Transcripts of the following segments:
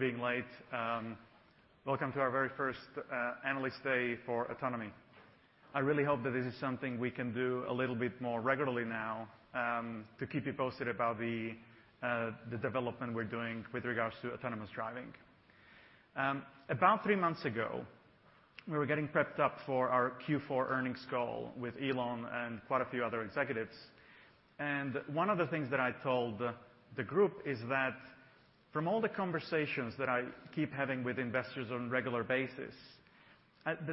Welcome to our very first analyst day for autonomy. I really hope that this is something we can do a little more regularly now to keep you posted about the development we're doing with regards to autonomous driving. About three months ago, we were getting prepped up for our Q4 earnings call with Elon and quite a few other executives, and one of the things that I told the group is that from all the conversations that I keep having with investors on a regular basis,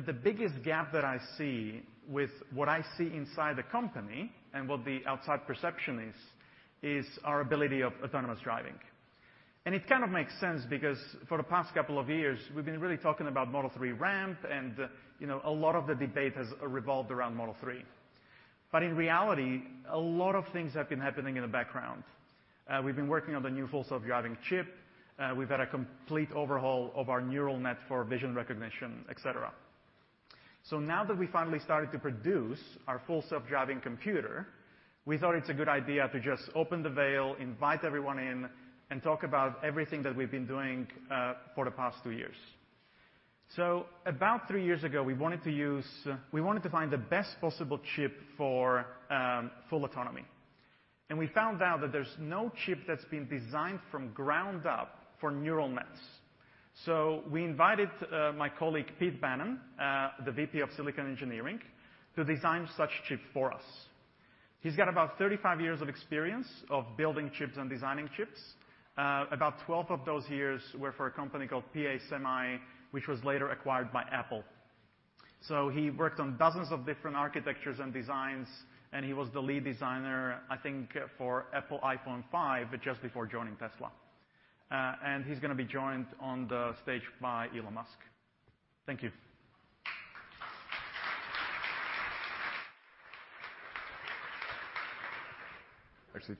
the biggest gap that I see with what I see inside the company and what the outside perception is our ability of autonomous driving. It kind of makes sense because, for the past couple of years, we've been really talking about Model 3 ramp and a lot of the debate has revolved around Model 3. In reality, a lot of things have been happening in the background. We've been working on the new Full Self-Driving chip. We've had a complete overhaul of our neural net for vision recognition, et cetera. Now that we finally started to produce our Full Self-Driving computer, we thought it's a good idea to just open the veil, invite everyone in, and talk about everything that we've been doing for the past two years. About three years ago, we wanted to find the best possible chip for full autonomy. We found out that there's no chip that's been designed from ground up for neural nets. We invited my colleague, Pete Bannon, the VP of Silicon Engineering, to design such chip for us. He's got about 35 years of experience of building chips and designing chips. About 12 of those years were for a company called P.A. Semi, which was later acquired by Apple. He worked on dozens of different architectures and designs, and he was the lead designer, I think, for Apple iPhone 5 just before joining Tesla. He's going to be joined on the stage by Elon Musk. Thank you. Actually,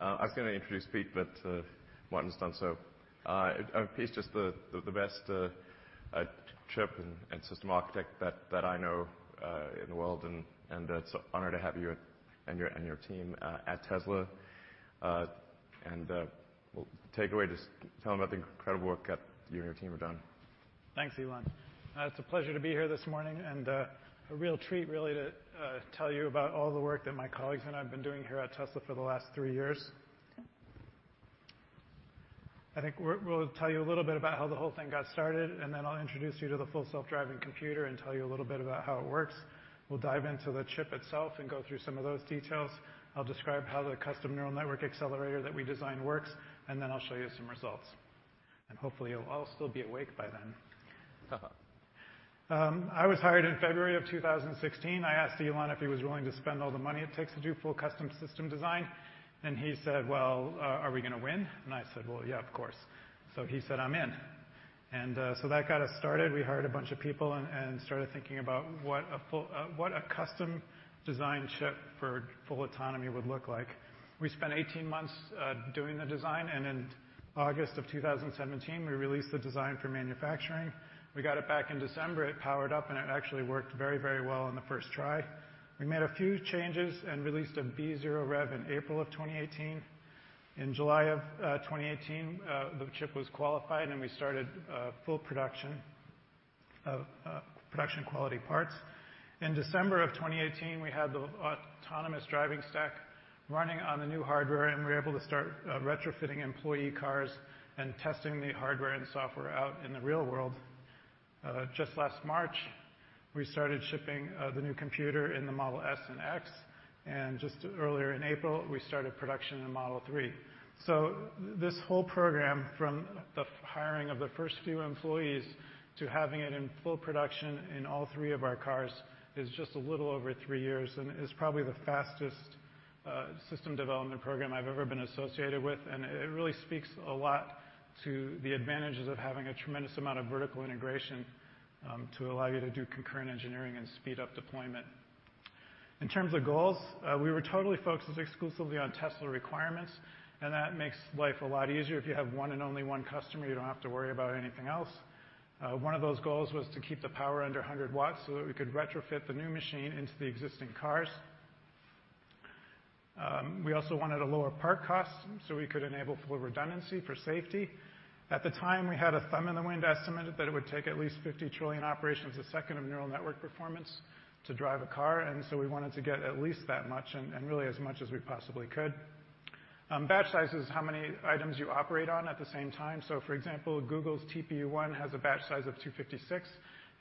I was going to introduce Pete, but Martin's done so. Pete's just the best chip and system architect that I know in the world, and it's an honor to have you and your team at Tesla. Take it away, just tell them about the incredible work that you and your team have done. Thanks, Elon. It's a pleasure to be here this morning and a real treat really to tell you about all the work that my colleagues and I have been doing here at Tesla for the last three years. I think we'll tell you a little bit about how the whole thing got started. Then I'll introduce you to the Full Self-Driving computer and tell you a little bit about how it works. We'll dive into the chip itself and go through some of those details. I'll describe how the custom neural network accelerator that we designed works. Then I'll show you some results, and hopefully you'll all still be awake by then. I was hired in February of 2016. I asked Elon if he was willing to spend all the money it takes to do full custom system design. He said, well, are we going to win? I said, well, yeah, of course. He said, I'm in. That got us started. We hired a bunch of people and started thinking about what a custom-designed chip for full autonomy would look like. We spent 18 months doing the design. In August of 2017, we released the design for manufacturing. We got it back in December. It powered up. It actually worked very well on the first try. We made a few changes and released a B0 Rev in April of 2018. In July of 2018, the chip was qualified. We started full production of production quality parts. In December of 2018, we had the autonomous driving stack running on the new hardware. We were able to start retrofitting employee cars and testing the hardware and software out in the real world. Just last March, we started shipping the new computer in the Model S and X. Just earlier in April, we started production in the Model 3. This whole program, from the hiring of the first few employees to having it in full production in all three of our cars, is just a little over three years and is probably the fastest system development program I've ever been associated with. It really speaks a lot to the advantages of having a tremendous amount of vertical integration to allow you to do concurrent engineering and speed up deployment. In terms of goals, we were totally focused exclusively on Tesla requirements. That makes life a lot easier. If you have one and only one customer, you don't have to worry about anything else. One of those goals was to keep the power under 100 W so that we could retrofit the new machine into the existing cars. We also wanted a lower part cost so we could enable full redundancy for safety. At the time, we had a thumb-in-the-wind estimate that it would take at least 50 trillion operations a second of neural network performance to drive a car. We wanted to get at least that much, and really as much as we possibly could. Batch size is how many items you operate on at the same time. For example, Google's TPU v1 has a batch size of 256,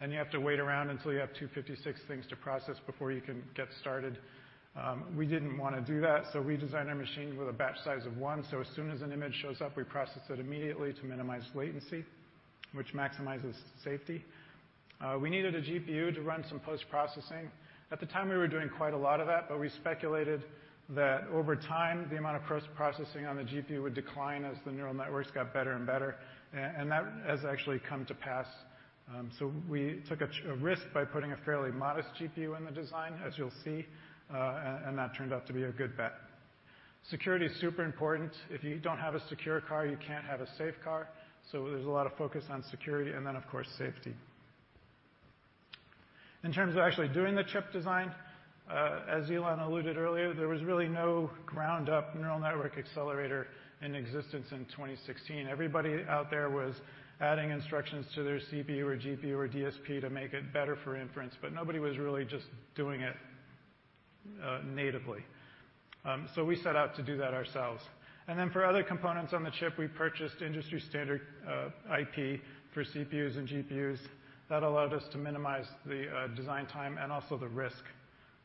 and you have to wait around until you have 256 things to process before you can get started. We didn't want to do that, so we designed our machine with a batch size of one, so as soon as an image shows up, we process it immediately to minimize latency, which maximizes safety. We needed a GPU to run some post-processing. At the time, we were doing quite a lot of that, but we speculated that over time, the amount of post-processing on the GPU would decline as the neural networks got better and better. That has actually come to pass. We took a risk by putting a fairly modest GPU in the design, as you'll see, and that turned out to be a good bet. Security is super important. If you don't have a secure car, you can't have a safe car, so there's a lot of focus on security and then, of course, safety. In terms of actually doing the chip design, as Elon alluded earlier, there was really no ground-up neural network accelerator in existence in 2016. Everybody out there was adding instructions to their CPU or GPU or DSP to make it better for inference, but nobody was really just doing it natively. We set out to do that ourselves. For other components on the chip, we purchased industry-standard IP for CPUs and GPUs. That allowed us to minimize the design time and also the risk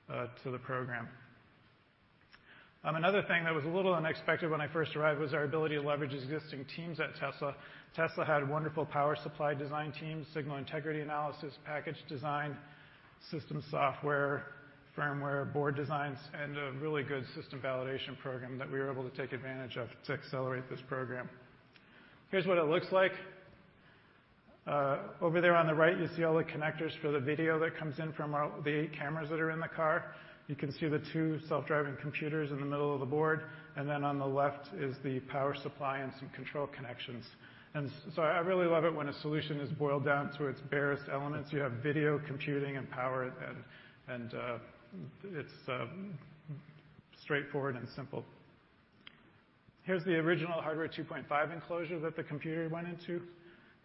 to the program. Another thing that was a little unexpected when I first arrived was our ability to leverage existing teams at Tesla. Tesla had wonderful power supply design teams, signal integrity analysis, package design, system software, firmware, board designs, and a really good system validation program that we were able to take advantage of to accelerate this program. Here's what it looks like. Over there on the right, you see all the connectors for the video that comes in from the eight cameras that are in the car. You can see the two self-driving computers in the middle of the board. On the left is the power supply and some control connections. I really love it when a solution is boiled down to its barest elements. You have video computing and power, and it's straightforward and simple. Here's the original Hardware 2.5 enclosure that the computer went into,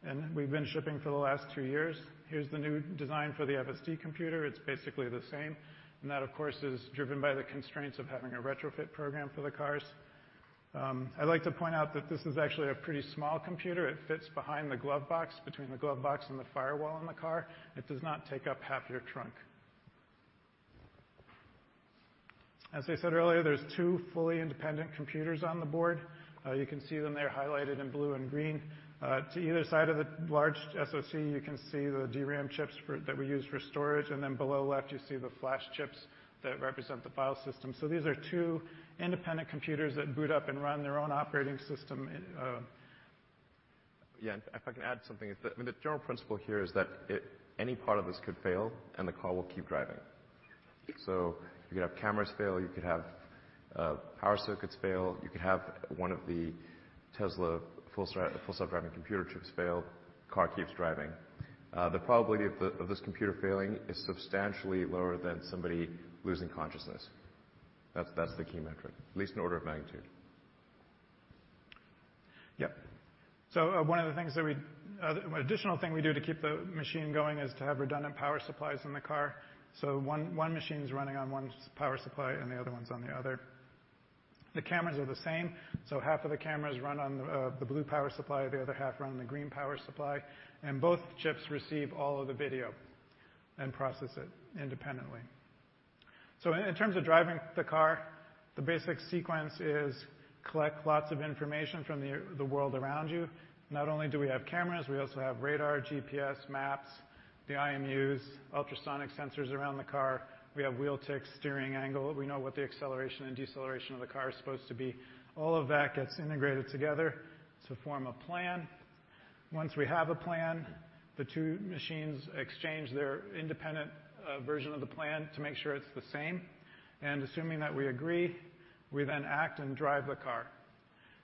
and we've been shipping for the last two years. Here's the new design for the FSD computer. It's basically the same. That, of course, is driven by the constraints of having a retrofit program for the cars. I'd like to point out that this is actually a pretty small computer. It fits behind the glove box, between the glove box and the firewall in the car. It does not take up half your trunk. As I said earlier, there's two fully independent computers on the board. You can see them there highlighted in blue and green. To either side of the large SOC, you can see the DRAM chips that we use for storage, and then below left, you see the flash chips that represent the file system. These are two independent computers that boot up and run their own operating system. Yeah, if I can add something. The general principle here is that any part of this could fail and the car will keep driving. You could have cameras fail, you could have power circuits fail, you could have one of the Tesla Full Self-Driving computer chips fail, car keeps driving. The probability of this computer failing is substantially lower than somebody losing consciousness. That's the key metric. At least an order of magnitude. Yep. An additional thing we do to keep the machine going is to have redundant power supplies in the car. One machine's running on one power supply and the other one's on the other. The cameras are the same. Half of the cameras run on the blue power supply, the other half run on the green power supply. Both chips receive all of the video and process it independently. In terms of driving the car, the basic sequence is collect lots of information from the world around you. Not only do we have cameras, we also have radar, GPS, maps, the IMUs, ultrasonic sensors around the car. We have wheel ticks, steering angle. We know what the acceleration and deceleration of the car is supposed to be. All of that gets integrated together to form a plan. Once we have a plan, the two machines exchange their independent version of the plan to make sure it's the same. Assuming that we agree, we then act and drive the car.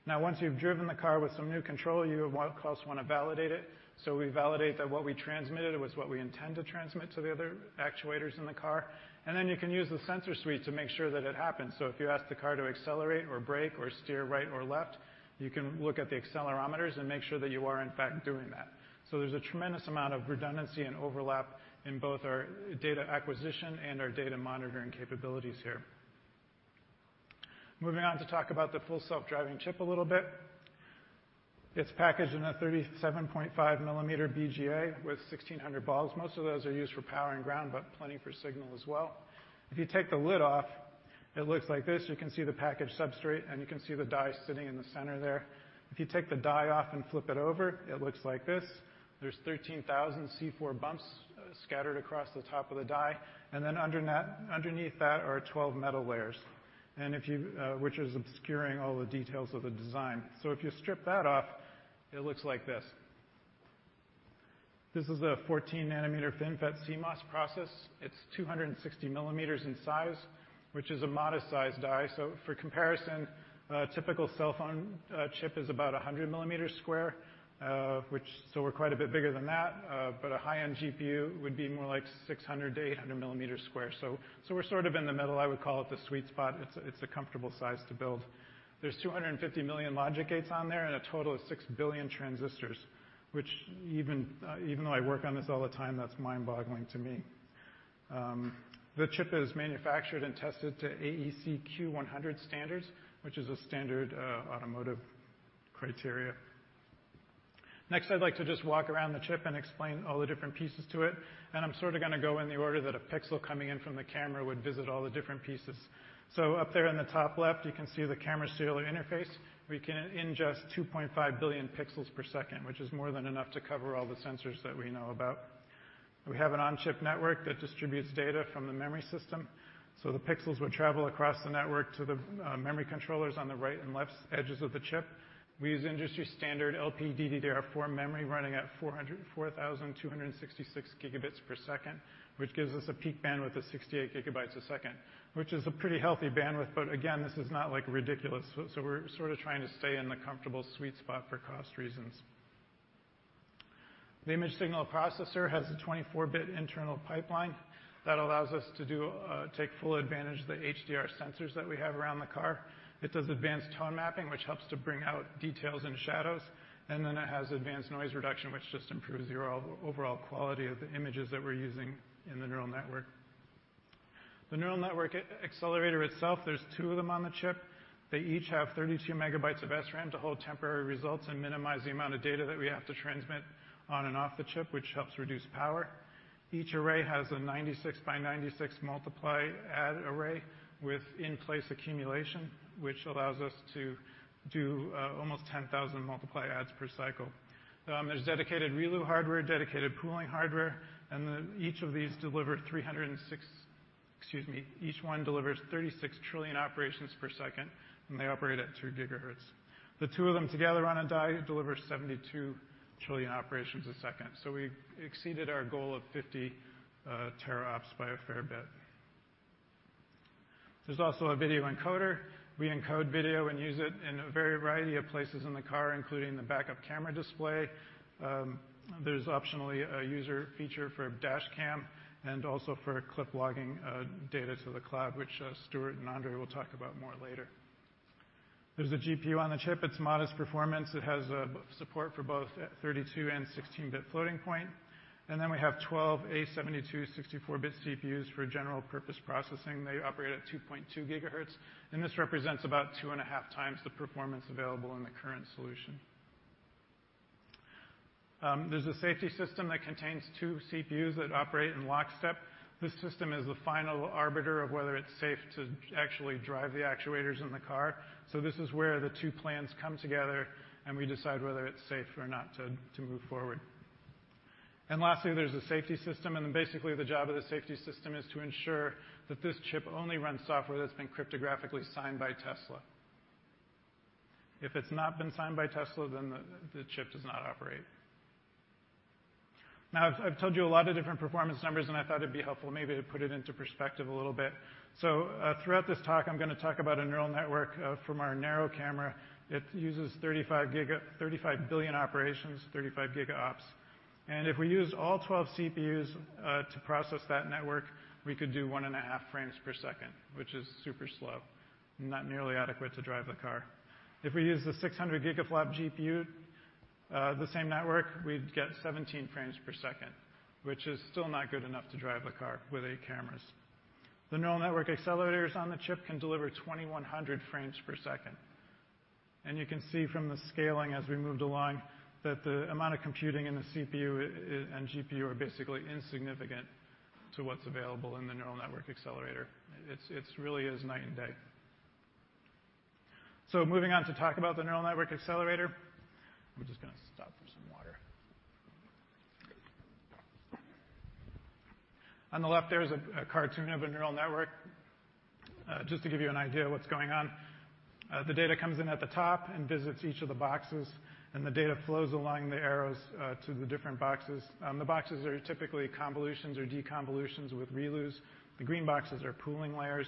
Now, once you've driven the car with some new control, you of course want to validate it. We validate that what we transmitted was what we intend to transmit to the other actuators in the car. Then you can use the sensor suite to make sure that it happens. If you ask the car to accelerate or brake or steer right or left, you can look at the accelerometers and make sure that you are in fact doing that. There's a tremendous amount of redundancy and overlap in both our data acquisition and our data monitoring capabilities here. Moving on to talk about the Full Self-Driving chip a little bit. It's packaged in a 37.5 mm BGA with 1,600 balls. Most of those are used for power and ground, but plenty for signal as well. If you take the lid off, it looks like this. You can see the package substrate, and you can see the die sitting in the center there. If you take the die off and flip it over, it looks like this. There's 13,000 C4 bumps scattered across the top of the die, and then underneath that are 12 metal layers, which is obscuring all the details of the design. If you strip that off, it looks like this. This is a 14 nm FinFET CMOS process. It's 260 mm in size, which is a modest-sized die. For comparison, a typical cell phone chip is about 100 mm2, we're quite a bit bigger than that. A high-end GPU would be more like 600-800 mm2. We're in the middle. I would call it the sweet spot. It's a comfortable size to build. There's 250 million logic gates on there and a total of 6 billion transistors, which even though I work on this all the time, that's mind-boggling to me. The chip is manufactured and tested to AEC-Q100 standards, which is a standard automotive criteria. I'd like to walk around the chip and explain all the different pieces to it, and I'm going to go in the order that a pixel coming in from the camera would visit all the different pieces. Up there on the top left, you can see the camera serial interface. We can ingest 2.5 billion pixels per second, which is more than enough to cover all the sensors that we know about. We have an on-chip network that distributes data from the memory system. The pixels would travel across the network to the memory controllers on the right and left edges of the chip. We use industry-standard LPDDR4 memory running at 4,266 Gb per second, which gives us a peak bandwidth of 68 GB a second, which is a pretty healthy bandwidth. Again, this is not ridiculous. We're trying to stay in the comfortable sweet spot for cost reasons. The image signal processor has a 24-bit internal pipeline that allows us to take full advantage of the HDR sensors that we have around the car. It does advanced tone mapping, which helps to bring out details and shadows. It has advanced noise reduction, which improves the overall quality of the images that we're using in the neural network. The neural network accelerator itself, there's two of them on the chip. They each have 32 MB of SRAM to hold temporary results and minimize the amount of data that we have to transmit on and off the chip, which helps reduce power. Each array has a 96 by 96 multiply add array with in-place accumulation, which allows us to do almost 10,000 multiply adds per cycle. There's dedicated ReLU hardware, dedicated pooling hardware, and each of these deliver 306. Excuse me. Each one delivers 36 trillion operations per second, and they operate at 2 GHz. The two of them together on a die deliver 72 trillion operations a second. We exceeded our goal of 50 TOPS by a fair bit. There's also a video encoder. We encode video and use it in a variety of places in the car, including the backup camera display. There's optionally a user feature for a dash cam and also for clip logging data to the cloud, which Stuart and Andrej will talk about more later. There's a GPU on the chip. It's modest performance. It has support for both 32 and 16-bit floating point. We have 12 A72 64-bit CPUs for general purpose processing. They operate at 2.2 GHz, and this represents about 2.5x the performance available in the current solution. There's a safety system that contains two CPUs that operate in lockstep. This system is the final arbiter of whether it's safe to actually drive the actuators in the car. This is where the two plans come together, and we decide whether it's safe or not to move forward. Lastly, there is a safety system. Basically, the job of the safety system is to ensure that this chip only runs software that's been cryptographically signed by Tesla. If it's not been signed by Tesla, the chip does not operate. I've told you a lot of different performance numbers, I thought it'd be helpful maybe to put it into perspective a little bit. Throughout this talk, I'm going to talk about a neural network from our narrow camera that uses 35 billion operations, 35 GOPS. If we use all 12 CPUs to process that network, we could do one and a half frames per second, which is super slow and not nearly adequate to drive the car. If we use the 600 Gflop GPU, the same network, we'd get 17 frames per second, which is still not good enough to drive a car with eight cameras. The neural network accelerators on the chip can deliver 2,100 frames per second. You can see from the scaling as we moved along, that the amount of computing in the CPU and GPU are basically insignificant to what's available in the neural network accelerator. It really is night and day. Moving on to talk about the neural network accelerator. I'm just going to stop for some water. On the left, there is a cartoon of a neural network, just to give you an idea of what's going on. The data comes in at the top and visits each of the boxes, and the data flows along the arrows to the different boxes. The boxes are typically convolutions or deconvolution with ReLUs. The green boxes are pooling layers.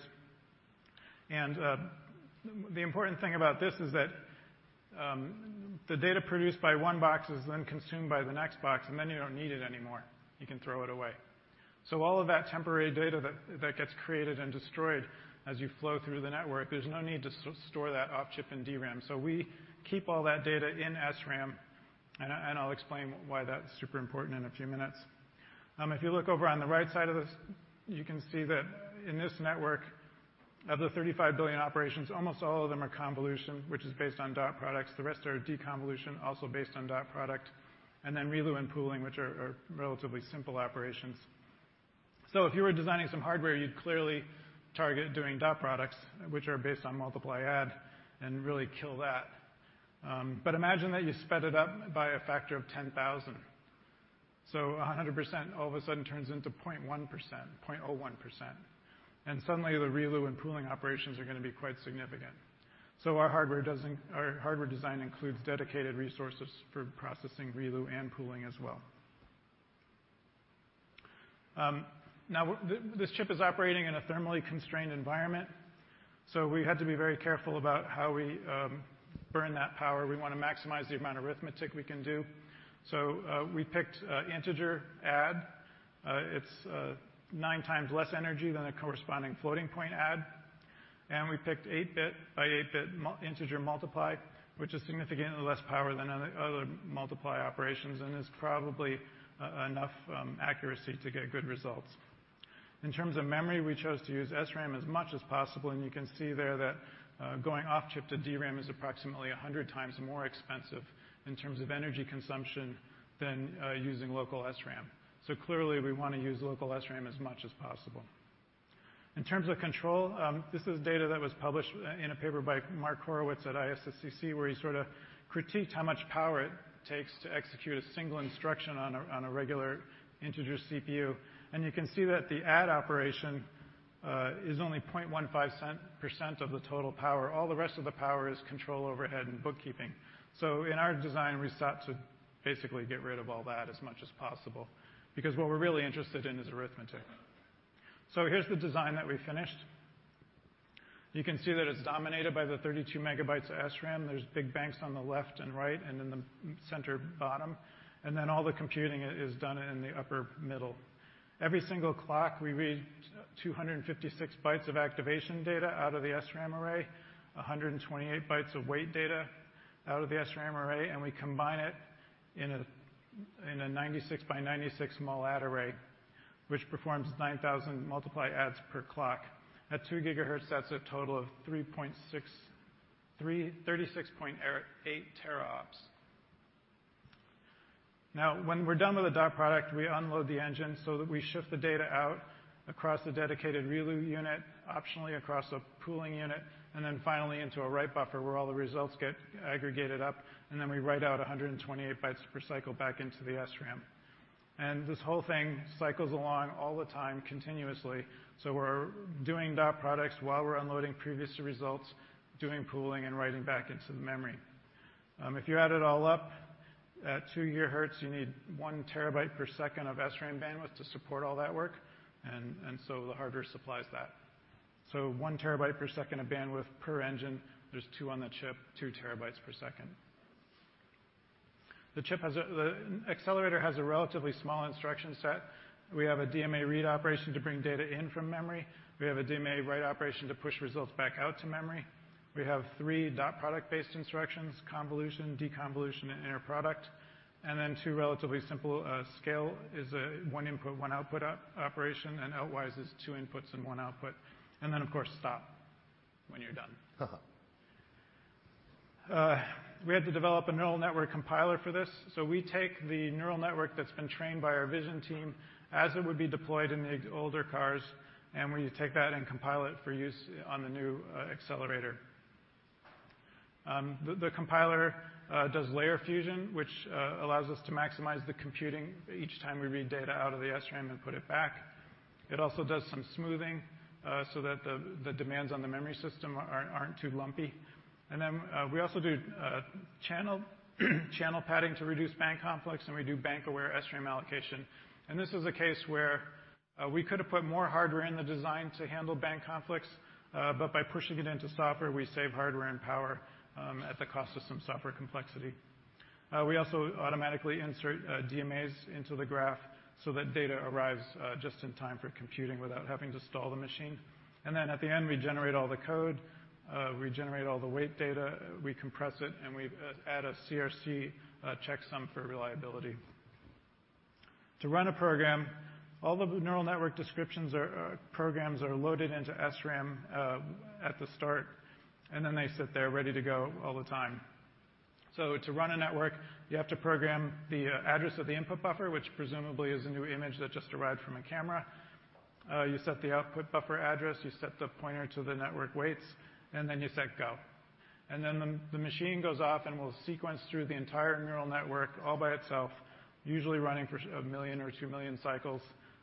The important thing about this is that the data produced by one box is then consumed by the next box, and then you don't need it anymore. You can throw it away. All of that temporary data that gets created and destroyed as you flow through the network, there's no need to store that off-chip in DRAM. We keep all that data in SRAM, and I'll explain why that's super important in a few minutes. If you look over on the right side of this, you can see that in this network of the 35 billion operations, almost all of them are convolution, which is based on dot products. The rest are deconvolution, also based on dot product, and then ReLU and pooling, which are relatively simple operations. If you were designing some hardware, you'd clearly target doing dot products, which are based on multiply add and really kill that. Imagine that you sped it up by a factor of 10,000. 100% all of a sudden turns into 0.1%, 0.01%, and suddenly the ReLU and pooling operations are going to be quite significant. Our hardware design includes dedicated resources for processing ReLU and pooling as well. This chip is operating in a thermally constrained environment, so we had to be very careful about how we burn that power. We want to maximize the amount of arithmetic we can do. We picked integer add. It's 9x less energy than a corresponding floating point add. We picked eight-bit by eight-bit integer multiply, which is significantly less power than other multiply operations and is probably enough accuracy to get good results. In terms of memory, we chose to use SRAM as much as possible, you can see there that going off-chip to DRAM is approximately 100x more expensive in terms of energy consumption than using local SRAM. Clearly, we want to use local SRAM as much as possible. In terms of control, this is data that was published in a paper by Mark Horowitz at ISSCC, where he sort of critiqued how much power it takes to execute a single instruction on a regular integer CPU. You can see that the add operation is only 0.15% of the total power. All the rest of the power is control overhead and bookkeeping. In our design, we sought to basically get rid of all that as much as possible because what we're really interested in is arithmetic. Here's the design that we finished. You can see that it's dominated by the 32 MB of SRAM. There's big banks on the left and right and in the center bottom. All the computing is done in the upper middle. Every single clock, we read 256 B of activation data out of the SRAM array, 128 B of weight data out of the SRAM array, and we combine it in a 96 by 96 muladd array, which performs 9,000 multiply adds per clock. At 2 GHz, that's a total of 36.8 TOPS. Now, when we're done with the dot product, we unload the engine so that we shift the data out across the dedicated ReLU unit, optionally across a pooling unit, and then finally into a write buffer where all the results get aggregated up, and then we write out 128 B per cycle back into the SRAM. This whole thing cycles along all the time continuously, we're doing dot products while we're unloading previous results, doing pooling, and writing back into the memory. If you add it all up, at 2 GHz, you need one terabyte per second of SRAM bandwidth to support all that work, the hardware supplies that. 1 TB per second of bandwidth per engine. There's two on the chip, 2 TB per second. The accelerator has a relatively small instruction set. We have a DMA read operation to bring data in from memory. We have a DMA write operation to push results back out to memory. We have three dot product-based instructions, convolution, deconvolution, and inner product. Then two relatively simple, scale is a one input, one output operation, and outwise is two inputs and one output. Of course, stop when you're done. We had to develop a neural network compiler for this. We take the neural network that's been trained by our vision team as it would be deployed in the older cars, we take that and compile it for use on the new accelerator. The compiler does layer fusion, which allows us to maximize the computing each time we read data out of the SRAM and put it back. It also does some smoothing so that the demands on the memory system aren't too lumpy. We also do channel padding to reduce bank conflicts, and we do bank-aware SRAM allocation. This is a case where we could've put more hardware in the design to handle bank conflicts, but by pushing it into software, we save hardware and power at the cost of some software complexity. We also automatically insert DMAs into the graph so that data arrives just in time for computing without having to stall the machine. At the end, we generate all the code, we generate all the weight data, we compress it, and we add a CRC checksum for reliability. To run a program, all the neural network descriptions programs are loaded into SRAM, at the start, and then they sit there ready to go all the time. To run a network, you have to program the address of the input buffer, which presumably is a new image that just arrived from a camera. You set the output buffer address, you set the pointer to the network weights, and then you set go. The machine goes off and will sequence through the entire neural network all by itself, usually running for 1 million or 2 million cycles.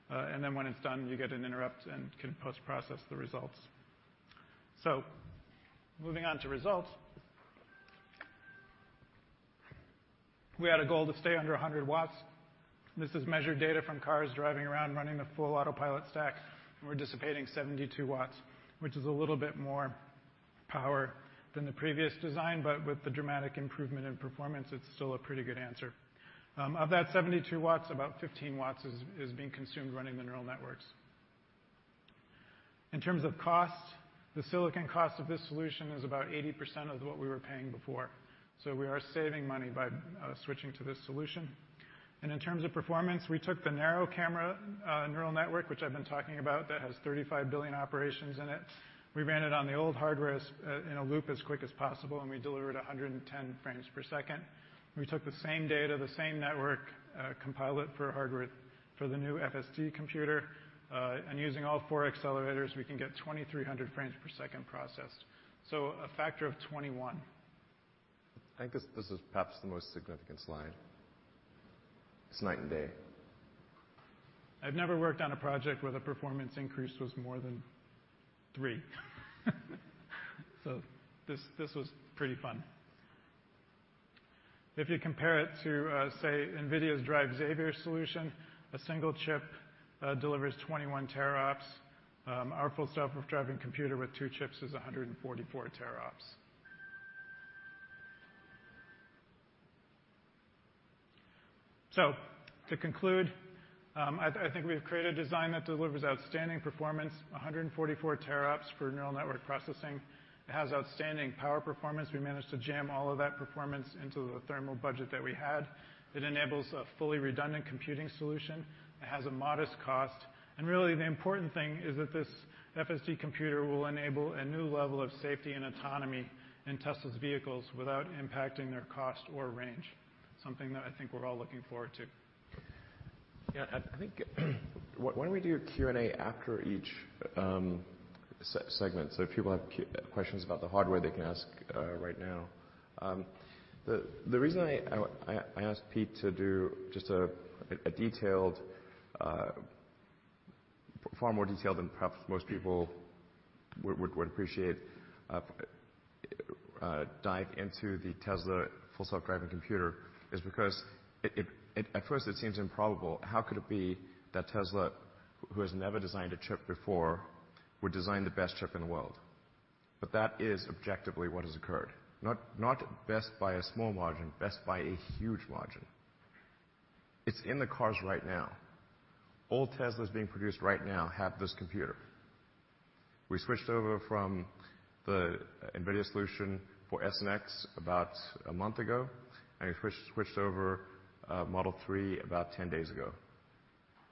When it's done, you get an interrupt and can post-process the results. Moving on to results. We had a goal to stay under 100 W. This is measured data from cars driving around running the full Autopilot stack. We're dissipating 72 W, which is a little bit more power than the previous design, but with the dramatic improvement in performance, it's still a pretty good answer. Of that 72 W, about 15 W is being consumed running the neural networks. In terms of cost, the silicon cost of this solution is about 80% of what we were paying before. We are saving money by switching to this solution. In terms of performance, we took the narrow camera neural network, which I've been talking about, that has 35 billion operations in it. We ran it on the old hardware in a loop as quick as possible, and we delivered 110 frames per second. We took the same data, the same network, compiled it for hardware for the new FSD computer. Using all four accelerators, we can get 2,300 frames per second processed. A factor of 21. I think this is perhaps the most significant slide. It's night and day. I've never worked on a project where the performance increase was more than three. This was pretty fun. If you compare it to, say, NVIDIA's DRIVE Xavier solution, a single chip delivers 21 TOPS. Our Full Self-Driving computer with two chips is 144 TOPS. To conclude, I think we've created a design that delivers outstanding performance, 144 TOPS for neural network processing. It has outstanding power performance. We managed to jam all of that performance into the thermal budget that we had. It enables a fully redundant computing solution. It has a modest cost. Really, the important thing is that this FSD computer will enable a new level of safety and autonomy in Tesla's vehicles without impacting their cost or range. Something that I think we're all looking forward to. I think why don't we do Q&A after each segment, so if people have questions about the hardware, they can ask right now. The reason I asked Pete to do just a detailed, far more detailed than perhaps most people would appreciate a dive into the Tesla Full Self-Driving computer is because at first it seems improbable. How could it be that Tesla, who has never designed a chip before, would design the best chip in the world? That is objectively what has occurred. Not best by a small margin, best by a huge margin. It's in the cars right now. All Teslas being produced right now have this computer. We switched over from the NVIDIA solution for S and X about a month ago, and we switched over Model 3 about 10 days ago.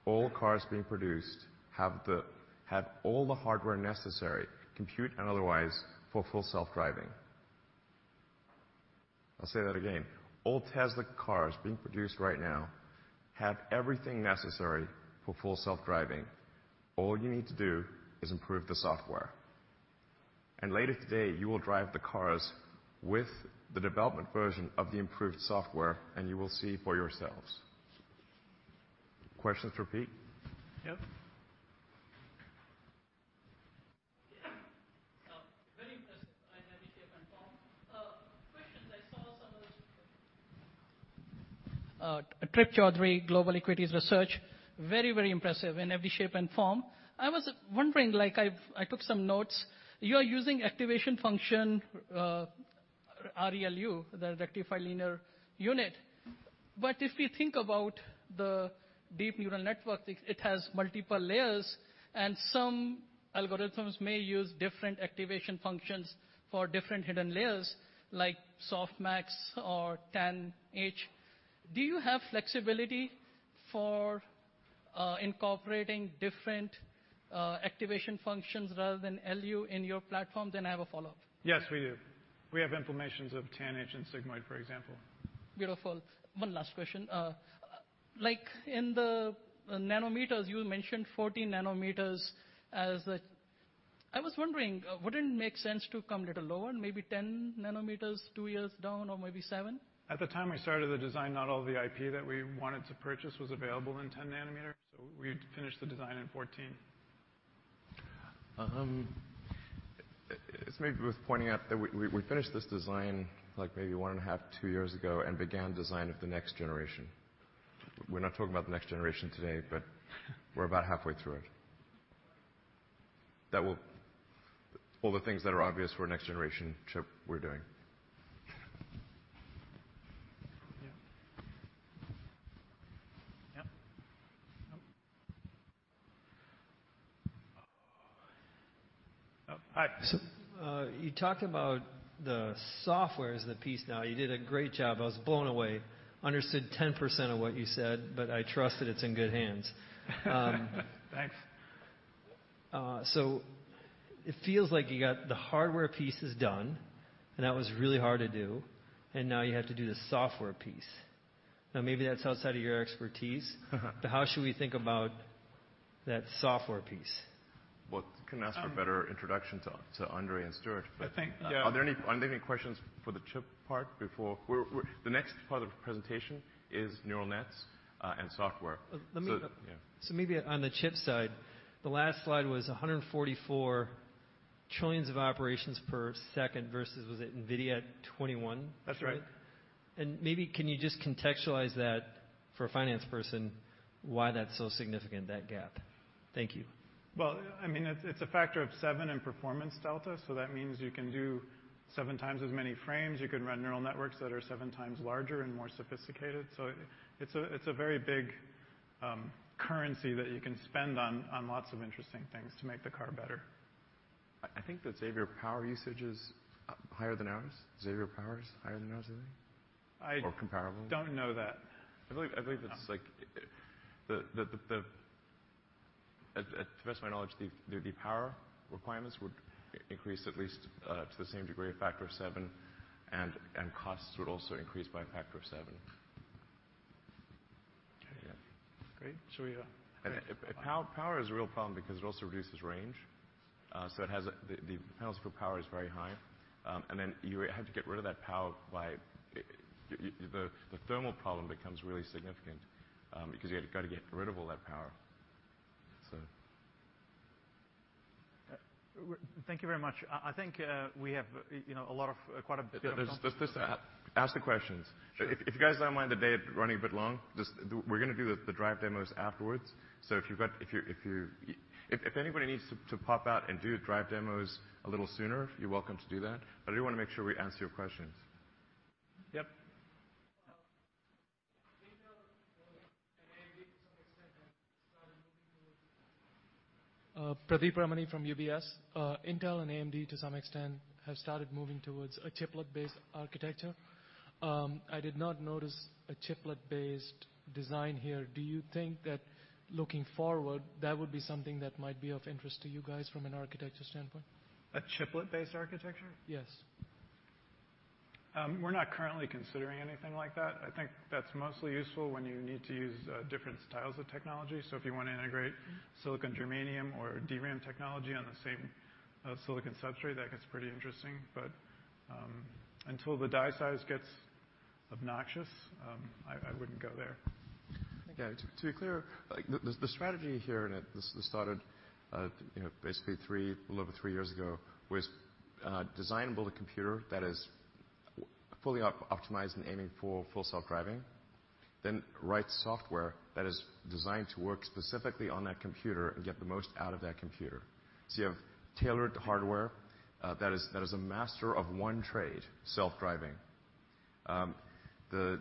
All cars being produced have all the hardware necessary, compute and otherwise, for Full Self-Driving. I'll say that again. All Tesla cars being produced right now have everything necessary for Full Self-Driving. All you need to do is improve the software. Later today, you will drive the cars with the development version of the improved software, and you will see for yourselves. Questions for Pete? Yep. Very impressive in every shape and form. Questions, I saw some of those Trip Chowdhry, Global Equities Research. Very impressive in every shape and form. I was wondering, I took some notes. You are using activation function, ReLU, the rectified linear unit. If we think about the deep neural network, it has multiple layers, and some algorithms may use different activation functions for different hidden layers, like Softmax or TANH. Do you have flexibility for incorporating different activation functions rather than ReLU in your platform? I have a follow-up. Yes, we do. We have implementations of TANH and Sigmoid, for example. Beautiful. One last question. In the nanometers, you mentioned 14 nm. I was wondering, wouldn't it make sense to come a little lower, maybe 10 nm two years down or maybe seven? At the time we started the design, not all the IP that we wanted to purchase was available in 10 nm, so we finished the design in 14 nm. It's maybe worth pointing out that we finished this design maybe one and a half, two years ago, and began design of the next generation. We're not talking about the next generation today, but we're about halfway through it. All the things that are obvious for a next-generation chip, we're doing. Yeah. Yep. Oh. Oh, hi. You talked about the software as the piece now. You did a great job. I was blown away. Understood 10% of what you said, but I trust that it's in good hands. Thanks. It feels like you got the hardware piece is done, and that was really hard to do, and now you have to do the software piece. Maybe that's outside of your expertise. How should we think about that software piece? Well, couldn't ask for a better introduction to Andrej and Stuart. I think- Are there any questions for the chip part? The next part of the presentation is neural nets and software. Let me- Yeah. Maybe on the chip side, the last slide was 144 trillions of operations per second versus, was it NVIDIA at 21? That's right. Maybe can you just contextualize that for a finance person, why that's so significant, that gap? Thank you. Well, it's a factor of seven in performance delta, that means you can do seven times as many frames. You can run neural networks that are seven times larger and more sophisticated. It's a very big currency that you can spend on lots of interesting things to make the car better. I think the Xavier power usage is higher than ours. Xavier power is higher than ours, I think. Or comparable. I don't know that. To the best of my knowledge, the power requirements would increase at least to the same degree, a factor of seven, and costs would also increase by a factor of seven. Okay, yeah. Great. Shall we? Power is a real problem because it also reduces range. The penalty for power is very high. Then you have to get rid of that power. The thermal problem becomes really significant because you've got to get rid of all that power. Thank you very much. I think we have quite a bit. Just ask the questions. If you guys don't mind the day running a bit long, we're going to do the drive demos afterwards. If anybody needs to pop out and do drive demos a little sooner, you're welcome to do that. I do want to make sure we answer your questions. Yep. Pradeep Ramani from UBS. Intel and AMD, to some extent, have started moving towards a chiplet-based architecture. I did not notice a chiplet-based design here. Do you think that looking forward, that would be something that might be of interest to you guys from an architecture standpoint? A chiplet-based architecture? Yes. We're not currently considering anything like that. I think that's mostly useful when you need to use different styles of technology. If you want to integrate silicon germanium or DRAM technology on the same silicon substrate, that gets pretty interesting. Until the die size gets obnoxious, I wouldn't go there. Okay. To be clear, the strategy here, and this started basically a little over three years ago, was design and build a computer that is fully optimized and aiming for Full Self-Driving, write software that is designed to work specifically on that computer and get the most out of that computer. You have tailored hardware that is a master of one trade, self-driving. NVIDIA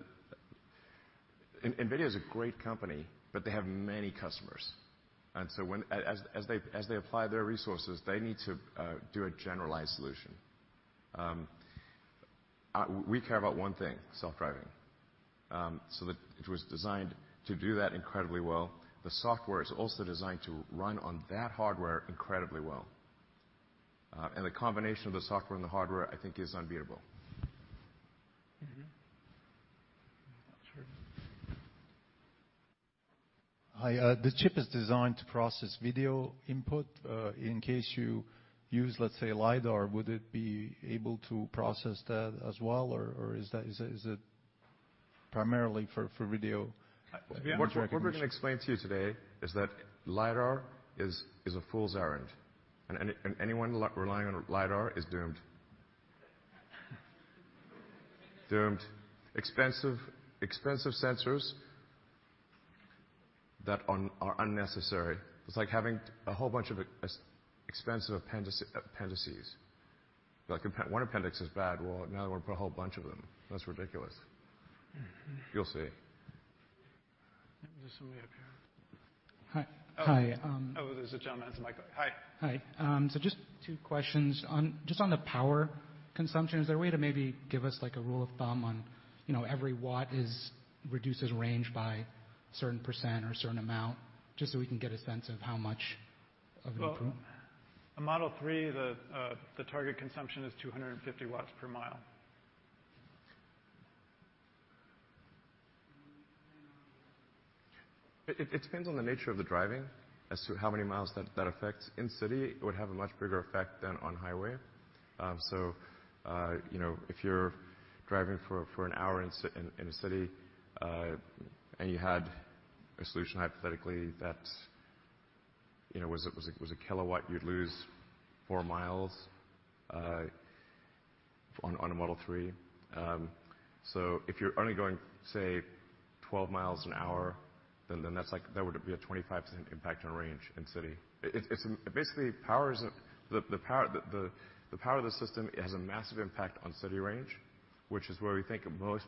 is a great company, they have many customers, as they apply their resources, they need to do a generalized solution. We care about one thing, self-driving. It was designed to do that incredibly well. The software is also designed to run on that hardware incredibly well. The combination of the software and the hardware, I think, is unbeatable. Sure. Hi. The chip is designed to process video input. In case you use, let's say, LiDAR, would it be able to process that as well, or is it primarily for video input? To be honest- What we're going to explain to you today is that LiDAR is a fool's errand, and anyone relying on LiDAR is doomed. Doomed. Expensive sensors that are unnecessary. It's like having a whole bunch of expensive appendices. One appendix is bad. Now we're going to put a whole bunch of them. That's ridiculous. You'll see. There's somebody up here. Hi. Oh, there's a gentleman with a mic. Hi. Hi. Just two questions. Just on the power consumption, is there a way to maybe give us a rule of thumb on every watt reduces range by a certain percent or a certain amount, just so we can get a sense of how much of- Well, a Model 3, the target consumption is 250 W per mile. It depends on the nature of the driving as to how many miles that affects. In city, it would have a much bigger effect than on highway. If you're driving for an hour in a city, and you had a solution, hypothetically, that was a kilowatt, you'd lose four miles on a Model 3. If you're only going, say, 12 mi an hour, then that would be a 25% impact on range in city. Basically, the power of the system has a massive impact on city range, which is where we think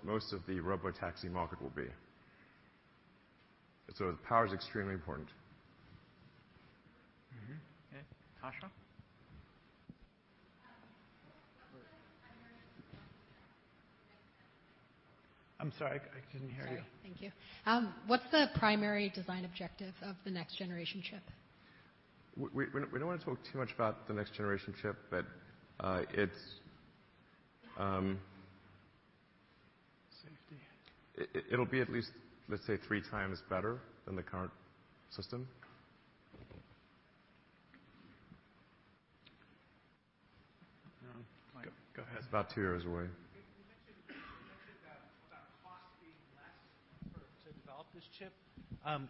most of the Robotaxi market will be. Power is extremely important. Okay. Tasha? I'm sorry, I didn't hear you. Sorry. Thank you. What's the primary design objective of the next generation chip? We don't want to talk too much about the next generation chip but it- Safety.... it'll be at least, let's say, 3x better than the current system. Mike, go ahead. It's about two years away. You mentioned that about cost being less to develop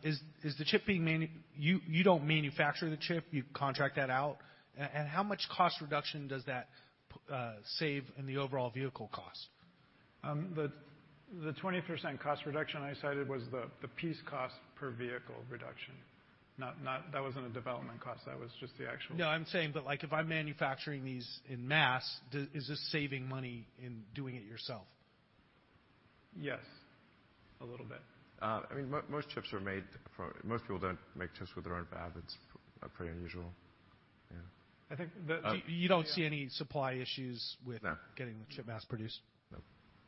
this chip. You don't manufacture the chip. You contract that out. How much cost reduction does that save in the overall vehicle cost? The 20% cost reduction I cited was the piece cost per vehicle reduction. That wasn't a development cost, that was just the actual. No, I'm saying, if I'm manufacturing these en masse, is this saving money in doing it yourself? Yes, a little bit. Most people don't make chips with their own fab. It's pretty unusual. Yeah. You don't see any supply issues- No.... getting the chip mass-produced? No.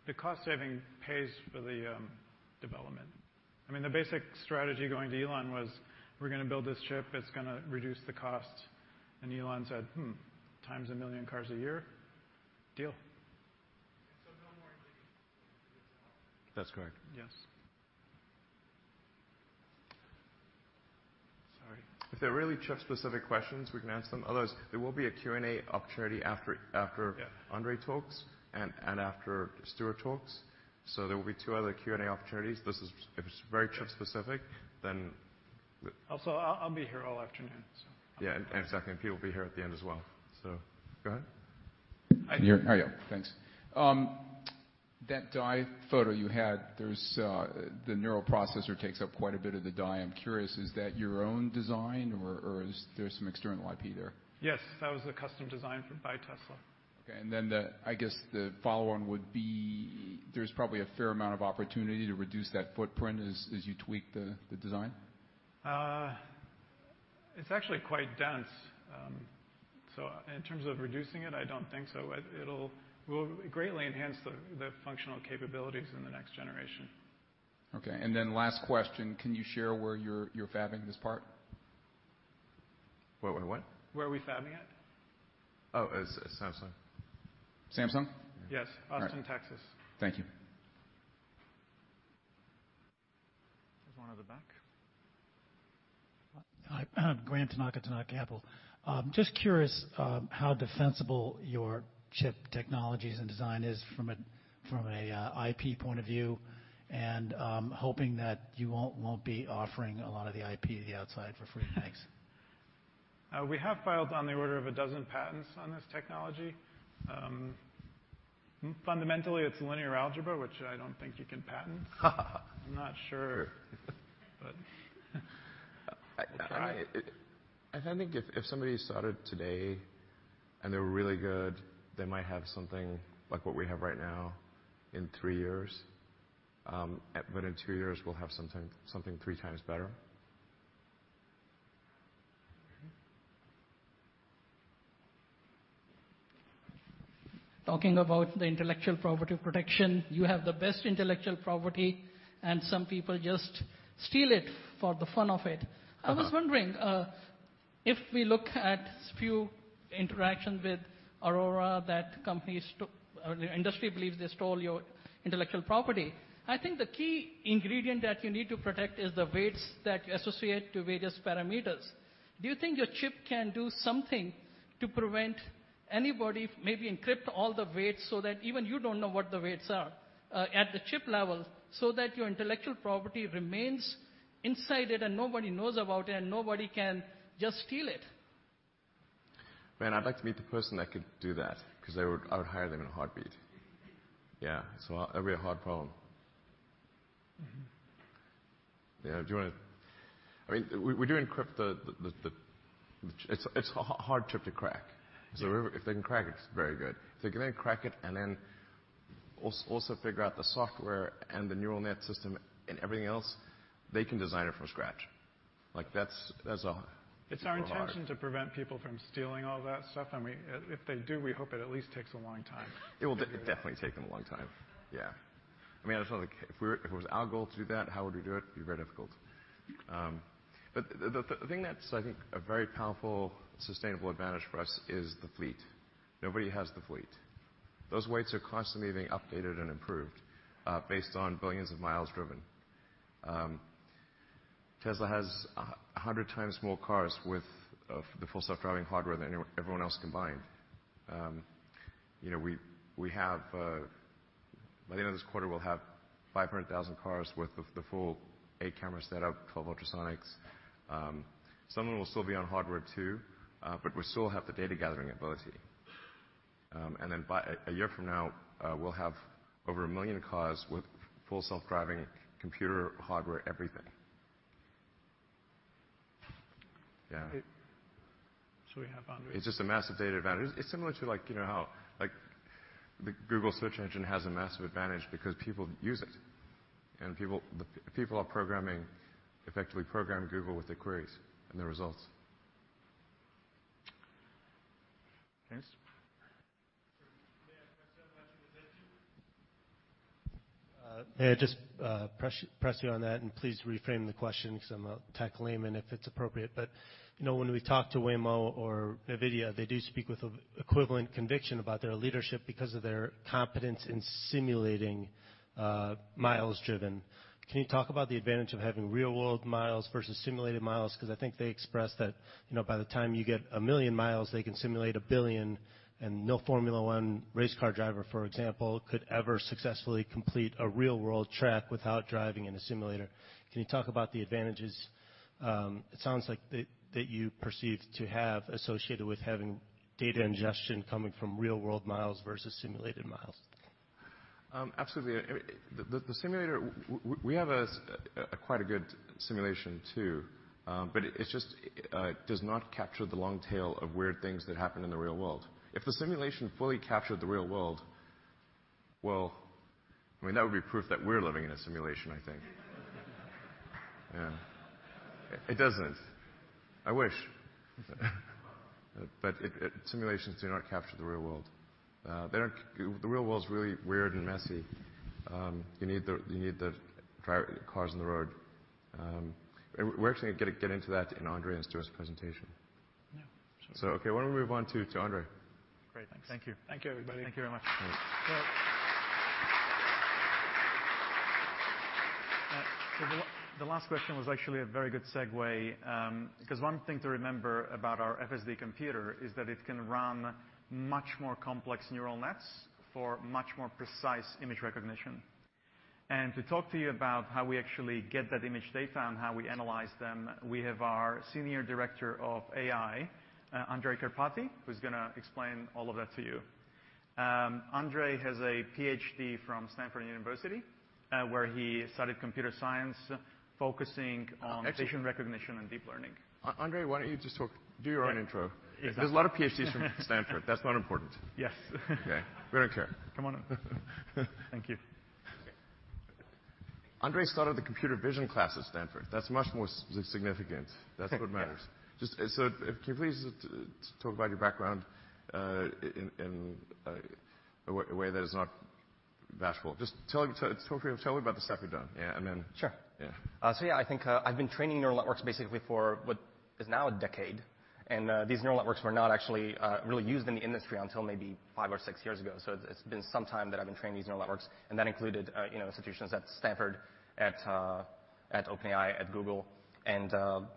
The cost saving pays for the development. The basic strategy going to Elon was, we're going to build this chip. It's going to reduce the cost. Elon said, hmm, times a million cars a year. Deal. No more digging for this model? That's correct. Yes. Sorry. If they're really chip-specific questions, we can answer them. Otherwise, there will be a Q&A opportunity after- Yeah.... Andrej talks and after Stuart talks. There will be two other Q&A opportunities. If it's very chip specific, then- I'll be here all afternoon. I think people will be here at the end as well. Go ahead. Hi. Thanks. That die photo you had, the neural processor takes up quite a bit of the die. I'm curious, is that your own design, or is there some external IP there? Yes. That was a custom design by Tesla. Okay. I guess the follow-on would be, there's probably a fair amount of opportunity to reduce that footprint as you tweak the design? It's actually quite dense. In terms of reducing it, I don't think so. It'll greatly enhance the functional capabilities in the next generation. Okay. Last question, can you share where you're fabbing this part? Wait, what? Where are we fabbing it? Oh, Samsung. Samsung? Yes. All right. Austin, Texas. Thank you. There's one at the back. Hi. Grant Tanaka Capital Management. Just curious how defensible your chip technologies and design is from an IP point of view, and hoping that you won't be offering a lot of the IP to the outside for free. Thanks. We have filed on the order of a dozen patents on this technology. Fundamentally, it's linear algebra, which I don't think you can patent. I'm not sure, we'll try. I think if somebody started today and they were really good, they might have something like what we have right now in three years. In two years, we'll have something 3x better. Talking about the intellectual property protection, you have the best intellectual property, and some people just steal it for the fun of it. I was wondering, if we look at few interaction with Aurora, that industry believes they stole your intellectual property. I think the key ingredient that you need to protect is the weights that you associate to various parameters. Do you think your chip can do something to prevent anybody, maybe encrypt all the weights so that even you don't know what the weights are at the chip level, so that your intellectual property remains inside it and nobody knows about it, and nobody can just steal it? Man, I'd like to meet the person that could do that, because I would hire them in a heartbeat. Yeah. That'd be a hard problem. Yeah. We do encrypt. It's a hard chip to crack. If they can crack it's very good. If they can then crack it and then also figure out the software and the neural net system and everything else, they can design it from scratch. That's a lot harder. It's our intention to prevent people from stealing all that stuff, and if they do, we hope it at least takes a long time. It will definitely take them a long time. Yeah. If it was our goal to do that, how would we do it? It'd be very difficult. The thing that's, I think, a very powerful, sustainable advantage for us is the fleet. Nobody has the fleet. Those weights are constantly being updated and improved based on billions of miles driven. Tesla has 100x more cars with the Full Self-Driving hardware than everyone else combined. By the end of this quarter, we'll have 500,000 cars with the full eight-camera setup, 12 ultrasonics. Some of them will still be on Hardware 2, but we still have the data-gathering ability. By a year from now, we'll have over a million cars with Full Self-Driving computer hardware, everything. Yeah. We have Andrej. It's just a massive data advantage. It's similar to how the Google search engine has a massive advantage because people use it, and the people effectively program Google with their queries and the results. James? Sir, may I just press you on that? Please reframe the question because I'm a tech layman, if it's appropriate. When we talk to Waymo or NVIDIA, they do speak with equivalent conviction about their leadership because of their competence in simulating miles driven. Can you talk about the advantage of having real-world miles versus simulated miles? I think they express that by the time you get a million miles, they can simulate a billion, and no Formula One race car driver, for example, could ever successfully complete a real-world track without driving in a simulator. Can you talk about the advantages, it sounds like that you perceive to have associated with having data ingestion coming from real-world miles versus simulated miles? Absolutely. The simulator, we have quite a good simulation too. It just does not capture the long tail of weird things that happen in the real world. If the simulation fully captured the real world, well, that would be proof that we're living in a simulation, I think. Yeah. It doesn't. I wish. Simulations do not capture the real world. The real world's really weird and messy. You need the cars on the road. We're actually going to get into that in Andrej and Stuart's presentation. Yeah. Sure. Okay, why don't we move on to Andrej? Great. Thanks. Thank you. Thank you, everybody. Thank you very much. The last question was actually a very good segue. One thing to remember about our FSD computer is that it can run much more complex neural nets for much more precise image recognition. To talk to you about how we actually get that image data and how we analyze them, we have our Senior Director of AI, Andrej Karpathy, who's going to explain all of that to you. Andrej has a PhD from Stanford University, where he studied computer science, focusing on- Actually vision recognition and deep learning. Andrej, why don't you just talk, do your own intro? Yeah. Exactly. There's a lot of PhDs from Stanford, that's not important. Yes. Okay. We don't care. Come on up. Thank you. Andrej studied the computer vision class at Stanford. That's much more significant. That's what matters. Yeah. Can you please talk about your background in a way that is not bashful. Just feel free to tell me about the stuff you've done. Sure. Yeah. Yeah, I think I've been training neural networks basically for what is now a decade. These neural networks were not actually really used in the industry until maybe five or six years ago. It's been some time that I've been training these neural networks, and that included institutions at Stanford, at OpenAI, at Google, and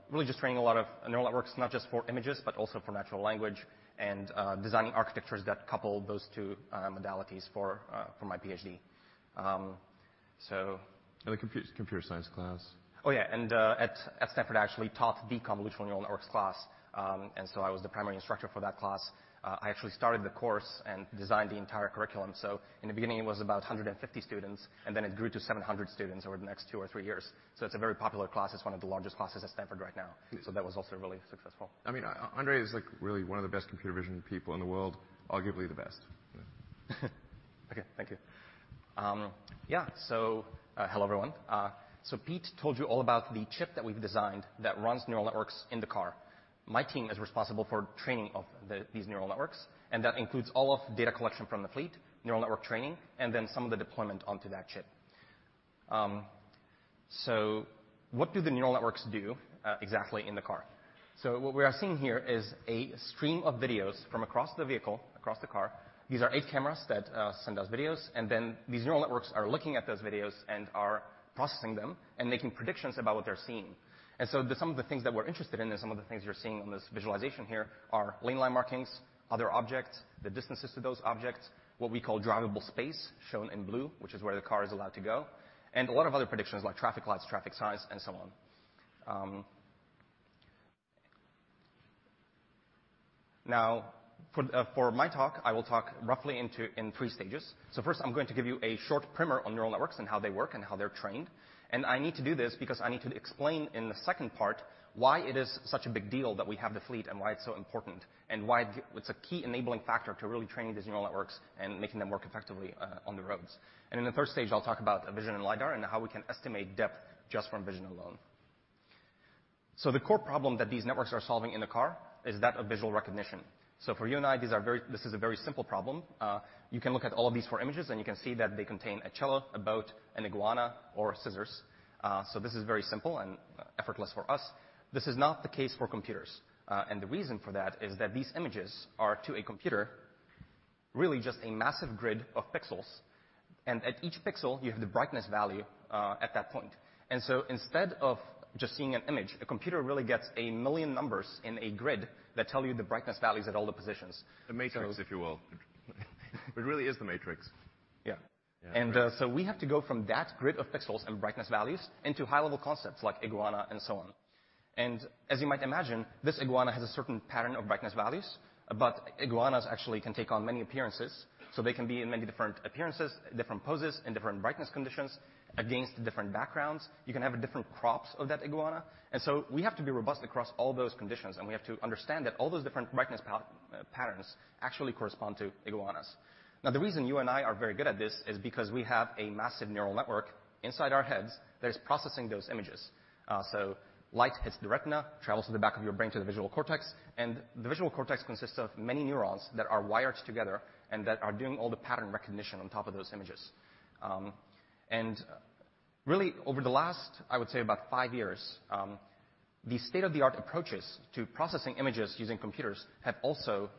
really just training a lot of neural networks, not just for images, but also for natural language and designing architectures that couple those two modalities for my PhD. In a computer science class. Oh, yeah. At Stanford, I actually taught the convolutional neural networks class. I was the primary instructor for that class. I actually started the course and designed the entire curriculum. In the beginning, it was about 150 students, and then it grew to 700 students over the next two or three years. It's a very popular class. It's one of the largest classes at Stanford right now. Yeah. That was also really successful. Andrej is really one of the best computer vision people in the world, arguably the best. Okay. Thank you. Yeah. Hello, everyone. Pete told you all about the chip that we've designed that runs neural networks in the car. My team is responsible for training of these neural networks, and that includes all of data collection from the fleet, neural network training, and then some of the deployment onto that chip. What do the neural networks do exactly in the car? What we are seeing here is a stream of videos from across the vehicle, across the car. These are eight cameras that send us videos, and then these neural networks are looking at those videos and are processing them and making predictions about what they're seeing. Some of the things that we're interested in, and some of the things you're seeing on this visualization here, are lane line markings, other objects, the distances to those objects, what we call drivable space, shown in blue, which is where the car is allowed to go, and a lot of other predictions like traffic lights, traffic signs, and so on. Now, for my talk, I will talk roughly in three stages. First, I'm going to give you a short primer on neural networks and how they work and how they're trained. I need to do this because I need to explain in the second part why it is such a big deal that we have the fleet and why it's so important, and why it's a key enabling factor to really training these neural networks and making them work effectively on the roads. In the third stage, I'll talk about vision and LiDAR and how we can estimate depth just from vision alone. The core problem that these networks are solving in the car is that of visual recognition. For you and I, this is a very simple problem. You can look at all of these four images, and you can see that they contain a cello, a boat, an iguana, or scissors. This is very simple and effortless for us. This is not the case for computers. The reason for that is that these images are to a computer, really just a massive grid of pixels. At each pixel, you have the brightness value at that point. Instead of just seeing an image, a computer really gets a million numbers in a grid that tell you the brightness values at all the positions. The Matrix, if you will. It really is The Matrix. Yeah. Yeah. We have to go from that grid of pixels and brightness values into high-level concepts like iguana and so on. As you might imagine, this iguana has a certain pattern of brightness values, but iguanas actually can take on many appearances. They can be in many different appearances, different poses, and different brightness conditions against different backgrounds. You can have different crops of that iguana. We have to be robust across all those conditions, and we have to understand that all those different brightness patterns actually correspond to iguanas. The reason you and I are very good at this is because we have a massive neural network inside our heads that is processing those images. Light hits the retina, travels to the back of your brain to the visual cortex. The visual cortex consists of many neurons that are wired together and that are doing all the pattern recognition on top of those images. Really over the last, I would say about five years, the state-of-the-art approaches to processing images using computers have also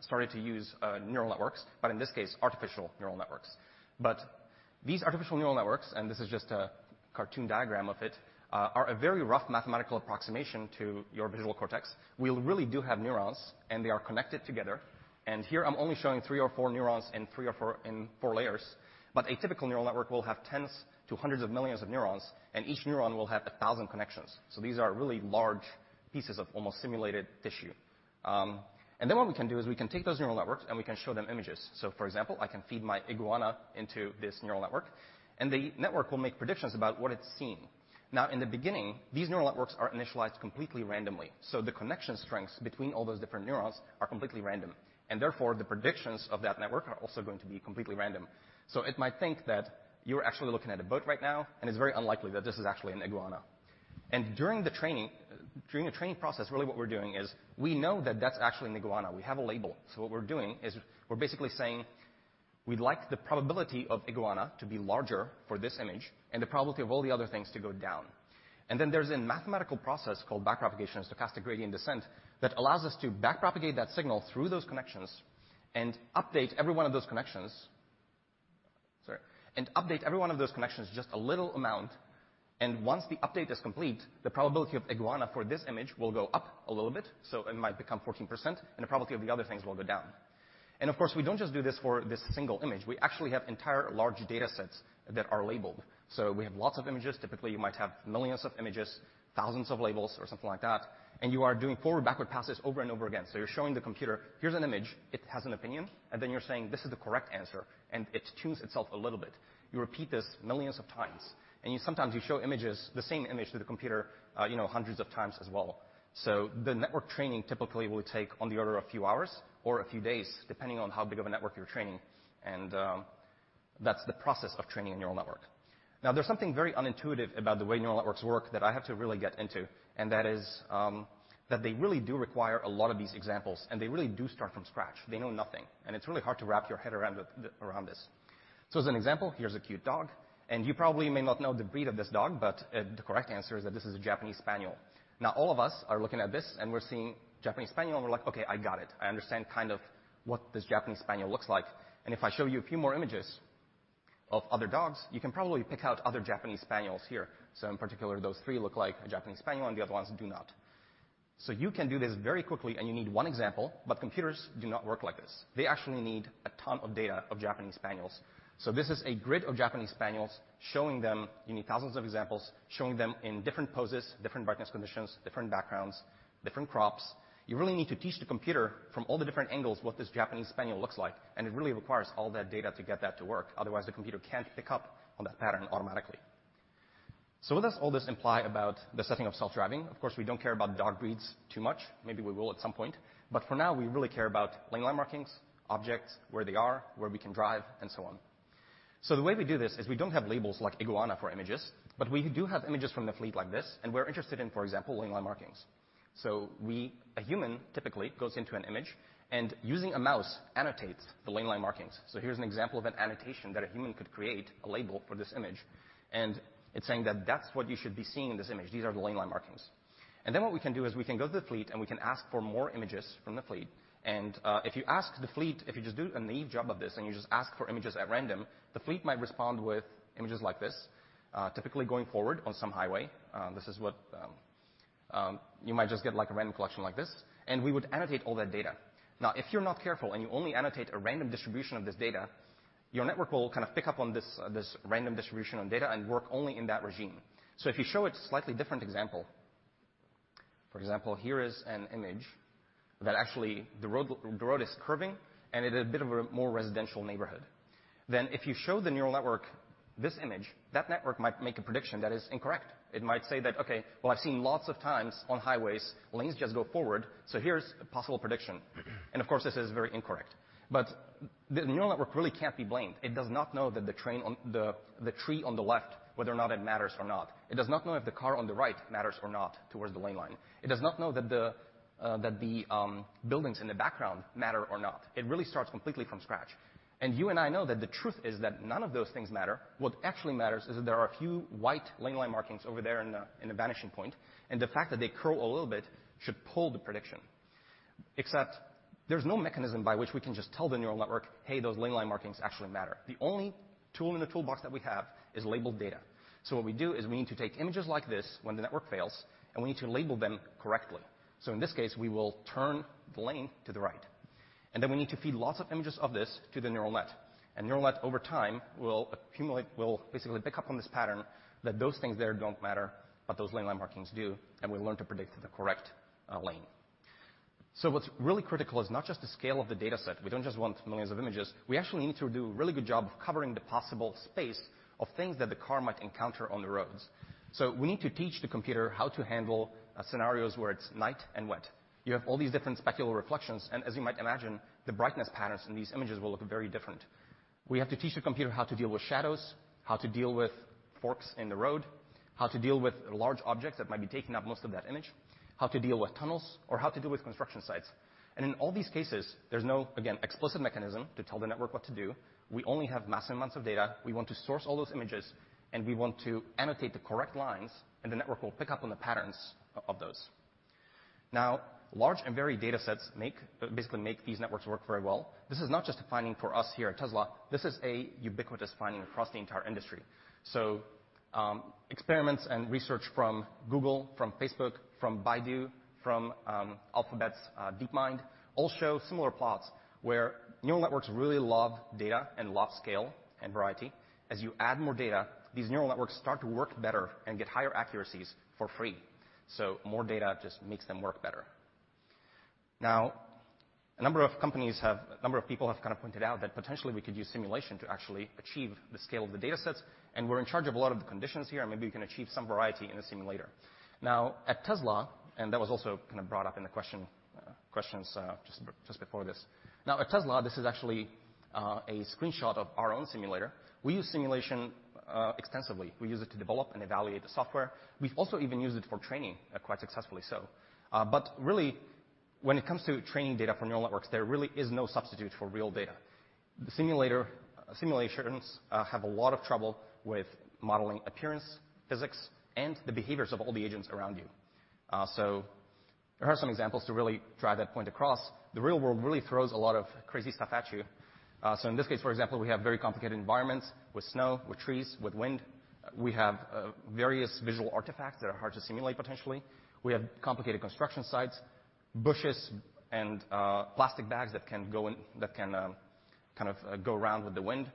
started to use neural networks, but in this case, artificial neural networks. These artificial neural networks, and this is just a cartoon diagram of it, are a very rough mathematical approximation to your visual cortex, really do have neurons, and they are connected together. Here I'm only showing three or four neurons in four layers, but a typical neural network will have tens to hundreds of millions of neurons, and each neuron will have 1,000 connections. These are really large pieces of almost simulated tissue. Then what we can do is we can take those neural networks, and we can show them images. For example, I can feed my iguana into this neural network, and the network will make predictions about what it's seeing. In the beginning, these neural networks are initialized completely randomly. The connection strengths between all those different neurons are completely random, and therefore, the predictions of that network are also going to be completely random. It might think that you're actually looking at a boat right now, and it's very unlikely that this is actually an iguana. During a training process, really what we're doing is we know that that's actually an iguana. We have a label. What we're doing is we're basically saying we'd like the probability of iguana to be larger for this image and the probability of all the other things to go down. Then there's a mathematical process called backpropagation and stochastic gradient descent that allows us to backpropagate that signal through those connections and update every one of those connections, sorry. Update every one of those connections just a little amount, and once the update is complete, the probability of iguana for this image will go up a little bit. It might become 14%, and the probability of the other things will go down. Of course, we don't just do this for this single image. We actually have entire large data sets that are labeled. We have lots of images. Typically, you might have millions of images, thousands of labels, or something like that, and you are doing forward-backward passes over and over again. You're showing the computer, here's an image. It has an opinion, and then you're saying, this is the correct answer, and it tunes itself a little bit. You repeat this millions of times, and sometimes you show images, the same image to the computer hundreds of times as well. The network training typically will take on the order of a few hours or a few days, depending on how big of a network you're training. That's the process of training a neural network. There's something very unintuitive about the way neural networks work that I have to really get into, and that is that they really do require a lot of these examples, and they really do start from scratch. They know nothing, and it's really hard to wrap your head around this. As an example, here's a cute dog, and you probably may not know the breed of this dog, but the correct answer is that this is a Japanese spaniel. All of us are looking at this, and we're seeing Japanese spaniel, and we're like, okay, I got it. I understand kind of what this Japanese spaniel looks like. If I show you a few more images of other dogs, you can probably pick out other Japanese spaniels here. In particular, those three look like a Japanese spaniel, and the other ones do not. You can do this very quickly, and you need one example, but computers do not work like this. They actually need a ton of data of Japanese spaniels. This is a grid of Japanese spaniels showing them, you need thousands of examples, showing them in different poses, different brightness conditions, different backgrounds, different crops. You really need to teach the computer from all the different angles what this Japanese spaniel looks like, and it really requires all that data to get that to work, otherwise, the computer can't pick up on that pattern automatically. What does all this imply about the setting of self-driving? Of course, we don't care about dog breeds too much. Maybe we will at some point. For now, we really care about lane line markings, objects, where they are, where we can drive, and so on. The way we do this is we don't have labels like iguana for images, but we do have images from the fleet like this, and we're interested in, for example, lane line markings. A human typically goes into an image and using a mouse annotates the lane line markings. Here's an example of an annotation that a human could create a label for this image, and it's saying that that's what you should be seeing in this image. These are the lane line markings. Then what we can do is we can go to the fleet, and we can ask for more images from the fleet, and if you ask the fleet, if you just do a naive job of this, and you just ask for images at random, the fleet might respond with images like this, typically going forward on some highway. You might just get a random collection like this, and we would annotate all that data. If you're not careful, and you only annotate a random distribution of this data, your network will kind of pick up on this random distribution of data and work only in that regime. If you show it a slightly different example, for example, here is an image that actually the road is curving, and it is a bit of a more residential neighborhood. If you show the neural network this image, that network might make a prediction that is incorrect. It might say that, okay. Well, I've seen lots of times on highways, lanes just go forward, so here's a possible prediction. Of course, this is very incorrect. The neural network really can't be blamed. It does not know that the tree on the left, whether or not it matters or not. It does not know if the car on the right matters or not towards the lane line. It does not know that the buildings in the background matter or not. It really starts completely from scratch. You and I know that the truth is that none of those things matter. What actually matters is that there are a few white lane line markings over there in the vanishing point, and the fact that they curl a little bit should pull the prediction. Except there's no mechanism by which we can just tell the neural network, hey, those lane line markings actually matter. The only tool in the toolbox that we have is labeled data. What we do is we need to take images like this when the network fails, and we need to label them correctly. In this case, we will turn the lane to the right, and then we need to feed lots of images of this to the neural net. A neural net over time will basically pick up on this pattern that those things there don't matter, but those lane line markings do, and will learn to predict the correct lane. What's really critical is not just the scale of the dataset. We don't just want millions of images. We actually need to do a really good job of covering the possible space of things that the car might encounter on the roads. We need to teach the computer how to handle scenarios where it's night and wet. You have all these different specular reflections, and as you might imagine, the brightness patterns in these images will look very different. We have to teach the computer how to deal with shadows, how to deal with forks in the road, how to deal with large objects that might be taking up most of that image, how to deal with tunnels, or how to deal with construction sites. In all these cases, there's no, again, explicit mechanism to tell the network what to do. We only have massive amounts of data. We want to source all those images, and we want to annotate the correct lines, and the network will pick up on the patterns of those. Large and varied datasets basically make these networks work very well. This is not just a finding for us here at Tesla. This is a ubiquitous finding across the entire industry. Experiments and research from Google, from Facebook, from Baidu, from Alphabet's DeepMind all show similar plots where neural networks really love data and love scale and variety. As you add more data, these neural networks start to work better and get higher accuracies for free. More data just makes them work better. A number of people have kind of pointed out that potentially we could use simulation to actually achieve the scale of the datasets, and we're in charge of a lot of the conditions here, and maybe we can achieve some variety in a simulator. At Tesla, and that was also kind of brought up in the questions just before this. At Tesla, this is actually a screenshot of our own simulator. We use simulation extensively. We use it to develop and evaluate the software. We've also even used it for training quite successfully. Really, when it comes to training data for neural networks, there really is no substitute for real data. The simulations have a lot of trouble with modeling appearance, physics, and the behaviors of all the agents around you. Here are some examples to really drive that point across. The real world really throws a lot of crazy stuff at you. In this case, for example, we have very complicated environments with snow, with trees, with wind. We have various visual artifacts that are hard to simulate, potentially. We have complicated construction sites, bushes and plastic bags that can kind of go around with the wind.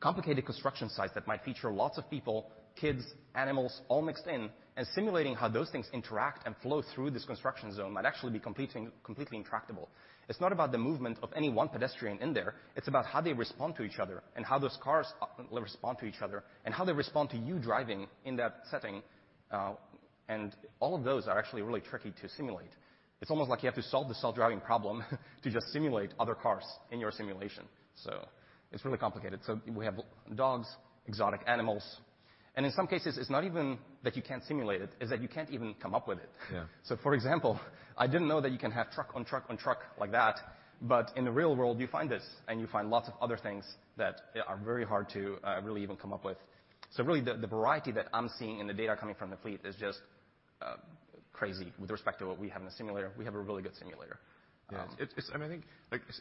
Complicated construction sites that might feature lots of people, kids, animals, all mixed in, and simulating how those things interact and flow through this construction zone might actually be completely intractable. It's not about the movement of any one pedestrian in there. It's about how they respond to each other and how those cars respond to each other, and how they respond to you driving in that setting. All of those are actually really tricky to simulate. It's almost like you have to solve the self-driving problem to just simulate other cars in your simulation. It's really complicated. We have dogs, exotic animals. In some cases, it's not even that you can't simulate it, is that you can't even come up with it. Yeah. For example, I didn't know that you can have truck on truck on truck like that, in the real world, you find this, and you find lots of other things that are very hard to, really even come up with. Really, the variety that I'm seeing in the data coming from the fleet is just crazy with respect to what we have in the simulator. We have a really good simulator. Yeah. I think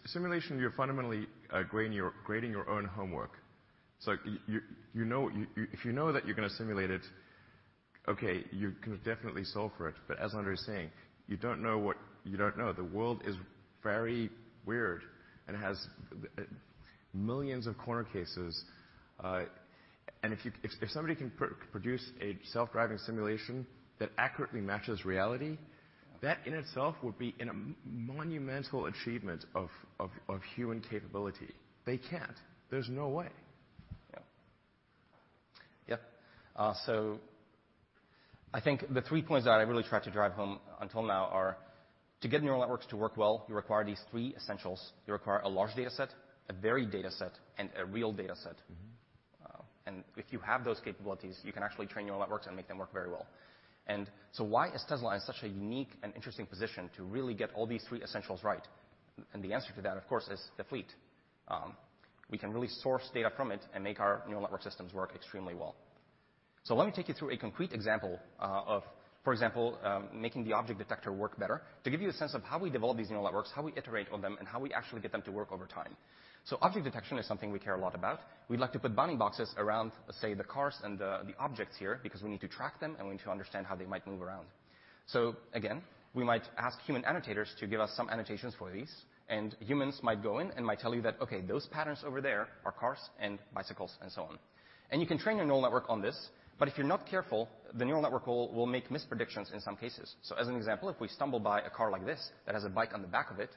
simulation, you're fundamentally grading your own homework. If you know that you're going to simulate it, okay, you can definitely solve for it. As Andrej is saying, you don't know what you don't know. The world is very weird and has millions of corner cases. If somebody can produce a self-driving simulation that accurately matches reality, that in itself would be a monumental achievement of human capability. They can't. There's no way. Yeah. I think the three points that I really tried to drive home until now are to get neural networks to work well, you require these three essentials. You require a large dataset, a varied dataset, and a real dataset. If you have those capabilities, you can actually train neural networks and make them work very well. Why is Tesla in such a unique and interesting position to really get all these three essentials right? The answer to that, of course, is the fleet. We can really source data from it and make our neural network systems work extremely well. Let me take you through a concrete example of, for example, making the object detector work better to give you a sense of how we develop these neural networks, how we iterate on them, and how we actually get them to work over time. Object detection is something we care a lot about. We like to put bounding boxes around, let's say, the cars and the objects here because we need to track them, and we need to understand how they might move around. Again, we might ask human annotators to give us some annotations for these, and humans might go in and might tell you that, okay, those patterns over there are cars and bicycles and so on. You can train your neural network on this, but if you're not careful, the neural network will make mispredictions in some cases. As an example, if we stumble by a car like this that has a bike on the back of it,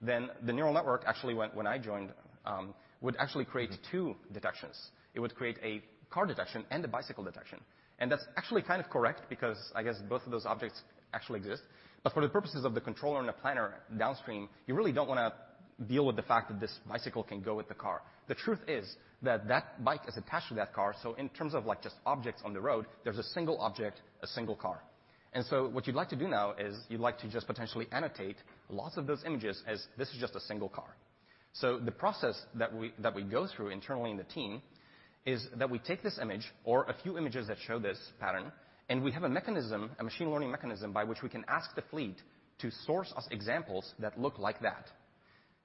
then the neural network actually, when I joined, would actually create two detections. It would create a car detection and a bicycle detection. That's actually kind of correct because I guess both of those objects actually exist. For the purposes of the controller and the planner downstream, you really don't want to deal with the fact that this bicycle can go with the car. The truth is that bike is attached to that car, so in terms of just objects on the road, there's a single object, a single car. What you'd like to do now is you'd like to just potentially annotate lots of those images as this is just a single car. The process that we go through internally in the team is that we take this image or a few images that show this pattern, and we have a mechanism, a machine learning mechanism, by which we can ask the fleet to source us examples that look like that.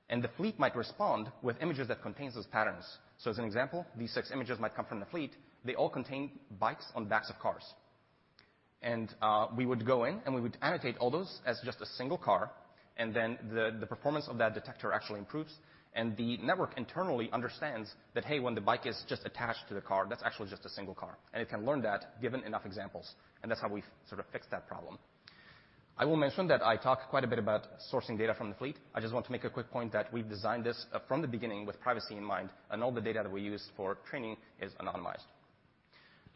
The fleet might respond with images that contain those patterns. As an example, these six images might come from the fleet. They all contain bikes on backs of cars. We would go in, and we would annotate all those as just a single car, then the performance of that detector actually improves, and the network internally understands that, hey, when the bike is just attached to the car, that's actually just a single car. It can learn that given enough examples. That's how we sort of fixed that problem. I will mention that I talked quite a bit about sourcing data from the fleet. I just want to make a quick point that we've designed this from the beginning with privacy in mind, and all the data that we use for training is anonymized.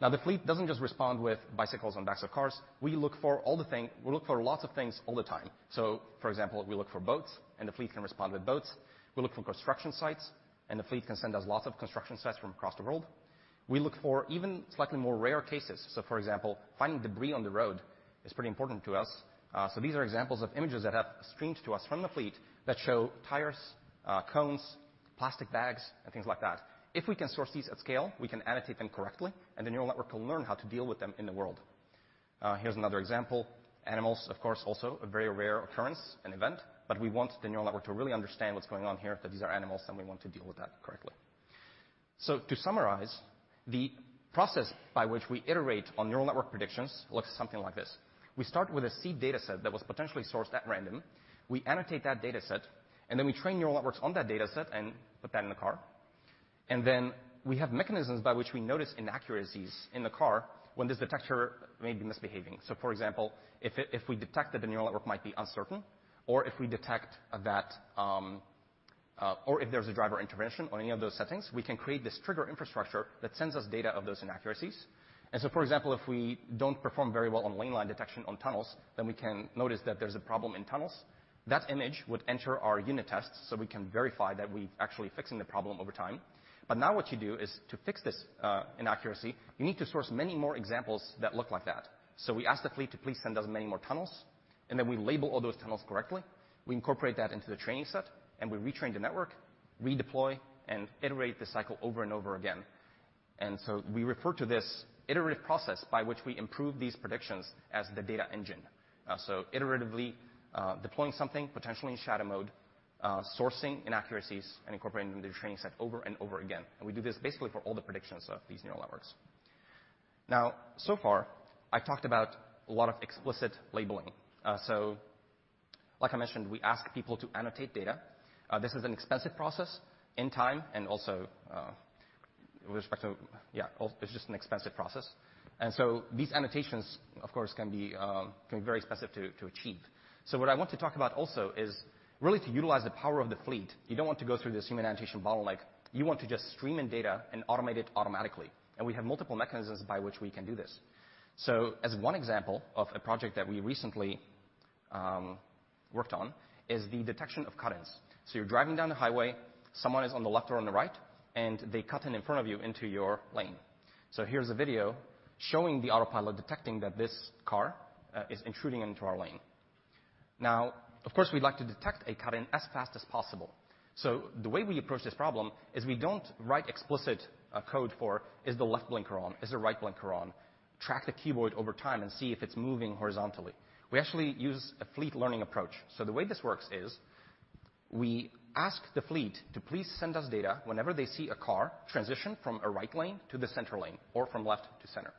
The fleet doesn't just respond with bicycles on backs of cars. We look for lots of things all the time. For example, we look for boats, and the fleet can respond with boats. We look for construction sites, the fleet can send us lots of construction sites from across the world. We look for even slightly more rare cases. For example, finding debris on the road is pretty important to us. These are examples of images that have streamed to us from the fleet that show tires, cones, plastic bags, and things like that. If we can source these at scale, we can annotate them correctly, and the neural network can learn how to deal with them in the world. Here's another example. Animals, of course, also a very rare occurrence and event, we want the neural network to really understand what's going on here, that these are animals and we want to deal with that correctly. To summarize, the process by which we iterate on neural network predictions looks something like this. We start with a seed dataset that was potentially sourced at random. We annotate that dataset, we train neural networks on that dataset and put that in the car. We have mechanisms by which we notice inaccuracies in the car when this detector may be misbehaving. For example, if we detect that the neural network might be uncertain or if there's a driver intervention on any of those settings, we can create this trigger infrastructure that sends us data of those inaccuracies. For example, if we don't perform very well on lane line detection on tunnels, we can notice that there's a problem in tunnels. That image would enter our unit test so we can verify that we're actually fixing the problem over time. Now what you do is to fix this inaccuracy, you need to source many more examples that look like that. We ask the fleet to please send us many more tunnels, we label all those tunnels correctly. We incorporate that into the training set, we retrain the network, redeploy, and iterate the cycle over and over again. We refer to this iterative process by which we improve these predictions as the data engine. Iteratively deploying something, potentially in shadow mode, sourcing inaccuracies, and incorporating them into the training set over and over again. We do this basically for all the predictions of these neural networks. So far, I've talked about a lot of explicit labeling. Like I mentioned, we ask people to annotate data. This is an expensive process in time and also, with respect to. It's just an expensive process. These annotations, of course, can be very expensive to achieve. What I want to talk about also is really to utilize the power of the fleet. You don't want to go through this human annotation bottleneck. You want to just stream in data and automate it automatically. We have multiple mechanisms by which we can do this. As one example of a project that we recently worked on is the detection of cut-ins. You're driving down the highway, someone is on the left or on the right, and they cut in in front of you into your lane. Here's a video showing the Autopilot detecting that this car is intruding into our lane. Of course, we'd like to detect a cut-in as fast as possible. The way we approach this problem is we don't write explicit code for is the left blinker on, is the right blinker on, track the car body over time and see if it's moving horizontally. We actually use a fleet learning approach. The way this works is, we ask the fleet to please send us data whenever they see a car transition from a right lane to the center lane or from left to center.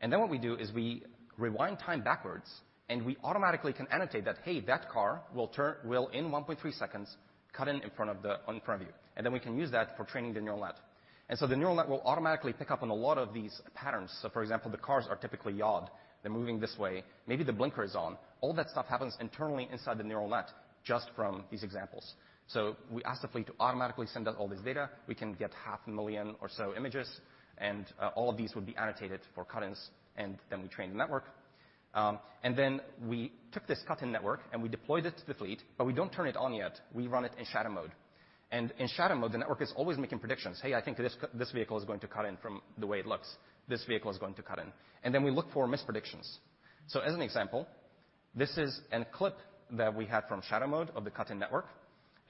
Then what we do is we rewind time backwards, and we automatically can annotate that, hey, that car will in 1.3 seconds cut in in front of you. Then we can use that for training the neural net. The neural net will automatically pick up on a lot of these patterns. For example, the cars are typically yawed. They're moving this way. Maybe the blinker is on. All that stuff happens internally inside the neural net just from these examples. We ask the fleet to automatically send us all this data. We can get half a million or so images, and all of these would be annotated for cut-ins, then we train the network. Then we took this cut-in network, and we deployed it to the fleet, but we don't turn it on yet. We run it in shadow mode. In shadow mode, the network is always making predictions. Hey, I think this vehicle is going to cut in from the way it looks. This vehicle is going to cut in. Then we look for mispredictions. As an example, this is a clip that we had from shadow mode of the cut-in network,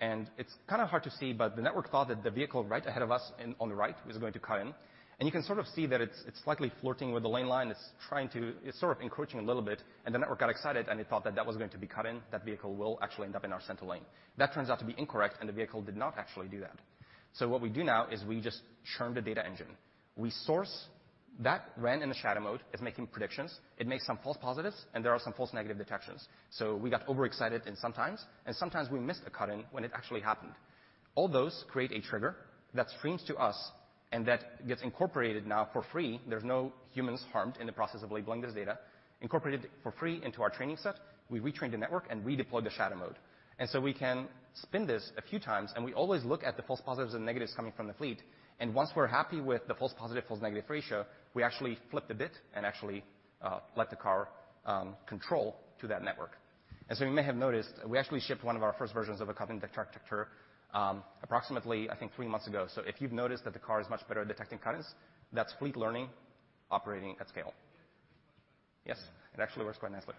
It's kind of hard to see, but the network thought that the vehicle right ahead of us on the right was going to cut in. You can sort of see that it's slightly flirting with the lane line. It's sort of encroaching a little bit. The network got excited, and it thought that that was going to be cut in. That vehicle will actually end up in our center lane. That turns out to be incorrect, and the vehicle did not actually do that. What we do now is we just churn the data engine. We source that ran in the shadow mode. It's making predictions. It makes some false positives, and there are some false negative detections. We got overexcited sometimes, and sometimes we missed a cut-in when it actually happened. All those create a trigger that streams to us and that gets incorporated now for free. There's no humans harmed in the process of labeling this data, incorporated for free into our training set. We retrained the network and redeployed the shadow mode. We can spin this a few times, and we always look at the false positives and negatives coming from the fleet. Once we're happy with the false positive, false negative ratio, we actually flip the bit and actually let the car control to that network. You may have noticed we actually shipped one of our first versions of a cut-in detector, approximately, I think, three months ago. If you've noticed that the car is much better at detecting cut-ins, that's fleet learning operating at scale. Yes, it actually works quite nicely.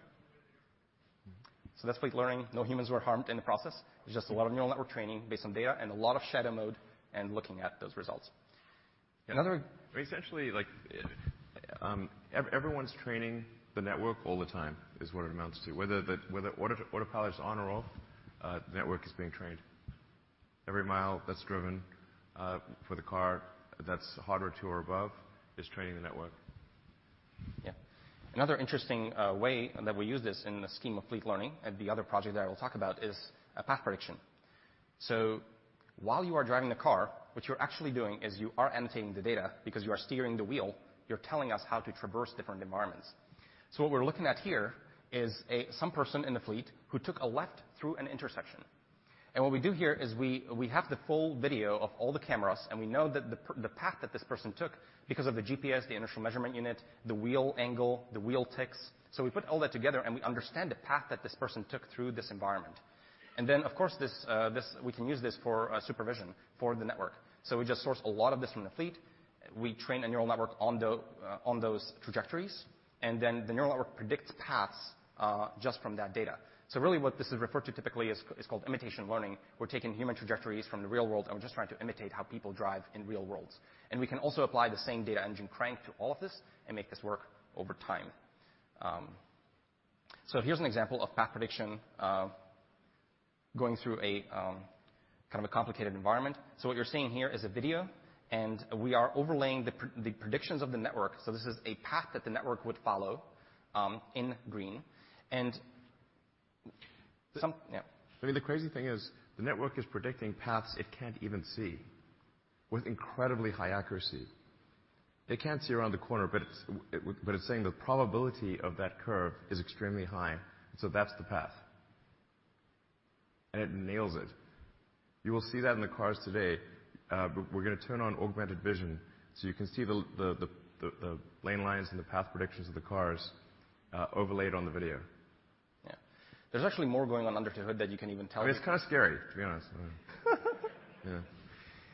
That's fleet learning. No humans were harmed in the process. It's just a lot of neural network training based on data and a lot of shadow mode and looking at those results. Essentially like, everyone's training the network all the time is what it amounts to. Whether the Autopilot is on or off, the network is being trained. Every mile that's driven, for the car that's 102 or above, is training the network. Yeah. Another interesting way that we use this in the scheme of fleet learning, and the other project that I will talk about is a path prediction. While you are driving the car, what you're actually doing is you are annotating the data because you are steering the wheel. You're telling us how to traverse different environments. What we're looking at here is some person in the fleet who took a left through an intersection. What we do here is we have the full video of all the cameras, and we know that the path that this person took, because of the GPS, the inertial measurement unit, the wheel angle, the wheel ticks. We put all that together, and we understand the path that this person took through this environment. Of course, we can use this for supervision for the network. We just source a lot of this from the fleet. We train a neural network on those trajectories, the neural network predicts paths just from that data. Really what this is referred to typically is called imitation learning. We're taking human trajectories from the real world, and we're just trying to imitate how people drive in real worlds. We can also apply the same data engine crank to all of this and make this work over time. Here's an example of path prediction going through a kind of a complicated environment. What you're seeing here is a video, and we are overlaying the predictions of the network. This is a path that the network would follow, in green. I mean, the crazy thing is the network is predicting paths it can't even see with incredibly high accuracy. It can't see around the corner, it's saying the probability of that curve is extremely high, that's the path. It nails it. You will see that in the cars today. We're going to turn on augmented vision so you can see the lane lines and the path predictions of the cars overlaid on the video. Yeah. There's actually more going on under the hood that you can even tell. It's kind of scary, to be honest. Yeah.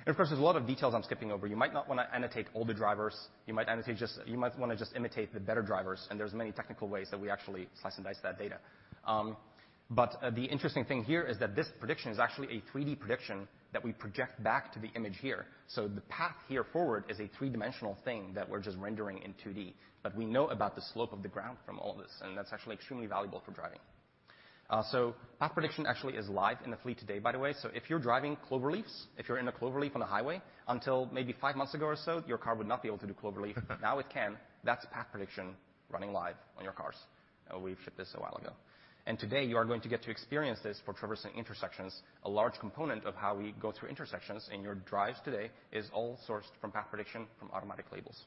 Of course, there's a lot of details I'm skipping over. You might not want to annotate all the drivers. You might want to just imitate the better drivers, and there's many technical ways that we actually slice and dice that data. The interesting thing here is that this prediction is actually a 3D prediction that we project back to the image here. The path here forward is a three-dimensional thing that we're just rendering in 2D. But we know about the slope of the ground from all this, and that's actually extremely valuable for driving. Path prediction actually is live in the fleet today, by the way. If you're driving cloverleafs, if you're in a cloverleaf on a highway, until maybe five months ago or so, your car would not be able to do cloverleaf. Now it can. That's path prediction running live on your cars. We've shipped this a while ago. Today you are going to get to experience this for traversing intersections. A large component of how we go through intersections in your drives today is all sourced from path prediction from automatic labels.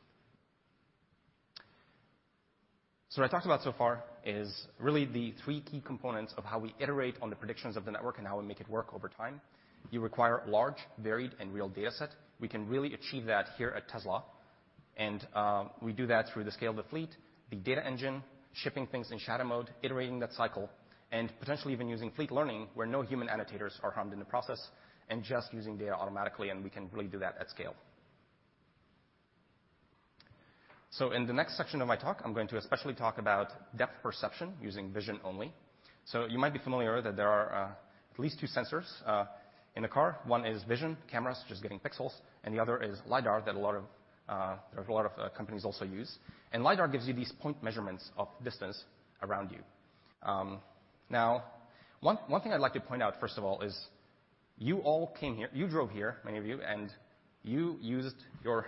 What I talked about so far is really the three key components of how we iterate on the predictions of the network and how we make it work over time. You require large, varied, and real dataset. We can really achieve that here at Tesla and we do that through the scale of the fleet, the data engine, shipping things in shadow mode, iterating that cycle, and potentially even using fleet learning where no human annotators are harmed in the process, and just using data automatically, and we can really do that at scale. In the next section of my talk, I'm going to especially talk about depth perception using vision only. You might be familiar that there are at least two sensors in a car. One is vision, cameras just getting pixels, and the other is LiDAR, that a lot of companies also use. LiDAR gives you these point measurements of distance around you. One thing I'd like to point out first of all is you all came here-- you drove here, many of you, and you used your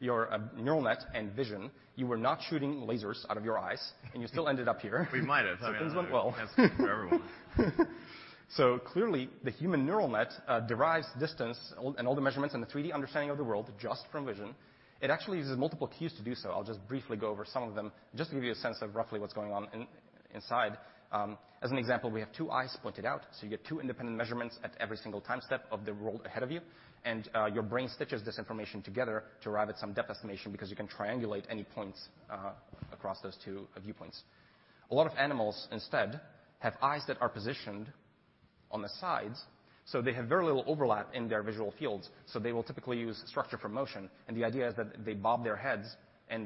neural net and vision. You were not shooting lasers out of your eyes, and you still ended up here. We might have. Things went well. Has to be for everyone. Clearly the human neural net derives distance and all the measurements and the 3D understanding of the world just from vision. It actually uses multiple cues to do so. I'll just briefly go over some of them just to give you a sense of roughly what's going on inside. As an example, we have two eyes pointed out. You get two independent measurements at every single time step of the world ahead of you. Your brain stitches this information together to arrive at some depth estimation because you can triangulate any points across those two viewpoints. A lot of animals instead have eyes that are positioned on the sides, so they have very little overlap in their visual fields. They will typically use structure for motion, the idea is that they bob their heads,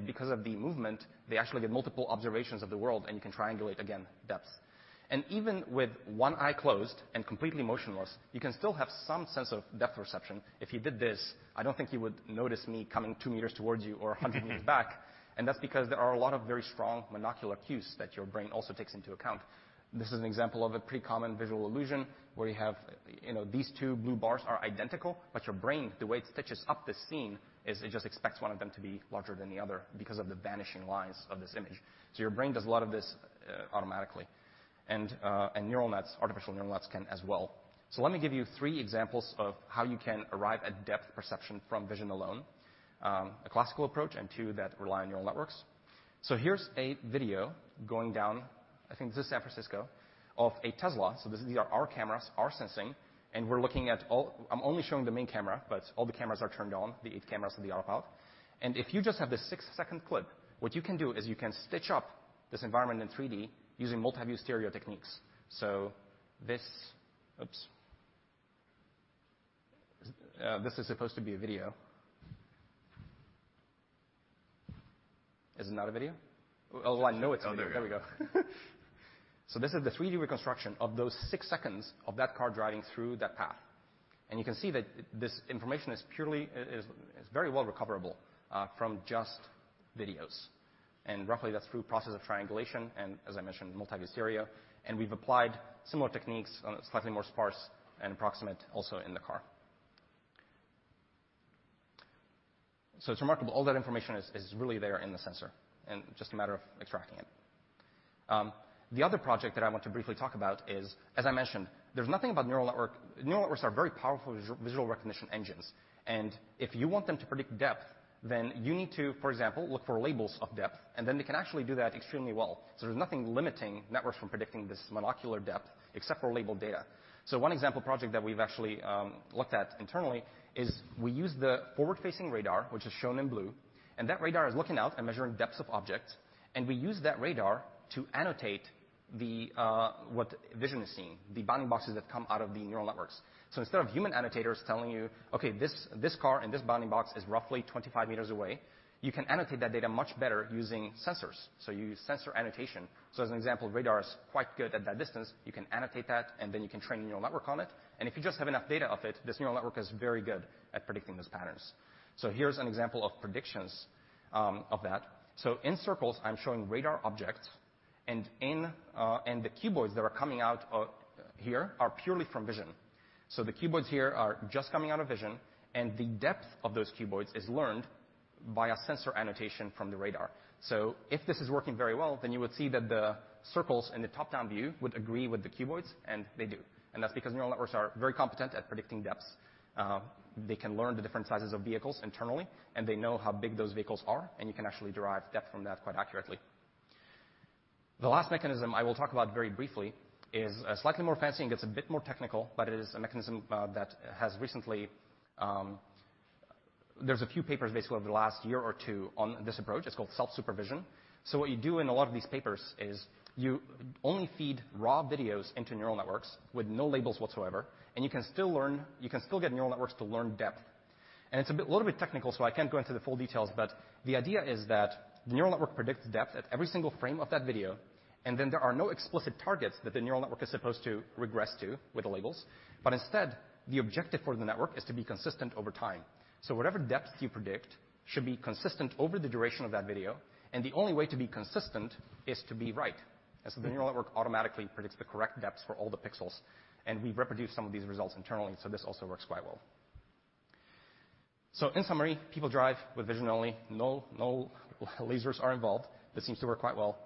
because of the movement, they actually get multiple observations of the world, you can triangulate again depth. Even with one eye closed and completely motionless, you can still have some sense of depth perception. If you did this, I don't think you would notice me coming two meters towards you or 100 m back. That's because there are a lot of very strong monocular cues that your brain also takes into account. This is an example of a pretty common visual illusion where you have these two blue bars are identical, but your brain, the way it stitches up this scene, is it just expects one of them to be larger than the other because of the vanishing lines of this image. Your brain does a lot of this automatically. Neural nets, artificial neural nets can as well. Let me give you three examples of how you can arrive at depth perception from vision alone, a classical approach and two that rely on neural networks. Here's a video going down, I think this is San Francisco, of a Tesla. These are our cameras, our sensing, and we're looking at all-- I'm only showing the main camera, but all the cameras are turned on, the eight cameras that they are about. If you just have this six-second clip, what you can do is you can stitch up this environment in 3D using multi-view stereo techniques. This Oops. This is supposed to be a video. Is it not a video? Oh, I know it's- Oh, there we go. There we go. This is the 3D reconstruction of those six seconds of that car driving through that path. You can see that this information is very well recoverable from just videos. Roughly that's through process of triangulation and as I mentioned, multi-view stereo, and we've applied similar techniques on a slightly more sparse and approximate also in the car. It's remarkable all that information is really there in the sensor and just a matter of extracting it. The other project that I want to briefly talk about is, as I mentioned, Neural networks are very powerful visual recognition engines, and if you want them to predict depth, then you need to, for example, look for labels of depth, and then they can actually do that extremely well. There's nothing limiting networks from predicting this monocular depth except for labeled data. One example project that we've actually looked at internally is we use the forward-facing radar, which is shown in blue, and that radar is looking out and measuring depths of objects. We use that radar to annotate what vision is seeing, the bounding boxes that come out of the neural networks. Instead of human annotators telling you, okay, this car and this bounding box is roughly 25 m away, you can annotate that data much better using sensors. You use sensor annotation. As an example, radar is quite good at that distance. You can annotate that, and then you can train a neural network on it. If you just have enough data of it, this neural network is very good at predicting those patterns. Here's an example of predictions of that. In circles, I'm showing radar objects, and the cuboids that are coming out here are purely from vision. The cuboids here are just coming out of vision, and the depth of those cuboids is learned by a sensor annotation from the radar. If this is working very well, then you would see that the circles in the top-down view would agree with the cuboids, and they do. That's because neural networks are very competent at predicting depths. They can learn the different sizes of vehicles internally, and they know how big those vehicles are, and you can actually derive depth from that quite accurately. The last mechanism I will talk about very briefly is slightly more fancy and gets a bit more technical, but it is a mechanism that has recently. There's a few papers basically over the last year or two on this approach. It's called self-supervision. What you do in a lot of these papers is you only feed raw videos into neural networks with no labels whatsoever, and you can still get neural networks to learn depth. It's a little bit technical, so I can't go into the full details, but the idea is that the neural network predicts depth at every single frame of that video, and then there are no explicit targets that the neural network is supposed to regress to with the labels. Instead, the objective for the network is to be consistent over time. Whatever depths you predict should be consistent over the duration of that video. The only way to be consistent is to be right. The neural network automatically predicts the correct depths for all the pixels. We've reproduced some of these results internally, this also works quite well. In summary, people drive with vision only. No lasers are involved. This seems to work quite well.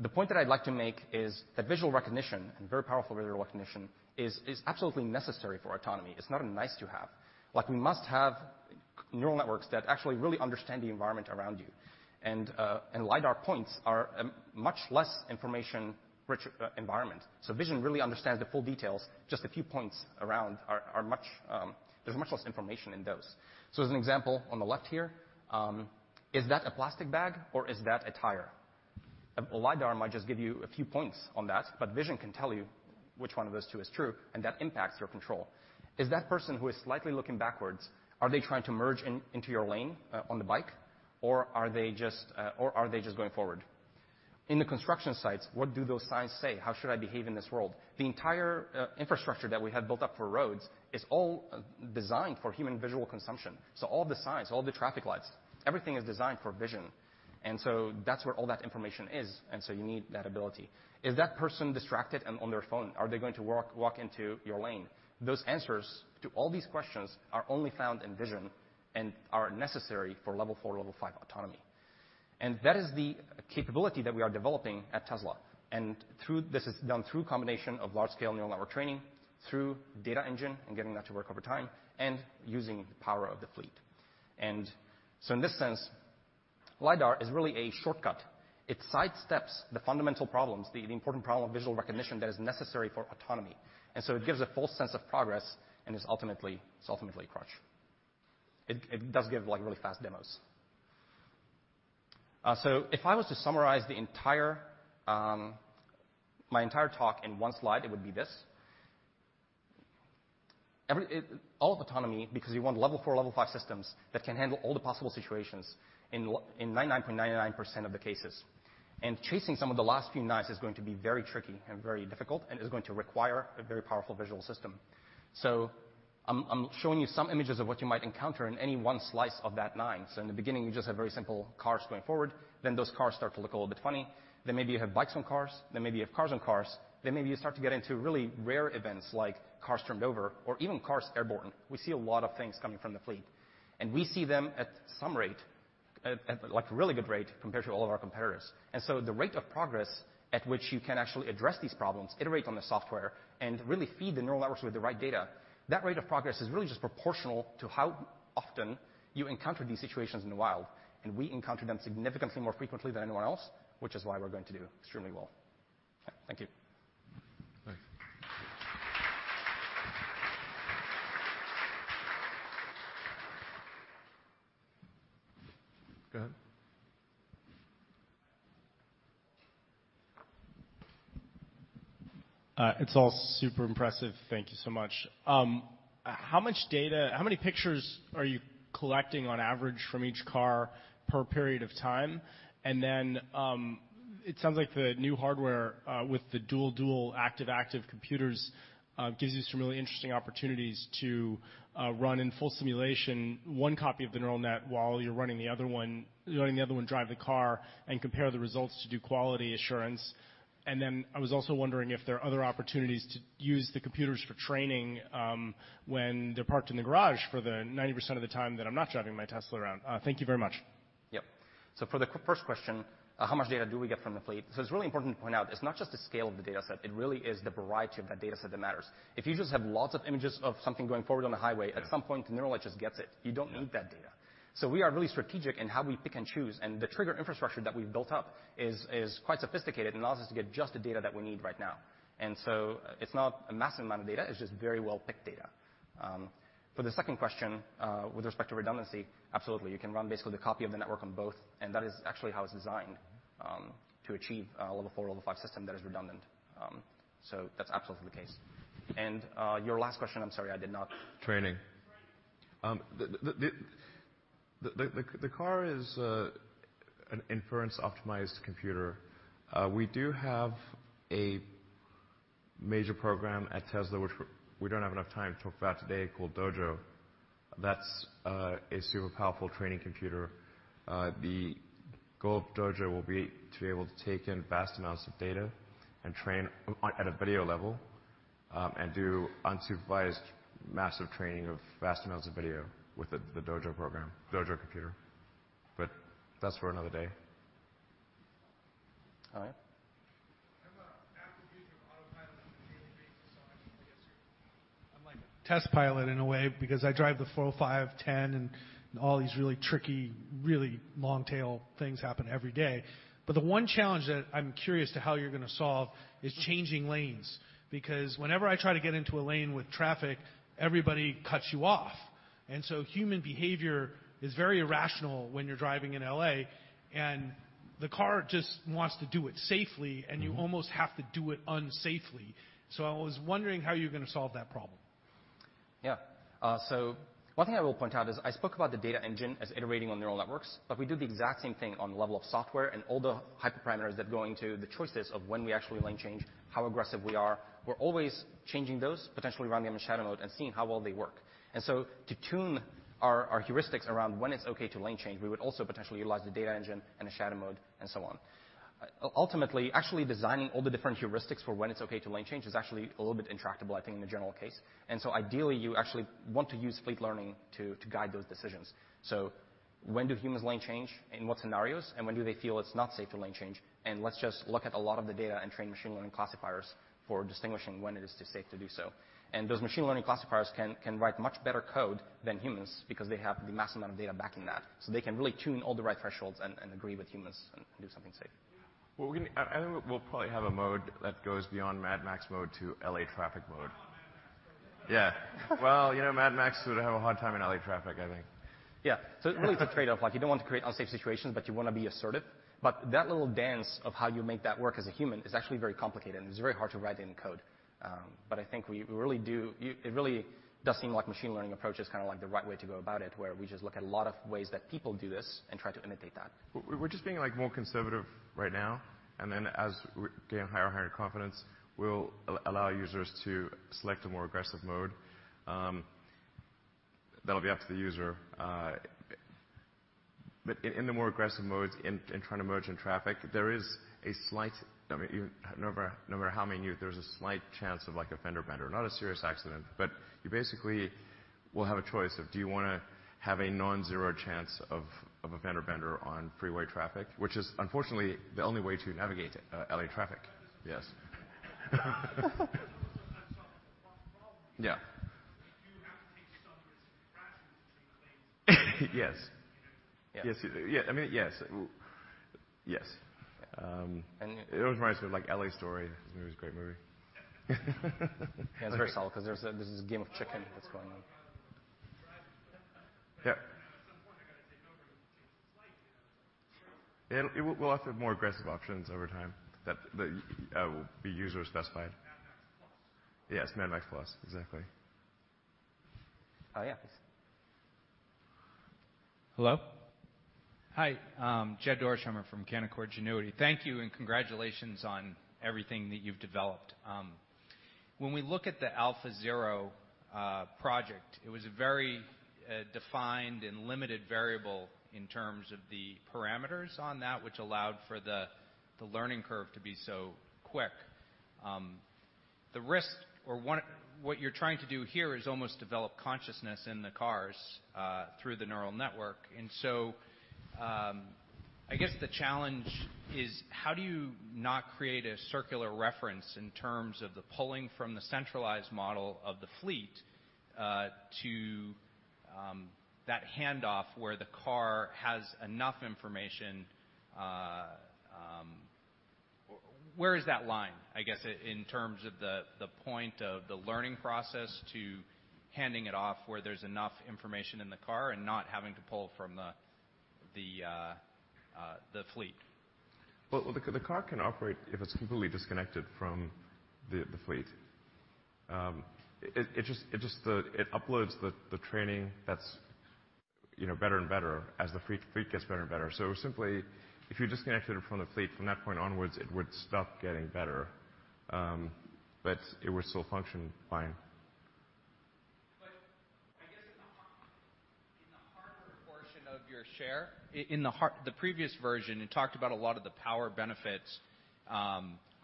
The point that I'd like to make is that visual recognition and very powerful visual recognition is absolutely necessary for autonomy. It's not a nice-to-have. Like we must have neural networks that actually really understand the environment around you. LiDAR points are much less information-rich environment. Vision really understands the full details. Just a few points around, there's much less information in those. As an example, on the left here, is that a plastic bag or is that a tire? A LiDAR might just give you a few points on that, but vision can tell you which one of those two is true. That impacts your control. Is that person who is slightly looking backwards, are they trying to merge into your lane, on the bike, or are they just going forward? In the construction sites, what do those signs say? How should I behave in this world? The entire infrastructure that we have built up for roads is all designed for human visual consumption. All the signs, all the traffic lights, everything is designed for vision, and so that's where all that information is. You need that ability. Is that person distracted and on their phone? Are they going to walk into your lane? Those answers to all these questions are only found in vision and are necessary for level 4, level 5 autonomy. That is the capability that we are developing at Tesla. This is done through combination of large scale neural network training, through data engine and getting that to work over time and using the power of the fleet. In this sense, LiDAR is really a shortcut. It sidesteps the fundamental problems, the important problem of visual recognition that is necessary for autonomy. It gives a false sense of progress and it's ultimately a crutch. It does give really fast demos. If I was to summarize my entire talk in one slide, it would be this. All of autonomy, because you want level 4, level 5 systems that can handle all the possible situations in 99.99% of the cases. Chasing some of the last few nines is going to be very tricky and very difficult and is going to require a very powerful visual system. I'm showing you some images of what you might encounter in any one slice of that nine. In the beginning, you just have very simple cars going forward. Those cars start to look a little bit funny. Maybe you have bikes and cars. Maybe you have cars and cars. Maybe you start to get into really rare events like cars turned over or even cars airborne. We see a lot of things coming from the fleet, and we see them at some rate, at a really good rate compared to all of our competitors. The rate of progress at which you can actually address these problems, iterate on the software, and really feed the neural networks with the right data, that rate of progress is really just proportional to how often you encounter these situations in the wild, and we encounter them significantly more frequently than anyone else, which is why we're going to do extremely well. Thank you. Thanks. Go ahead. It's all super impressive. Thank you so much. How many pictures are you collecting on average from each car per period of time? It sounds like the new hardware, with the dual-dual, active-active computers, gives you some really interesting opportunities to run in full simulation, one copy of the neural net while you're running the other one, drive the car and compare the results to do quality assurance. I was also wondering if there are other opportunities to use the computers for training, when they're parked in the garage for the 90% of the time that I'm not driving my Tesla around. Thank you very much. Yep. For the first question, how much data do we get from the fleet? It's really important to point out, it's not just the scale of the dataset, it really is the variety of that dataset that matters. If you just have lots of images of something going forward on the highway at some point, the neural net just gets it. You don't need that data. Yeah. We are really strategic in how we pick and choose, and the trigger infrastructure that we've built up is quite sophisticated and allows us to get just the data that we need right now. It's not a massive amount of data, it's just very well-picked data. For the second question, with respect to redundancy, absolutely. You can run basically the copy of the network on both, and that is actually how it's designed, to achieve a level 4, level 5 system that is redundant. That's absolutely the case. Your last question, I'm sorry, I did not. Training. Training. The car is an inference-optimized computer. We do have a major program at Tesla, which we don't have enough time to talk about today, called Dojo. That's a super powerful training computer. The goal of Dojo will be to be able to take in vast amounts of data and train at a video level, and do unsupervised massive training of vast amounts of video with the Dojo program, Dojo computer. That's for another day. All right. I'm an avid user of Autopilot on a daily basis, I guess you could say I'm like a test pilot in a way because I drive the 405, 10 and all these really tricky, really long tail things happen every day. The one challenge that I'm curious to how you're going to solve is changing lanes because whenever I try to get into a lane with traffic, everybody cuts you off. Human behavior is very irrational when you're driving in L.A., the car just wants to do it safely. You almost have to do it unsafely. I was wondering how you're going to solve that problem. Yeah. One thing I will point out is I spoke about the data engine as iterating on neural networks, but we do the exact same thing on the level of software and all the hyperparameters that go into the choices of when we actually lane change, how aggressive we are. We're always changing those, potentially running them in shadow mode and seeing how well they work. To tune our heuristics around when it's okay to lane change, we would also potentially utilize the data engine and the shadow mode and so on. Ultimately, actually designing all the different heuristics for when it's okay to lane change is actually a little bit intractable, I think, in the general case. Ideally, you actually want to use fleet learning to guide those decisions. When do humans lane change? In what scenarios, and when do they feel it's not safe to lane change? Let's just look at a lot of the data and train machine learning classifiers for distinguishing when it is safe to do so. Those machine learning classifiers can write much better code than humans because they have the massive amount of data backing that. They can really tune all the right thresholds and agree with humans and do something safe. Well, I think we'll probably have a mode that goes beyond Mad Max mode to L.A. traffic mode. I'm a Mad Max mode. Yeah. Well, Mad Max would have a hard time in L.A. traffic, I think. Yeah. It really is a trade-off. You don't want to create unsafe situations, you want to be assertive. That little dance of how you make that work as a human is actually very complicated, and it's very hard to write in code. I think it really does seem like machine learning approach is the right way to go about it, where we just look at a lot of ways that people do this and try to imitate that. We're just being more conservative right now, as we gain higher and higher confidence, we'll allow users to select a more aggressive mode. That'll be up to the user. In the more aggressive modes, in trying to merge in traffic, no matter how many there's a slight chance of a fender bender. Not a serious accident. You basically will have a choice of do you want to have a non-zero chance of a fender bender on freeway traffic, which is unfortunately the only way to navigate L.A. traffic. Yes. There's also that. Yeah. You do have to take some risks and crashes between lanes. Yes. You know? Yes. It always reminds me of L.A. Story, which is a great movie. Yeah, it's very solid because this is a game of chicken that's going on. I like that we're talking about driving. Yeah. At some point, I got to say no to slight chance. We'll offer more aggressive options over time that will be user-specified. Mad Max Plus. Yes, Mad Max Plus, exactly. Oh, yeah. Please. Hello. Hi, Jed Dorsheimer from Canaccord Genuity. Thank you and congratulations on everything that you've developed. When we look at the AlphaZero project, it was a very defined and limited variable in terms of the parameters on that, which allowed for the learning curve to be so quick. What you're trying to do here is almost develop consciousness in the cars through the neural network. I guess the challenge is how do you not create a circular reference in terms of the pulling from the centralized model of the fleet, to that handoff where the car has enough information? Where is that line, I guess, in terms of the point of the learning process to handing it off, where there's enough information in the car and not having to pull from the fleet? Well, the car can operate if it's completely disconnected from the fleet. It uploads the training that's better and better as the fleet gets better and better. Simply, if you disconnected it from the fleet, from that point onwards, it would stop getting better. It would still function fine. I guess in the hardware portion of your share, in the previous version, you talked about a lot of the power benefits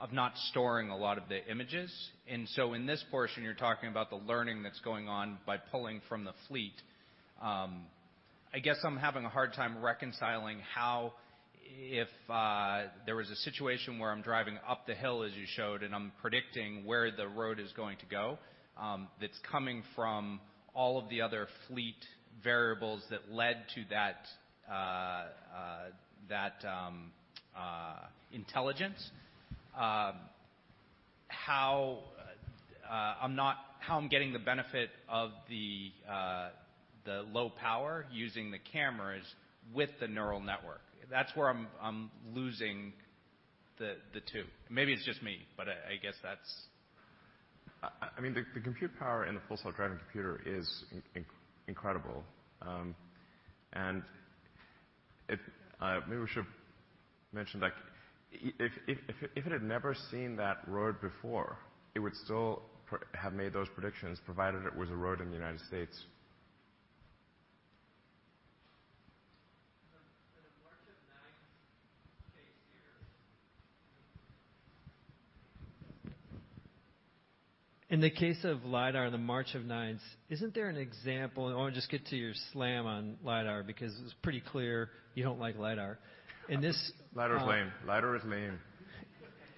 of not storing a lot of the images. In this portion, you're talking about the learning that's going on by pulling from the fleet. I guess I'm having a hard time reconciling how if there was a situation where I'm driving up the hill as you showed, and I'm predicting where the road is going to go, that's coming from all of the other fleet variables that led to that intelligence. How I'm getting the benefit of the low power using the cameras with the neural network. That's where I'm losing the two. Maybe it's just me, I guess that's- The compute power in the Full Self-Driving computer is incredible. Maybe we should mention that if it had never seen that road before, it would still have made those predictions, provided it was a road in the U.S. In the case of LiDAR, the March of Nines, isn't there an example? I want to just get to your slam on LiDAR because it's pretty clear you don't like LiDAR. LiDAR is lame. LiDAR is lame.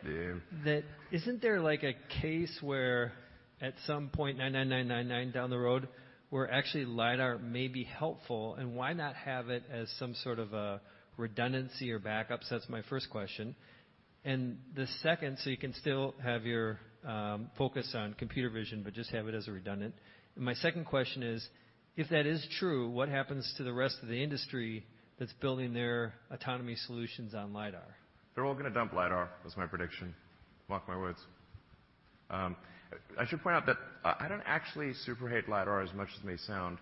Damn. Isn't there a case where at some point, 99999 down the road, where actually LiDAR may be helpful, and why not have it as some sort of a redundancy or backup? That's my first question. The second, you can still have your focus on computer vision, but just have it as a redundant. My second question is: If that is true, what happens to the rest of the industry that's building their autonomy solutions on LiDAR? They're all going to dump LiDAR, is my prediction. Mark my words. I should point out that I don't actually super hate LiDAR as much as it may sound.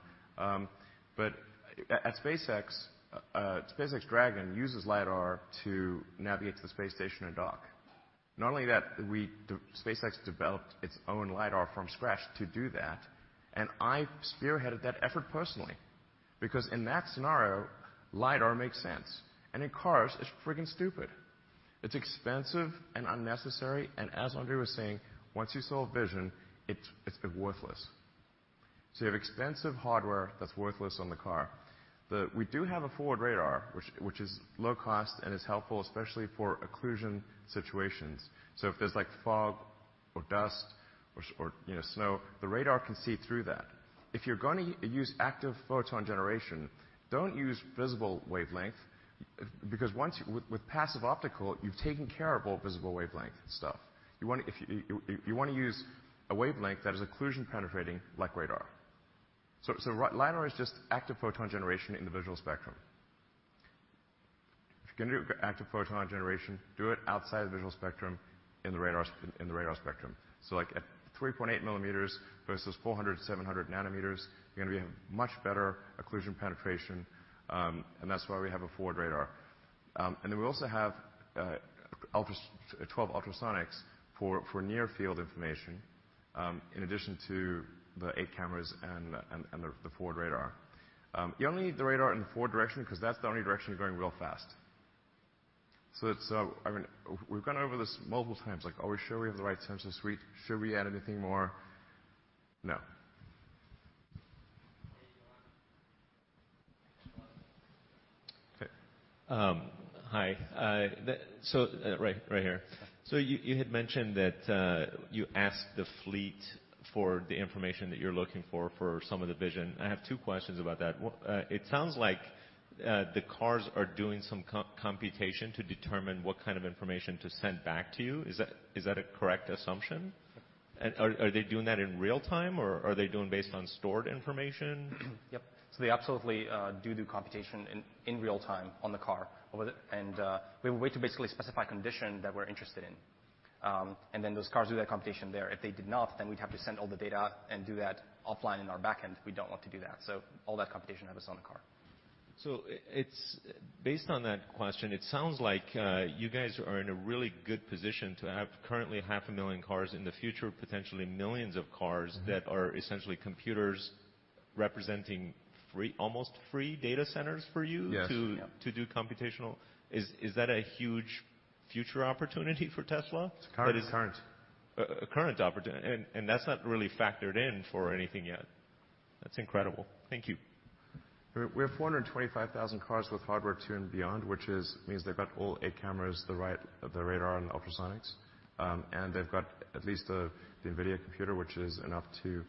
SpaceX Dragon uses LiDAR to navigate to the space station and dock. Not only that, SpaceX developed its own LiDAR from scratch to do that, and I spearheaded that effort personally. In that scenario, LiDAR makes sense. In cars, it's freaking stupid. It's expensive and unnecessary, and as Andrej was saying, once you solve vision, it's worthless. You have expensive hardware that's worthless on the car. We do have a forward radar, which is low cost and is helpful, especially for occlusion situations. If there's fog or dust or snow, the radar can see through that. If you're going to use active photon generation, don't use visible wavelength, because with passive optical, you've taken care of all visible wavelength stuff. You want to use a wavelength that is occlusion-penetrating like radar. LiDAR is just active photon generation in the visual spectrum. If you're going to do active photon generation, do it outside the visual spectrum in the radar spectrum. Like at 3.8 mm versus 400 nm-700 nm, you're going to be much better occlusion penetration, and that's why we have a forward radar. We also have 12 ultrasonics for near-field information, in addition to the eight cameras and the forward radar. You only need the radar in the forward direction because that's the only direction you're going real fast. I mean, we've gone over this multiple times, like are we sure we have the right sensor suite? Should we add anything more? No. Hey, Elon. Elon. Okay. Hi. Right here. You had mentioned that you asked the fleet for the information that you're looking for some of the vision. I have two questions about that. It sounds like the cars are doing some computation to determine what kind of information to send back to you. Is that a correct assumption? Yeah. Are they doing that in real time, or are they doing based on stored information? Yep. They absolutely do computation in real time on the car. We have a way to basically specify condition that we're interested in, and then those cars do that computation there. If they did not, then we'd have to send all the data and do that offline in our backend. We don't want to do that. All that computation happens on the car. Based on that question, it sounds like you guys are in a really good position to have currently half a million cars, in the future, potentially millions of cars that are essentially computers representing almost free data centers for you- Yes. Yeah... to do computational. Is that a huge future opportunity for Tesla? It's current. A current opportunity. That's not really factored in for anything yet. That's incredible. Thank you. We have 425,000 cars with Hardware 2 and beyond, which means they've got all eight cameras, the radar, and ultrasonics. They've got at least the NVIDIA computer, which is enough to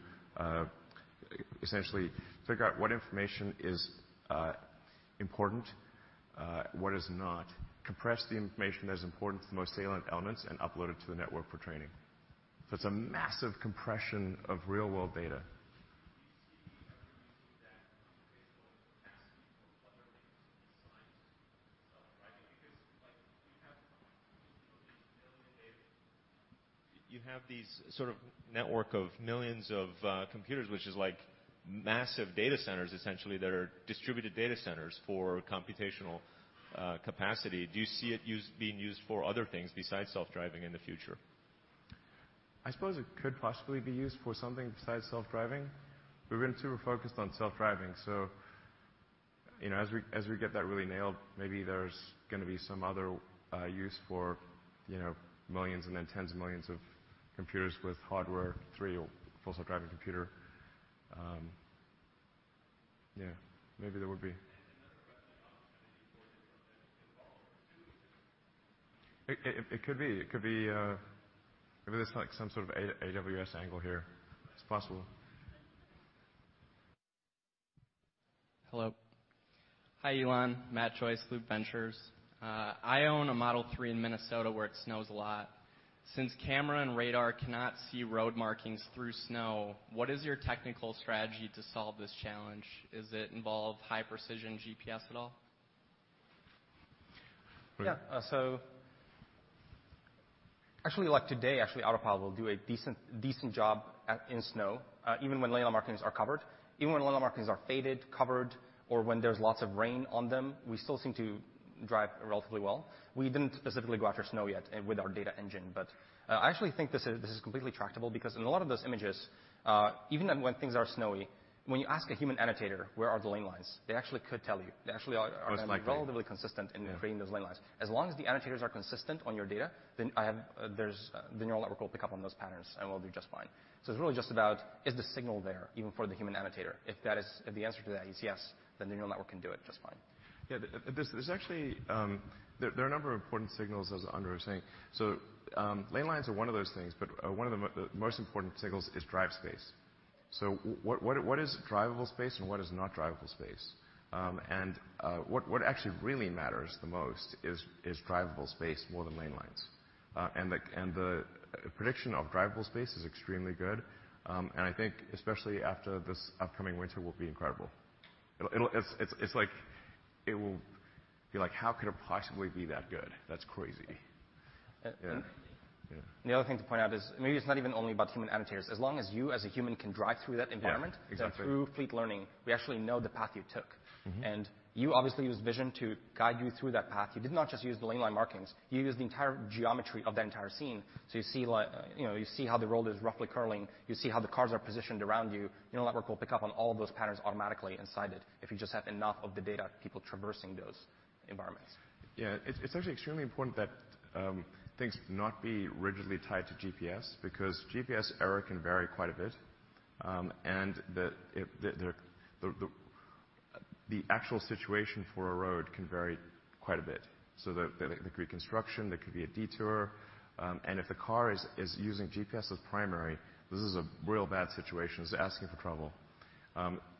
essentially figure out what information is important, what is not, compress the information that is important to the most salient elements, and upload it to the network for training. It's a massive compression of real-world data. Do you see ever using that computational capacity for other things besides self-driving? You have these sort of network of millions of computers, which is like massive data centers essentially that are distributed data centers for computational capacity. Do you see it being used for other things besides self-driving in the future? I suppose it could possibly be used for something besides self-driving. We've been super focused on self-driving, so as we get that really nailed, maybe there's going to be some other use for millions and then tens of millions of computers with Hardware 3 or a Full Self-Driving computer. Yeah, maybe there would be. Another question on energy storage from them as well. It could be. Maybe there's some sort of AWS angle here. It's possible. Hello. Hi, Elon. Matt Joyce, Loup Ventures. I own a Model 3 in Minnesota, where it snows a lot. Since camera and radar cannot see road markings through snow, what is your technical strategy to solve this challenge? Does it involve high-precision GPS at all? Go ahead. Yeah. Actually, like today, actually, Autopilot will do a decent job in snow, even when lane markings are covered. Even when lane markings are faded, covered, or when there's lots of rain on them, we still seem to drive relatively well. We didn't specifically go after snow yet with our data engine. I actually think this is completely tractable because in a lot of those images, even when things are snowy, when you ask a human annotator, where are the lane lines? They actually could tell you. They actually are- Most likely.... relatively consistent- Yeah... in creating those lane lines. As long as the annotators are consistent on your data, then the neural network will pick up on those patterns, and we'll do just fine. It's really just about, is the signal there even for the human annotator? If the answer to that is yes, then the neural network can do it just fine. Yeah. There are a number of important signals, as Andrej was saying. Lane lines are one of those things, but one of the most important signals is drive space. What is drivable space and what is not drivable space? What actually really matters the most is drivable space more than lane lines. The prediction of drivable space is extremely good. I think especially after this upcoming winter will be incredible. It will be like, how could it possibly be that good? That's crazy. Yeah. Yeah. The other thing to point out is, maybe it's not even only about human annotators. As long as you as a human can drive through that environment- Yeah, exactly.... through fleet learning, we actually know the path you took. You obviously use vision to guide you through that path. You did not just use the lane line markings. You used the entire geometry of the entire scene. You see how the road is roughly curling. You see how the cars are positioned around you. The neural network will pick up on all those patterns automatically and see it if you just have enough of the data of people traversing those environments. Yeah. It's actually extremely important that things not be rigidly tied to GPS because GPS error can vary quite a bit. The actual situation for a road can vary quite a bit. There could be construction, there could be a detour. If a car is using GPS as primary, this is a real bad situation. It's asking for trouble.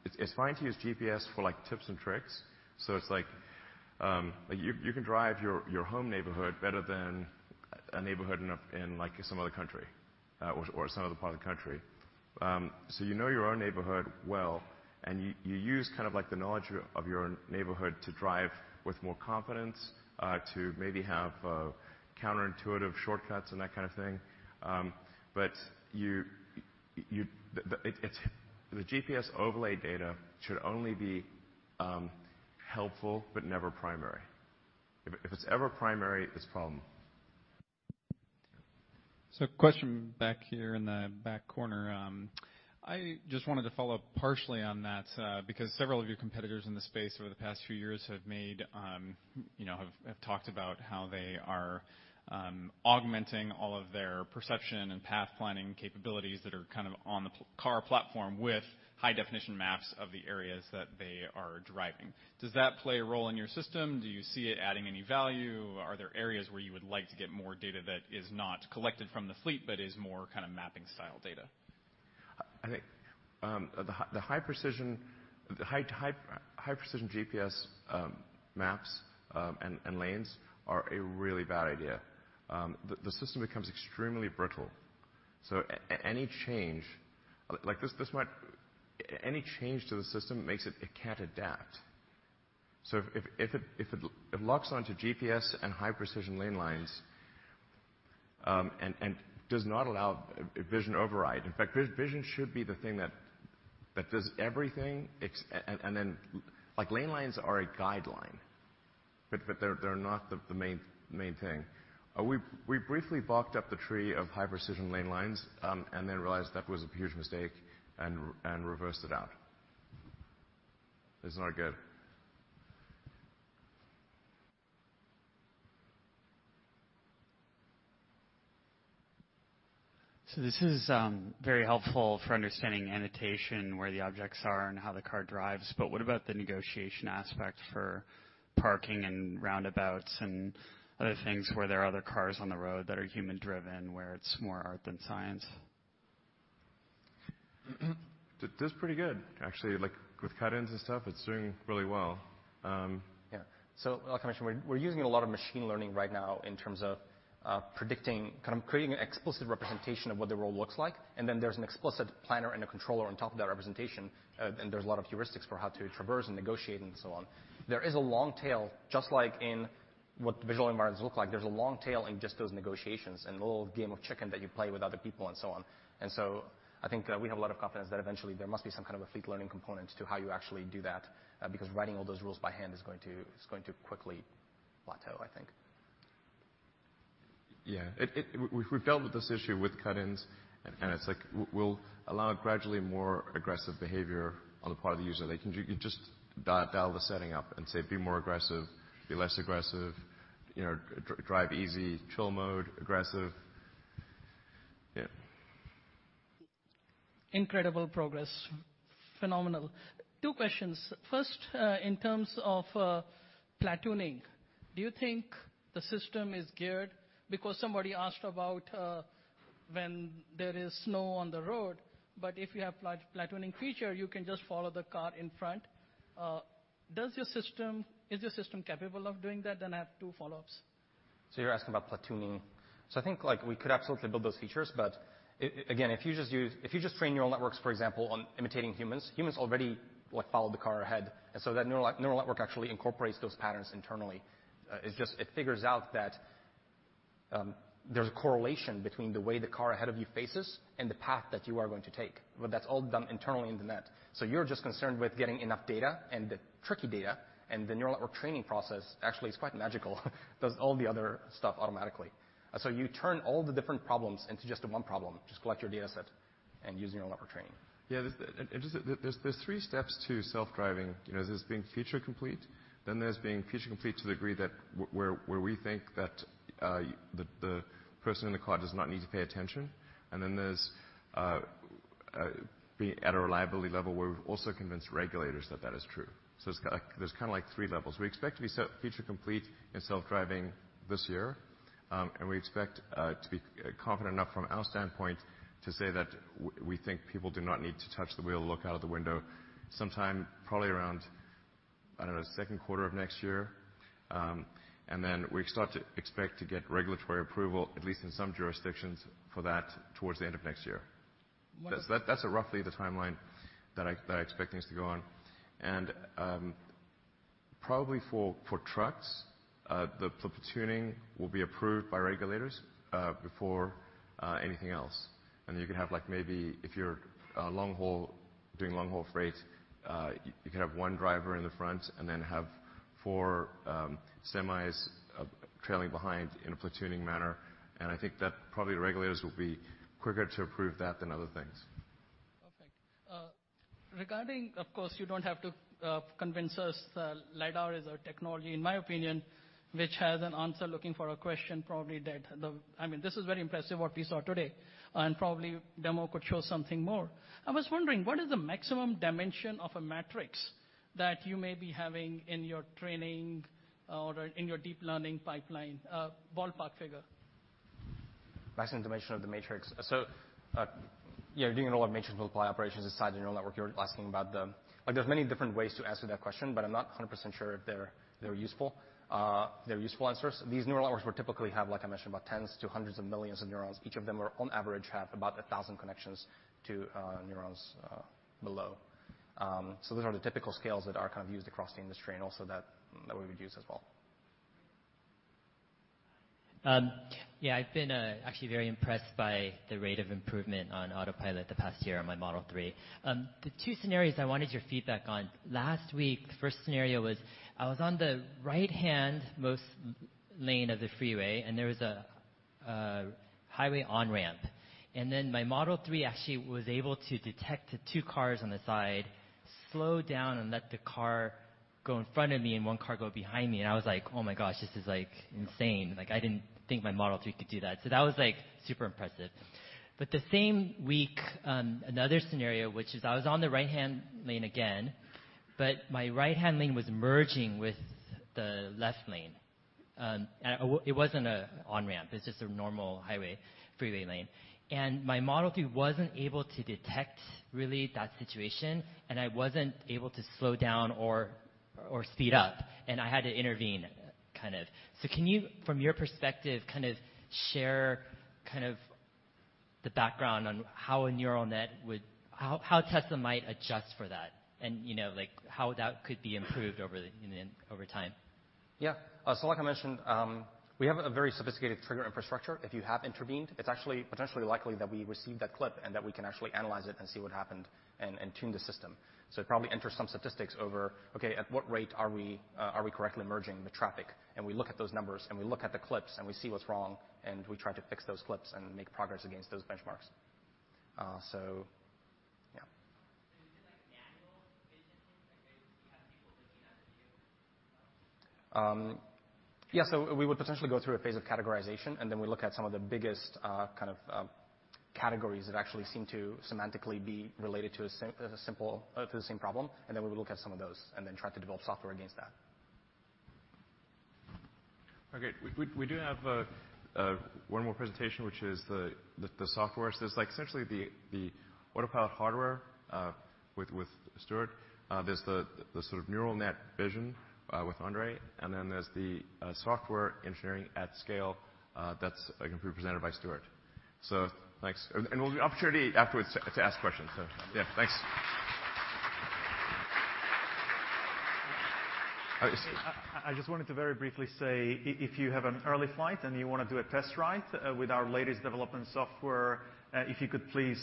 It's fine to use GPS for tips and tricks. It's like you can drive your home neighborhood better than a neighborhood in some other country or some other part of the country. You know your own neighborhood well, and you use the knowledge of your own neighborhood to drive with more confidence, to maybe have counterintuitive shortcuts and that kind of thing. The GPS overlay data should only be helpful, but never primary. If it's ever primary, it's a problem. Question back here in the back corner. I just wanted to follow up partially on that, because several of your competitors in the space over the past few years have talked about how they are augmenting all of their perception and path planning capabilities that are on the car platform with high-definition maps of the areas that they are driving. Does that play a role in your system? Do you see it adding any value? Are there areas where you would like to get more data that is not collected from the fleet but is more kind of mapping style data? I think the high-precision GPS maps and lanes are a really bad idea. The system becomes extremely brittle. Any change to the system makes it can't adapt. If it locks onto GPS and high-precision lane lines, and does not allow vision override. In fact, vision should be the thing that does everything. Then lane lines are a guideline, but they're not the main thing. We briefly balked up the tree of high-precision lane lines, realized that was a huge mistake and reversed it out. It's not good. This is very helpful for understanding annotation, where the objects are, and how the car drives. What about the negotiation aspect for parking and roundabouts and other things where there are other cars on the road that are human-driven, where it's more art than science? It does pretty good, actually. Like with cut-ins and stuff, it's doing really well. Yeah. Like I mentioned, we're using a lot of machine learning right now in terms of predicting, kind of creating an explicit representation of what the role looks like. Then there's an explicit planner and a controller on top of that representation. There's a lot of heuristics for how to traverse and negotiate and so on. There is a long tail, just like in what the visual environments look like. There's a long tail in just those negotiations and the little game of chicken that you play with other people and so on. I think we have a lot of confidence that eventually there must be some kind of a fleet learning component to how you actually do that, because writing all those rules by hand is going to quickly plateau, I think. Yeah. We've dealt with this issue with cut-ins, and it's like we'll allow gradually more aggressive behavior on the part of the user. They can just dial the setting up and say, be more aggressive, be less aggressive, drive easy, chill mode, aggressive. Yeah. Incredible progress. Phenomenal. Two questions. First, in terms of platooning, do you think the system is geared? Somebody asked about when there is snow on the road, but if you have platooning feature, you can just follow the car in front. Is your system capable of doing that? I have two follow-ups. You're asking about platooning. I think we could absolutely build those features. Again, if you just train neural networks, for example, on imitating humans already follow the car ahead. That neural network actually incorporates those patterns internally. It figures out that there's a correlation between the way the car ahead of you faces and the path that you are going to take, but that's all done internally in the net. You're just concerned with getting enough data and the tricky data, and the neural network training process actually is quite magical, does all the other stuff automatically. You turn all the different problems into just one problem. Just collect your dataset and use neural network training. There's three steps to self-driving. There's being feature complete, then there's being feature complete to the degree where we think that the person in the car does not need to pay attention, and then there's being at a reliability level where we've also convinced regulators that that is true. There's kind of three levels. We expect to be feature complete in self-driving this year. We expect to be confident enough from our standpoint to say that we think people do not need to touch the wheel or look out of the window sometime probably around, I don't know, second quarter of next year. We expect to get regulatory approval, at least in some jurisdictions, for that towards the end of next year. That's roughly the timeline that I expect things to go on. Probably for trucks, the platooning will be approved by regulators before anything else. You could have, maybe if you're doing long-haul freight, you could have one driver in the front and then have four semis trailing behind in a platooning manner. I think that probably regulators will be quicker to approve that than other things. Regarding, of course, you don't have to convince us that LiDAR is a technology, in my opinion, which has an answer looking for a question probably dead. This is very impressive what we saw today, probably a demo could show something more. I was wondering, what is the maximum dimension of a matrix that you may be having in your training or in your deep learning pipeline? A ballpark figure. Maximum dimension of the matrix. Doing a lot of matrix multiply operations inside the neural network, you're asking about There's many different ways to answer that question, but I'm not 100% sure if they're useful answers. These neural networks will typically have, like I mentioned, about tens to hundreds of millions of neurons. Each of them on average have about 1,000 connections to neurons below. Those are the typical scales that are used across the industry, and also that we would use as well. Yeah. I've been actually very impressed by the rate of improvement on Autopilot the past year on my Model 3. The two scenarios I wanted your feedback on. Last week, the first scenario was, I was on the right-hand most lane of the freeway, and there was a highway on-ramp, and then my Model 3 actually was able to detect the two cars on the side, slow down, and let the car go in front of me and one car go behind me, and I was like, oh, my gosh. This is insane. I didn't think my Model 3 could do that. That was super impressive. The same week, another scenario, which is I was on the right-hand lane again, but my right-hand lane was merging with the left lane. It wasn't an on-ramp. It's just a normal highway freeway lane. My Model 3 wasn't able to detect really that situation, and I wasn't able to slow down or speed up, and I had to intervene. Can you, from your perspective, share the background on how a neural net how Tesla might adjust for that? How that could be improved over time. Yeah. Like I mentioned, we have a very sophisticated trigger infrastructure. If you have intervened, it's actually potentially likely that we receive that clip and that we can actually analyze it and see what happened and tune the system. It probably enters some statistics over, at what rate are we correctly merging the traffic? We look at those numbers, and we look at the clips, and we see what's wrong, and we try to fix those clips and make progress against those benchmarks. Yeah. Is it like a manual vision thing, like you have people looking at video? Yeah. We would potentially go through a phase of categorization, and then we look at some of the biggest categories that actually seem to semantically be related to the same problem, and then we would look at some of those and then try to develop software against that. Okay. We do have one more presentation, which is the software. There's essentially the Autopilot hardware, with Stuart, there's the neural net vision, with Andrej, and then there's the software engineering at scale, that's going to be presented by Stuart. Thanks. There'll be an opportunity afterwards to ask questions. Yeah, thanks. I just wanted to very briefly say, if you have an early flight and you want to do a test ride with our latest development software, if you could please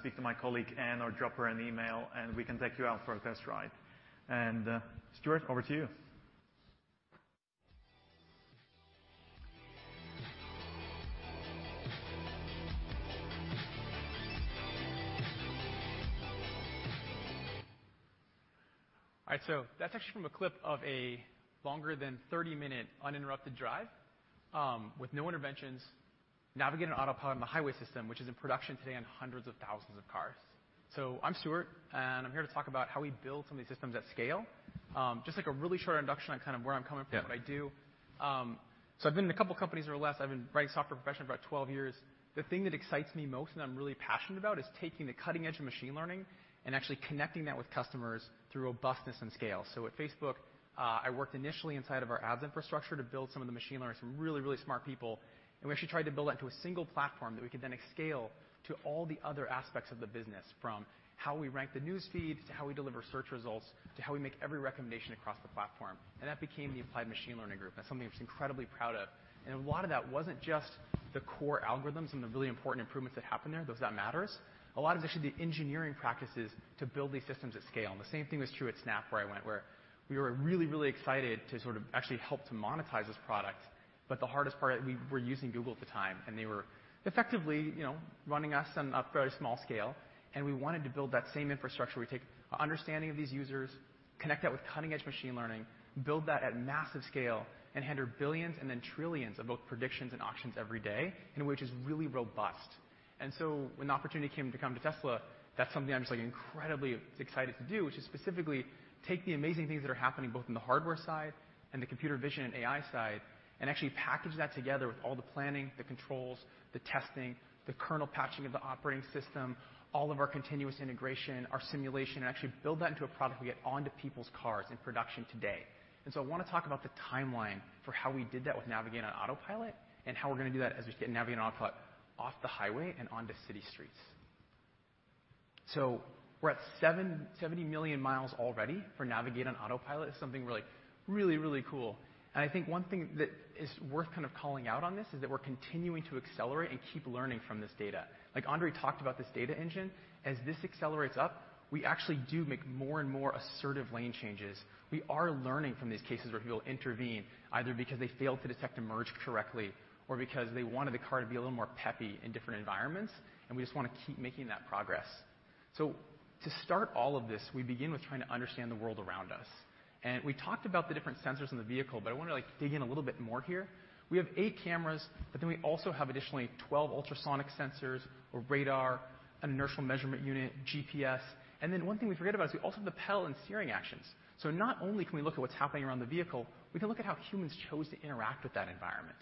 speak to my colleague, Anne, or drop her an email, and we can take you out for a test ride. Stuart, over to you. That's actually from a clip of a longer than 30-minute uninterrupted drive, with no interventions, Navigate on Autopilot on the highway system, which is in production today on hundreds of thousands of cars. I'm Stuart, and I'm here to talk about how we build some of these systems at scale. Just like a really short introduction on where I'm coming from- Yeah... what I do. I've been in a couple of companies more or less. I've been writing software professionally for about 12 years. The thing that excites me most and I'm really passionate about is taking the cutting edge of machine learning and actually connecting that with customers through robustness and scale. At Facebook, I worked initially inside of our ads infrastructure to build some of the machine learning. Some really, really smart people. We actually tried to build that into a single platform that we could then scale to all the other aspects of the business, from how we rank the news feeds, to how we deliver search results, to how we make every recommendation across the platform. That became the applied machine learning group, and that's something which I'm incredibly proud of. A lot of that wasn't just the core algorithms and the really important improvements that happened there, though that matters. A lot of it is actually the engineering practices to build these systems at scale. The same thing was true at Snap where I went, where we were really, really excited to sort of actually help to monetize this product. The hardest part, we were using Google at the time, and they were effectively running us on a very small scale, and we wanted to build that same infrastructure. We take an understanding of these users, connect that with cutting-edge machine learning, build that at massive scale, and handle billions and then trillions of both predictions and auctions every day, in a way which is really robust. When the opportunity came to come to Tesla, that's something I'm just like incredibly excited to do, which is specifically take the amazing things that are happening both in the hardware side and the computer vision and AI side, and actually package that together with all the planning, the controls, the testing, the kernel patching of the operating system, all of our continuous integration, our simulation, and actually build that into a product we get onto people's cars in production today. I want to talk about the timeline for how we did that with Navigate on Autopilot and how we're going to do that as we get Navigate on Autopilot off the highway and onto city streets. We're at 70 million miles already for Navigate on Autopilot. It's something really, really cool. I think one thing that is worth kind of calling out on this is that we're continuing to accelerate and keep learning from this data. Andrej talked about this data engine. This accelerates up, we actually do make more and more assertive lane changes. We are learning from these cases where people intervene, either because they failed to detect a merge correctly or because they wanted the car to be a little more peppy in different environments, we just want to keep making that progress. To start all of this, we begin with trying to understand the world around us. We talked about the different sensors in the vehicle, but I want to dig in a little bit more here. We have eight cameras, but then we also have additionally 12 ultrasonic sensors, a radar, an inertial measurement unit, GPS. One thing we forget about is we also have the pedal and steering actions. Not only can we look at what's happening around the vehicle, we can look at how humans chose to interact with that environment.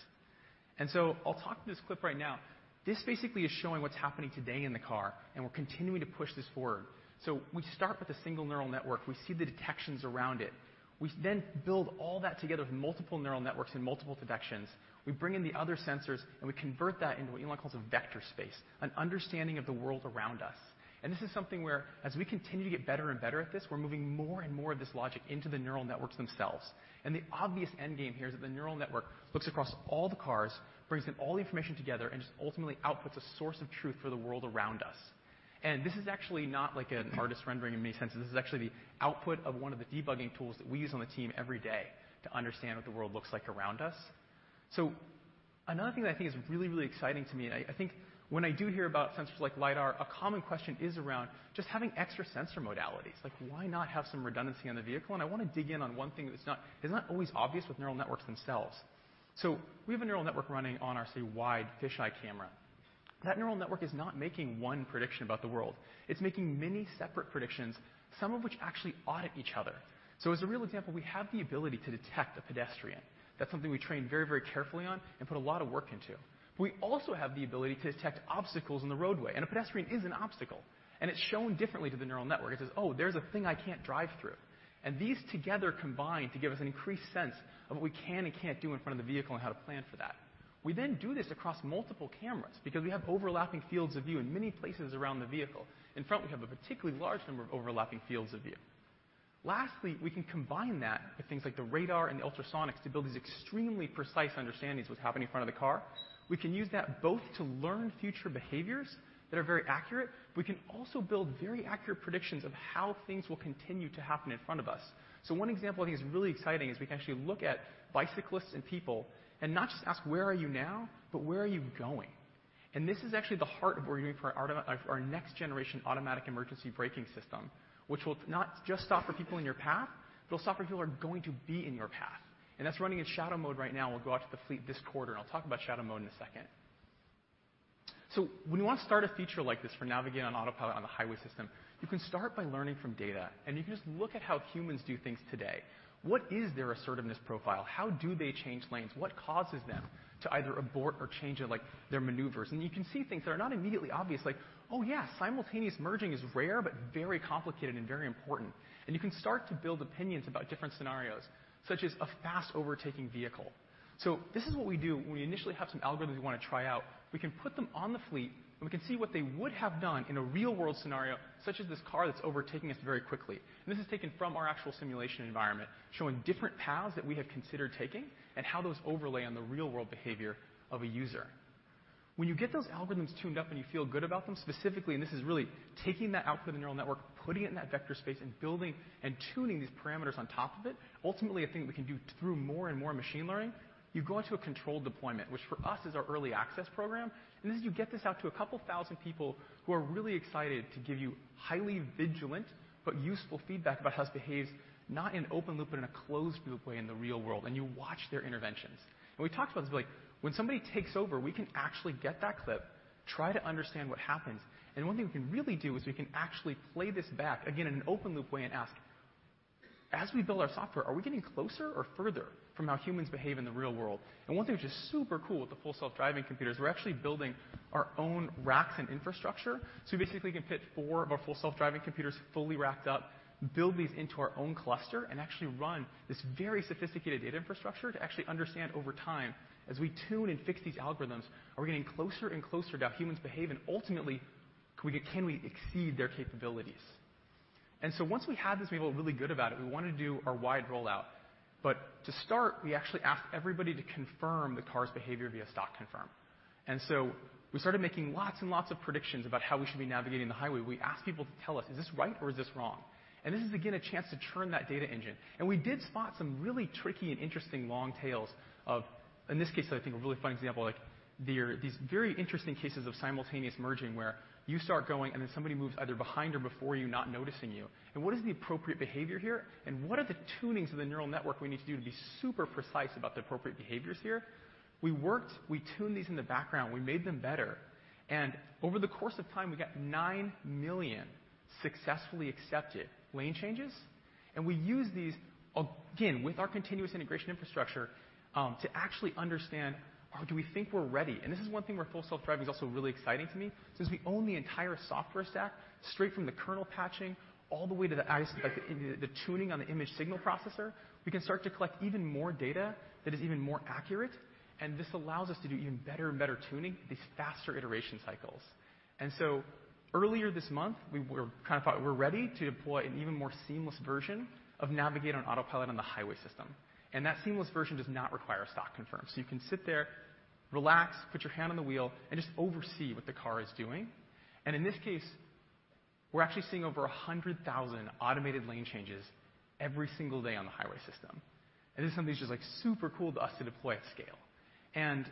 I'll talk to this clip right now. This basically is showing what's happening today in the car, we're continuing to push this forward. We start with a single neural network. We see the detections around it. We build all that together with multiple neural networks and multiple detections. We bring in the other sensors, we convert that into what Elon calls a vector space, an understanding of the world around us. This is something where as we continue to get better and better at this, we're moving more and more of this logic into the neural networks themselves. The obvious end game here is that the neural network looks across all the cars, brings in all the information together, and just ultimately outputs a source of truth for the world around us. This is actually not like an artist rendering in many senses. This is actually the output of one of the debugging tools that we use on the team every day to understand what the world looks like around us. Another thing that I think is really, really exciting to me, and I think when I do hear about sensors like LiDAR, a common question is around just having extra sensor modalities. Why not have some redundancy on the vehicle? I want to dig in on one thing that is not always obvious with neural networks themselves. We have a neural network running on our, say, wide fisheye camera. That neural network is not making one prediction about the world. It's making many separate predictions, some of which actually audit each other. As a real example, we have the ability to detect a pedestrian. That's something we train very, very carefully on and put a lot of work into. We also have the ability to detect obstacles in the roadway, and a pedestrian is an obstacle, and it's shown differently to the neural network. It says, oh, there's a thing I can't drive through. These together combine to give us an increased sense of what we can and can't do in front of the vehicle and how to plan for that. We do this across multiple cameras because we have overlapping fields of view in many places around the vehicle. In front, we have a particularly large number of overlapping fields of view. Lastly, we can combine that with things like the radar and the ultrasonics to build these extremely precise understandings of what's happening in front of the car. We can use that both to learn future behaviors that are very accurate, but we can also build very accurate predictions of how things will continue to happen in front of us. One example I think is really exciting is we can actually look at bicyclists and people and not just ask where are you now, but where are you going? This is actually the heart of what we're doing for our next generation automatic emergency braking system, which will not just stop for people in your path, but it'll stop for people who are going to be in your path. That's running in shadow mode right now, will go out to the fleet this quarter. I'll talk about shadow mode in a second. When you want to start a feature like this for Navigate on Autopilot on the highway system, you can start by learning from data. You can just look at how humans do things today. What is their assertiveness profile? How do they change lanes? What causes them to either abort or change their maneuvers? You can see things that are not immediately obvious, like, oh, yeah, simultaneous merging is rare, but very complicated and very important. You can start to build opinions about different scenarios, such as a fast overtaking vehicle. This is what we do when we initially have some algorithms we want to try out. We can put them on the fleet, we can see what they would have done in a real-world scenario, such as this car that's overtaking us very quickly. This is taken from our actual simulation environment, showing different paths that we had considered taking and how those overlay on the real-world behavior of a user. When you get those algorithms tuned up and you feel good about them specifically, this is really taking that output of the neural network, putting it in that vector space, and building and tuning these parameters on top of it, ultimately, a thing that we can do through more and more machine learning, you go into a controlled deployment, which for us is our Early Access Program. This is, you get this out to a couple thousand people who are really excited to give you highly vigilant but useful feedback about how this behaves, not in an open loop, but in a closed-loop way in the real world, you watch their interventions. We talked about this, when somebody takes over, we can actually get that clip, try to understand what happens. One thing we can really do is we can actually play this back, again, in an open-loop way and ask, as we build our software, are we getting closer or further from how humans behave in the real world? One thing which is super cool with the Full Self-Driving computers, we're actually building our own racks and infrastructure. We basically can fit four of our Full Self-Driving computers fully racked up, build these into our own cluster, actually run this very sophisticated data infrastructure to actually understand over time, as we tune and fix these algorithms, are we getting closer and closer to how humans behave, ultimately, can we exceed their capabilities? Once we had this and we felt really good about it, we wanted to do our wide rollout. To start, we actually asked everybody to confirm the car's behavior via stalk confirm. We started making lots and lots of predictions about how we should be navigating the highway. We asked people to tell us, is this right or is this wrong? This is again, a chance to turn that data engine. We did spot some really tricky and interesting long tails of in this case, I think a really fun example, there are these very interesting cases of simultaneous merging, where you start going then somebody moves either behind or before you, not noticing you. What is the appropriate behavior here? What are the tunings of the neural network we need to do to be super precise about the appropriate behaviors here? We worked, we tuned these in the background. We made them better. Over the course of time, we got 9 million successfully accepted lane changes. We use these, again, with our continuous integration infrastructure, to actually understand, do we think we're ready? This is one thing where Full Self-Driving is also really exciting to me. Since we own the entire software stack, straight from the kernel patching all the way to the tuning on the image signal processor, we can start to collect even more data that is even more accurate, this allows us to do even better and better tuning at these faster iteration cycles. Earlier this month, we thought we're ready to deploy an even more seamless version of Navigate on Autopilot on the highway system. That seamless version does not require a stalk confirm. You can sit there, relax, put your hand on the wheel, just oversee what the car is doing. In this case, we're actually seeing over 100,000 automated lane changes every single day on the highway system. This is something that's just super cool to us to deploy at scale.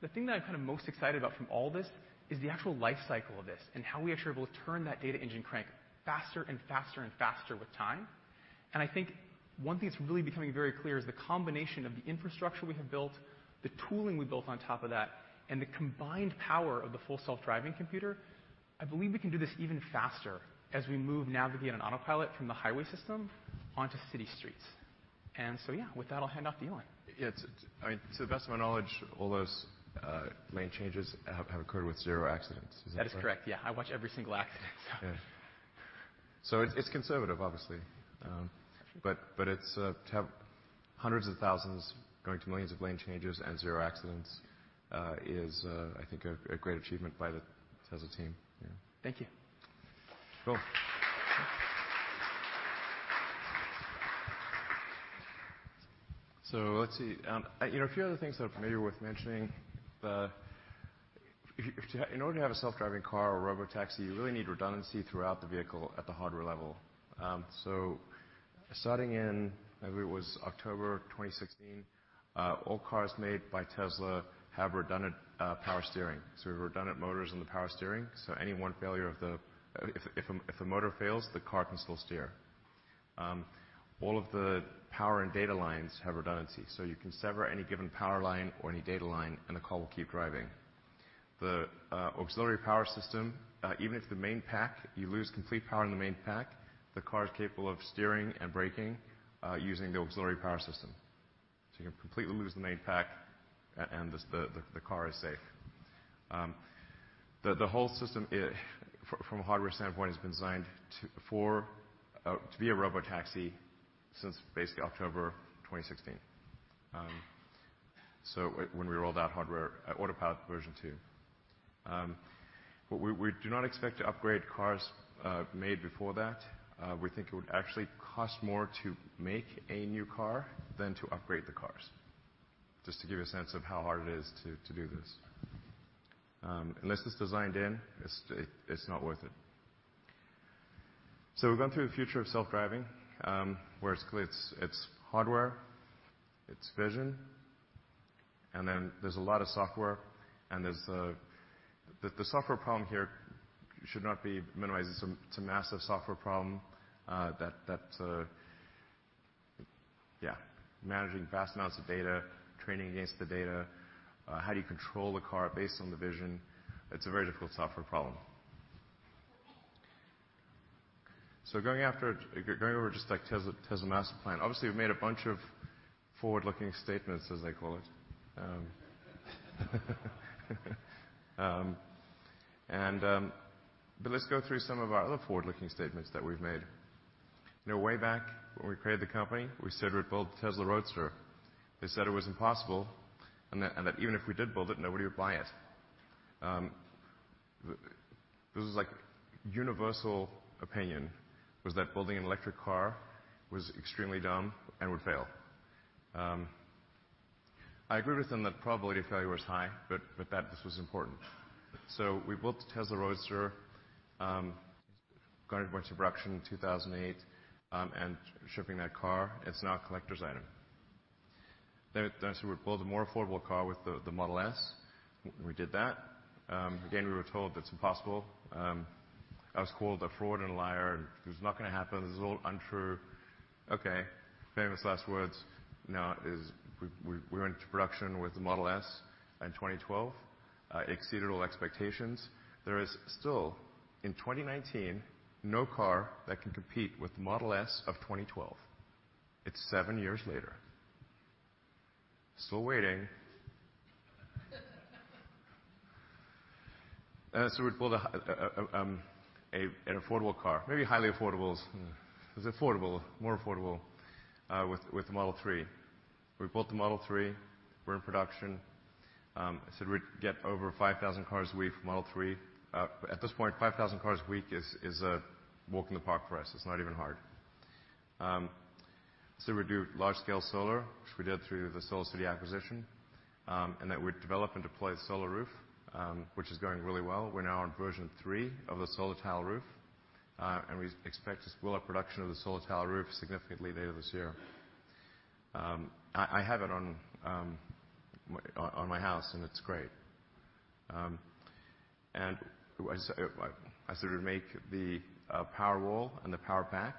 The thing that I'm most excited about from all this is the actual life cycle of this and how we actually will turn that data engine crank faster and faster and faster with time. I think one thing that's really becoming very clear is the combination of the infrastructure we have built, the tooling we built on top of that, the combined power of the Full Self-Driving computer. I believe we can do this even faster as we move Navigate on Autopilot from the highway system onto city streets. Yeah, with that, I'll hand off to Elon. Yeah. To the best of my knowledge, all those lane changes have occurred with zero accidents. Is that correct? That is correct, yeah. I watch every single accident. Yeah. It's conservative, obviously. Sure. To have hundreds of thousands going to millions of lane changes and zero accidents is, I think, a great achievement by the Tesla team, yeah. Thank you. Cool. Let's see. A few other things that are maybe worth mentioning. In order to have a self-driving car or Robotaxi, you really need redundancy throughout the vehicle at the hardware level. Starting in, I believe it was October 2016, all cars made by Tesla have redundant power steering. We have redundant motors in the power steering, if a motor fails, the car can still steer. All of the power and data lines have redundancy, you can sever any given power line or any data line, and the car will keep driving. The auxiliary power system, even if you lose complete power in the main pack, the car is capable of steering and braking using the auxiliary power system. You can completely lose the main pack, and the car is safe. The whole system, from a hardware standpoint, has been designed to be a Robotaxi since basically October 2016, when we rolled out Autopilot version two. We do not expect to upgrade cars made before that. We think it would actually cost more to make a new car than to upgrade the cars, just to give you a sense of how hard it is to do this. Unless it's designed in, it's not worth it. We've gone through the future of self-driving, where it's hardware, it's vision, and then there's a lot of software. The software problem here should not be minimized. It's a massive software problem. Yeah. Managing vast amounts of data, training against the data, how do you control the car based on the vision? It's a very difficult software problem. Going over just Tesla master plan. Obviously, we've made a bunch of forward-looking statements, as they call it. Let's go through some of our other forward-looking statements that we've made. Way back when we created the company, we said we'd build the Tesla Roadster. They said it was impossible, and that even if we did build it, nobody would buy it. This was universal opinion, was that building an electric car was extremely dumb and would fail. I agree with them that probably the failure was high, but that this was important. We built the Tesla Roadster, got it into production in 2008, and shipping that car. It's now a collector's item. We said we'd build a more affordable car with the Model S. We did that. Again, we were told that's impossible. I was called a fraud and a liar. It was not going to happen. This was all untrue. Okay, famous last words. We went into production with the Model S in 2012, exceeded all expectations. There is still, in 2019, no car that can compete with the Model S of 2012. It's seven years later. Still waiting. We pulled an affordable car, maybe highly affordable. It was affordable, more affordable, with the Model 3. We built the Model 3. We're in production. I said we'd get over 5,000 cars a week for Model 3. At this point, 5,000 cars a week is a walk in the park for us. It's not even hard. Said we'd do large-scale solar, which we did through the SolarCity acquisition, and that we'd develop and deploy the solar roof, which is going really well. We're now on version three of the solar tile roof. We expect to scale up production of the solar tile roof significantly later this year. I have it on my house, and it's great. I said we'd make the Powerwall and the Powerpack.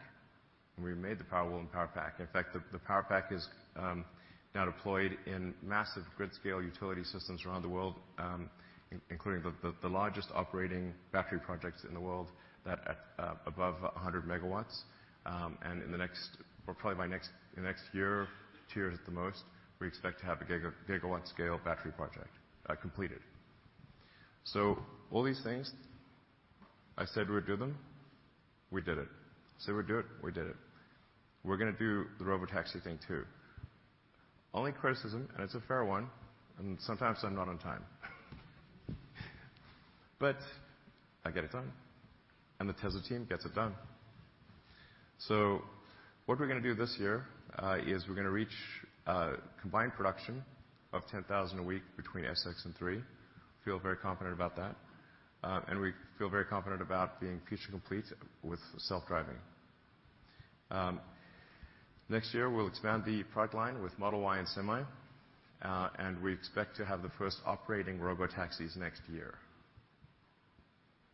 We made the Powerwall and Powerpack. In fact, the Powerpack is now deployed in massive grid-scale utility systems around the world, including the largest operating battery projects in the world above 100 MW. In the next, well, probably by next year, two years at the most, we expect to have a gigawatt-scale battery project completed. All these things, I said we would do them, we did it. Said we'd do it, we did it. We're going to do the Robotaxi thing, too. Only criticism, it's a fair one, and sometimes I'm not on time. I get it done, and the Tesla team gets it done. What we're going to do this year is we're going to reach a combined production of 10,000 a week between S, X, and 3. Feel very confident about that. We feel very confident about being feature complete with self-driving. Next year, we'll expand the product line with Model Y and Semi, and we expect to have the first operating Robotaxis next year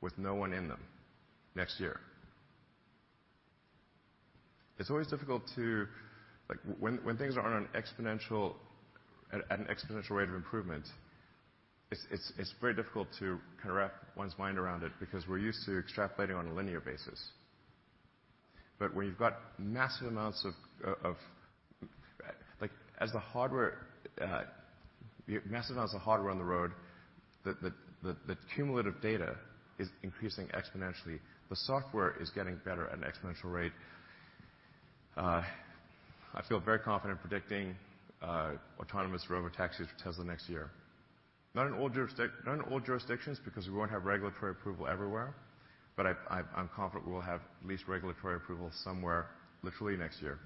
with no one in them. Next year. When things are at an exponential rate of improvement, it's very difficult to wrap one's mind around it because we're used to extrapolating on a linear basis. When you've got massive amounts of hardware on the road, the cumulative data is increasing exponentially. The software is getting better at an exponential rate. I feel very confident predicting autonomous Robotaxis for Tesla next year. Not in all jurisdictions because we won't have regulatory approval everywhere, but I'm confident we'll have at least regulatory approval somewhere literally next year.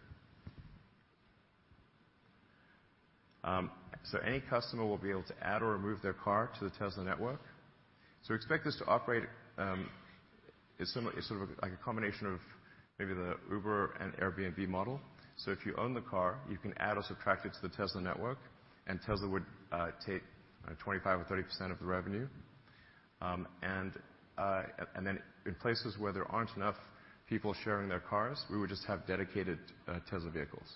Any customer will be able to add or remove their car to the Tesla Network. Expect this to operate as sort of like a combination of maybe the Uber and Airbnb model. If you own the car, you can add or subtract it to the Tesla Network, and Tesla would take 25% or 30% of the revenue. In places where there aren't enough people sharing their cars, we would just have dedicated Tesla vehicles.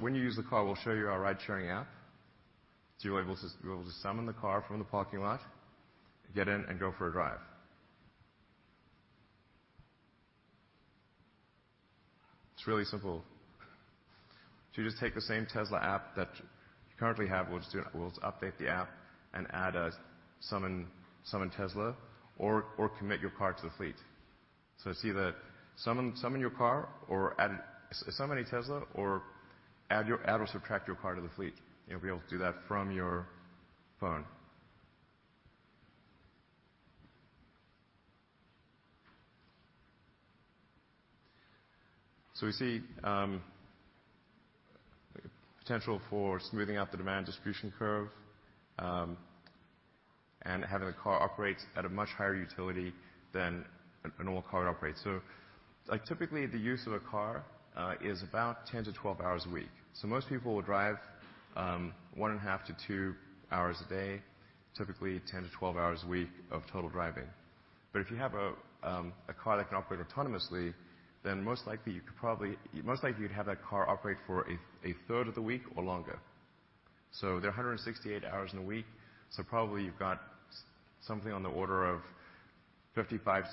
When you use the car, we'll show you our ride-sharing app. You're able to summon the car from the parking lot, get in, and go for a drive. It's really simple. You just take the same Tesla app that you currently have, we'll just update the app and add a Summon Tesla or commit your car to the fleet. See the summon your car or add Summon a Tesla or add or subtract your car to the fleet. You'll be able to do that from your phone. We see potential for smoothing out the demand distribution curve, and having a car operate at a much higher utility than a normal car would operate. Typically, the use of a car is about 10 to 12 hours a week. Most people will drive one and a half to two hours a day, typically 10 to 12 hours a week of total driving. If you have a car that can operate autonomously, then most likely, you'd have that car operate for a third of the week or longer. There are 168 hours in a week, probably you've got something on the order of 55-60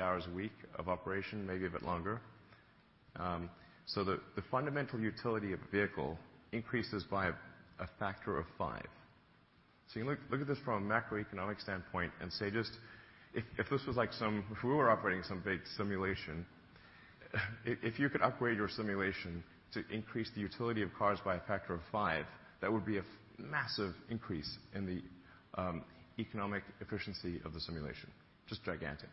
hours a week of operation, maybe a bit longer. The fundamental utility of a vehicle increases by a factor of five. You look at this from a macroeconomic standpoint and say, if we were operating some big simulation, if you could upgrade your simulation to increase the utility of cars by a factor of five, that would be a massive increase in the economic efficiency of the simulation. Just gigantic.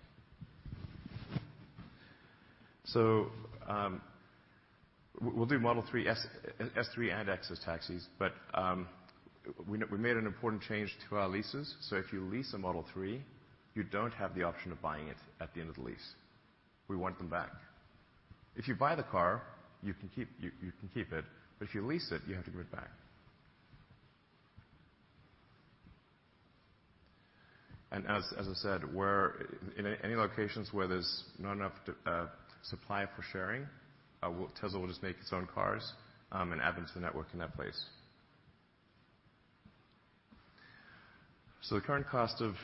We'll do Model 3, S, and X as taxis, but we made an important change to our leases. If you lease a Model 3, you don't have the option of buying it at the end of the lease. We want them back. If you buy the car, you can keep it, but if you lease it, you have to give it back. As I said, in any locations where there's not enough supply for sharing, Tesla will just make its own cars and add them to the network in that place. The current cost of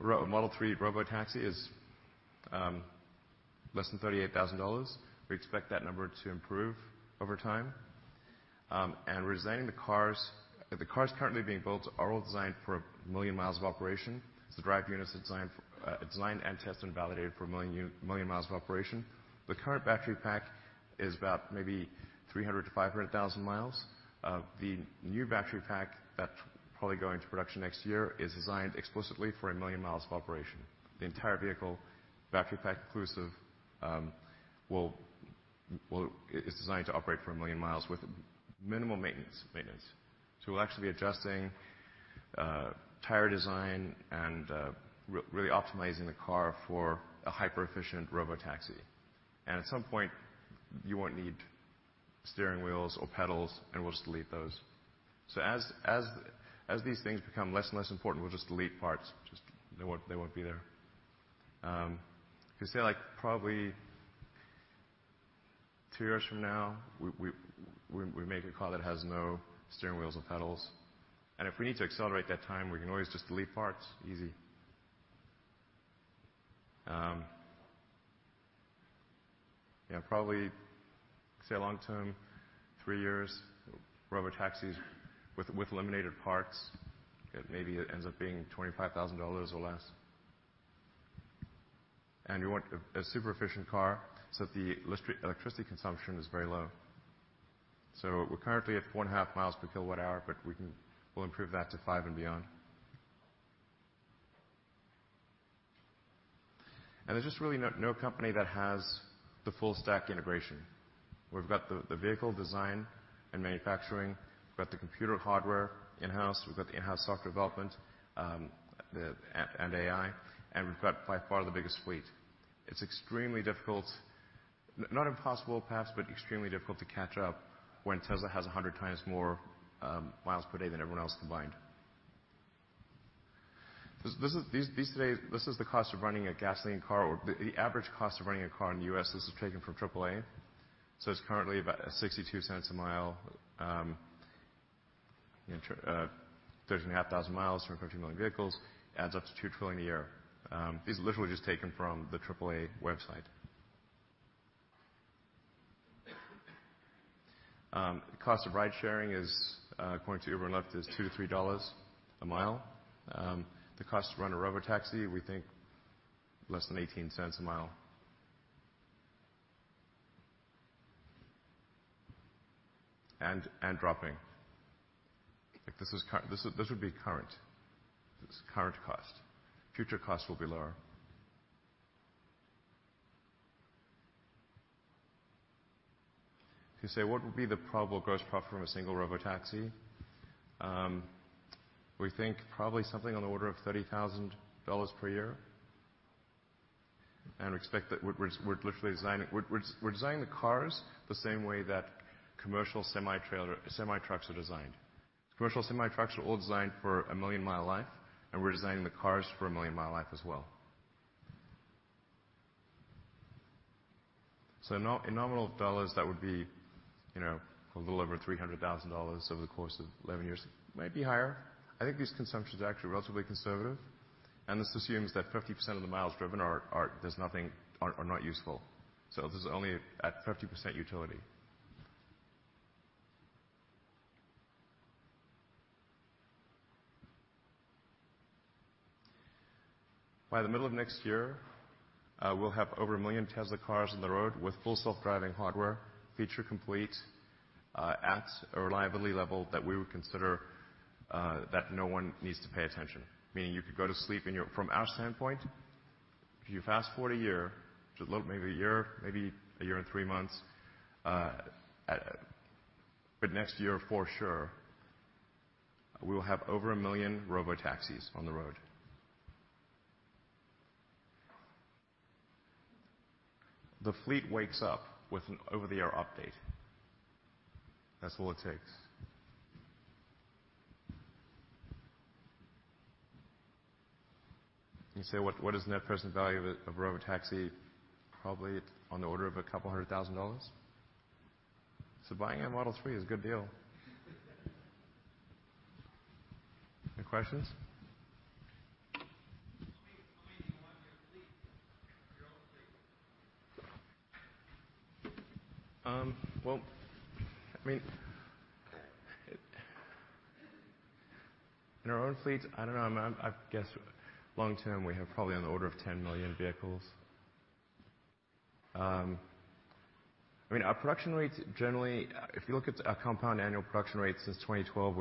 Model 3 Robotaxi is less than $38,000. We expect that number to improve over time. We're designing the cars currently being built are all designed for a million miles of operation. The drive unit's designed and tested and validated for a million miles of operation. The current battery pack is about maybe 300,000-500,000 mi. The new battery pack that will probably go into production next year is designed explicitly for a million miles of operation. The entire vehicle, battery pack inclusive, is designed to operate for a million miles with minimal maintenance. We're actually adjusting tire design and really optimizing the car for a hyper-efficient Robotaxi. At some point, you won't need steering wheels or pedals, and we'll just delete those. As these things become less and less important, we'll just delete parts. They won't be there. Because say, probably two years from now, we make a car that has no steering wheels or pedals, and if we need to accelerate that time, we can always just delete parts. Easy. Probably, say long term, three years, Robotaxis with eliminated parts, maybe it ends up being $25,000 or less. You want a super efficient car, so the electricity consumption is very low. We're currently at one and a half miles per kilowatt hour, but we'll improve that to five and beyond. There's just really no company that has the full stack integration. We've got the vehicle design and manufacturing, we've got the computer hardware in-house, we've got the in-house software development, and AI, and we've got by far the biggest fleet. It's extremely difficult, not impossible perhaps, but extremely difficult to catch up when Tesla has 100x more miles per day than everyone else combined. These days, this is the cost of running a gasoline car, or the average cost of running a car in the U.S. This is taken from AAA. It's currently about $0.62 a mile. 13,500 mi from 15 million vehicles adds up to $2 trillion a year. These are literally just taken from the AAA website. The cost of ride-sharing is, according to Uber and Lyft, is $2-$3 a mile. The cost to run a Robotaxi, we think less than $0.18 a mile and dropping. This would be current. This is current cost. Future cost will be lower. If you say, what would be the probable gross profit from a single Robotaxi? We think probably something on the order of $30,000 per year. We're designing the cars the same way that commercial semi-trailers, semi-trucks are designed. Commercial semi-trucks are all designed for a million-mile life, and we're designing the cars for a million-mile life as well. So in nominal dollars, that would be a little over $300,000 over the course of 11 years, might be higher. I think this consumption is actually relatively conservative, and this assumes that 50% of the miles driven are not useful. This is only at 50% utility. By the middle of next year, we'll have over a million Tesla cars on the road with Full Self-Driving hardware, feature complete, at a reliability level that we would consider that no one needs to pay attention. Meaning you could go to sleep in your From our standpoint, if you fast-forward a year to maybe a year, maybe a year and three months, but next year for sure, we will have over a million Robotaxis on the road. The fleet wakes up with an over-the-air update. That's all it takes. You say, what is net present value of a Robotaxi? Probably on the order of a couple thousand dollars. Buying a Model 3 is a good deal. Any questions? How many do you want in your fleet? Your own fleet. Well, I mean, in our own fleet, I don't know, I guess long-term, we have probably on the order of 10 million vehicles. I mean, our production rates generally, if you look at our compound annual production rate since 2012,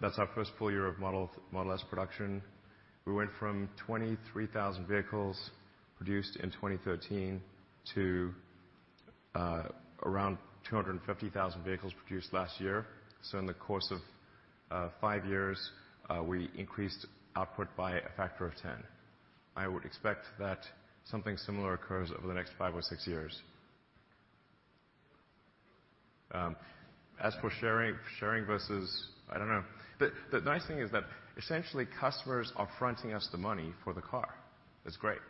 that's our first full year of Model S production away from 23,000 vehicles produced in 2013 to around 250,000 produced last year. In the course of five years, we increased output by a factor of 10. I would expect that something similar occurs over the next five or six years. As for sharing versus, I don't know. The nice thing is that essentially customers are fronting us the money for the car. That's great.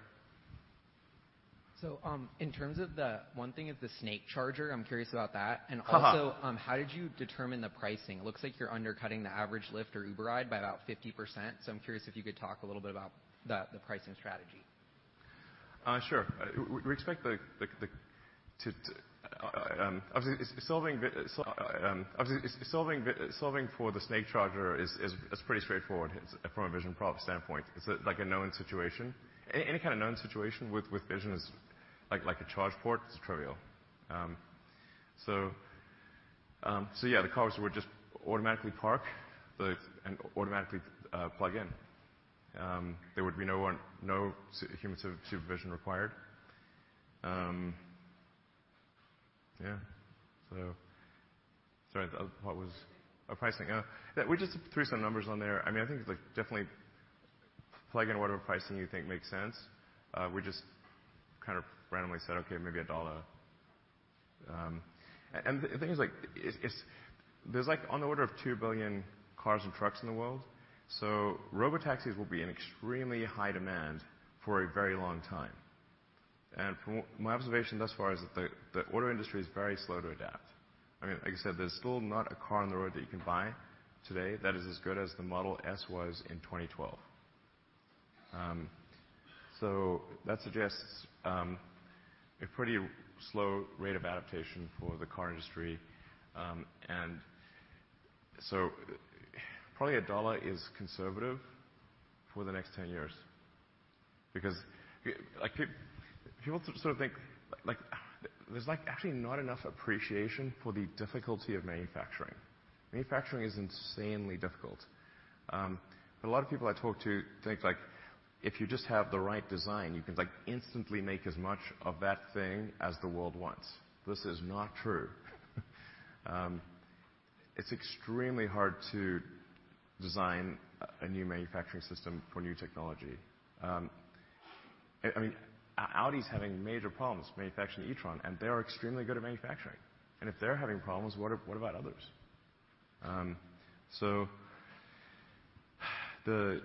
In terms of the, one thing is the snake charger, I'm curious about that. Also, how did you determine the pricing? It looks like you're undercutting the average Lyft or Uber ride by about 50%. I'm curious if you could talk a little bit about the pricing strategy. Sure. Solving for the snake charger is pretty straightforward from a vision standpoint. It's like a known situation. Any kind of known situation with vision is, like a charge port, it's trivial. The cars would just automatically park and automatically plug in. There would be no human supervision required. Sorry. Oh, pricing. Yeah. We just threw some numbers on there. I think it's definitely plug in whatever pricing you think makes sense. We just kind of randomly said, okay, maybe $1. There's on the order of 2 billion cars and trucks in the world. Robotaxis will be in extremely high demand for a very long time. From my observation thus far is that the auto industry is very slow to adapt. I mean, like I said, there's still not a car on the road that you can buy today that is as good as the Model S was in 2012. That suggests a pretty slow rate of adaptation for the car industry. Probably $1 is conservative for the next 10 years because people sort of think there's actually not enough appreciation for the difficulty of manufacturing. Manufacturing is insanely difficult. A lot of people I talk to think if you just have the right design, you can instantly make as much of that thing as the world wants. This is not true. It's extremely hard to design a new manufacturing system for new technology. Audi's having major problems manufacturing the e-tron, and they are extremely good at manufacturing. If they're having problems, what about others? There's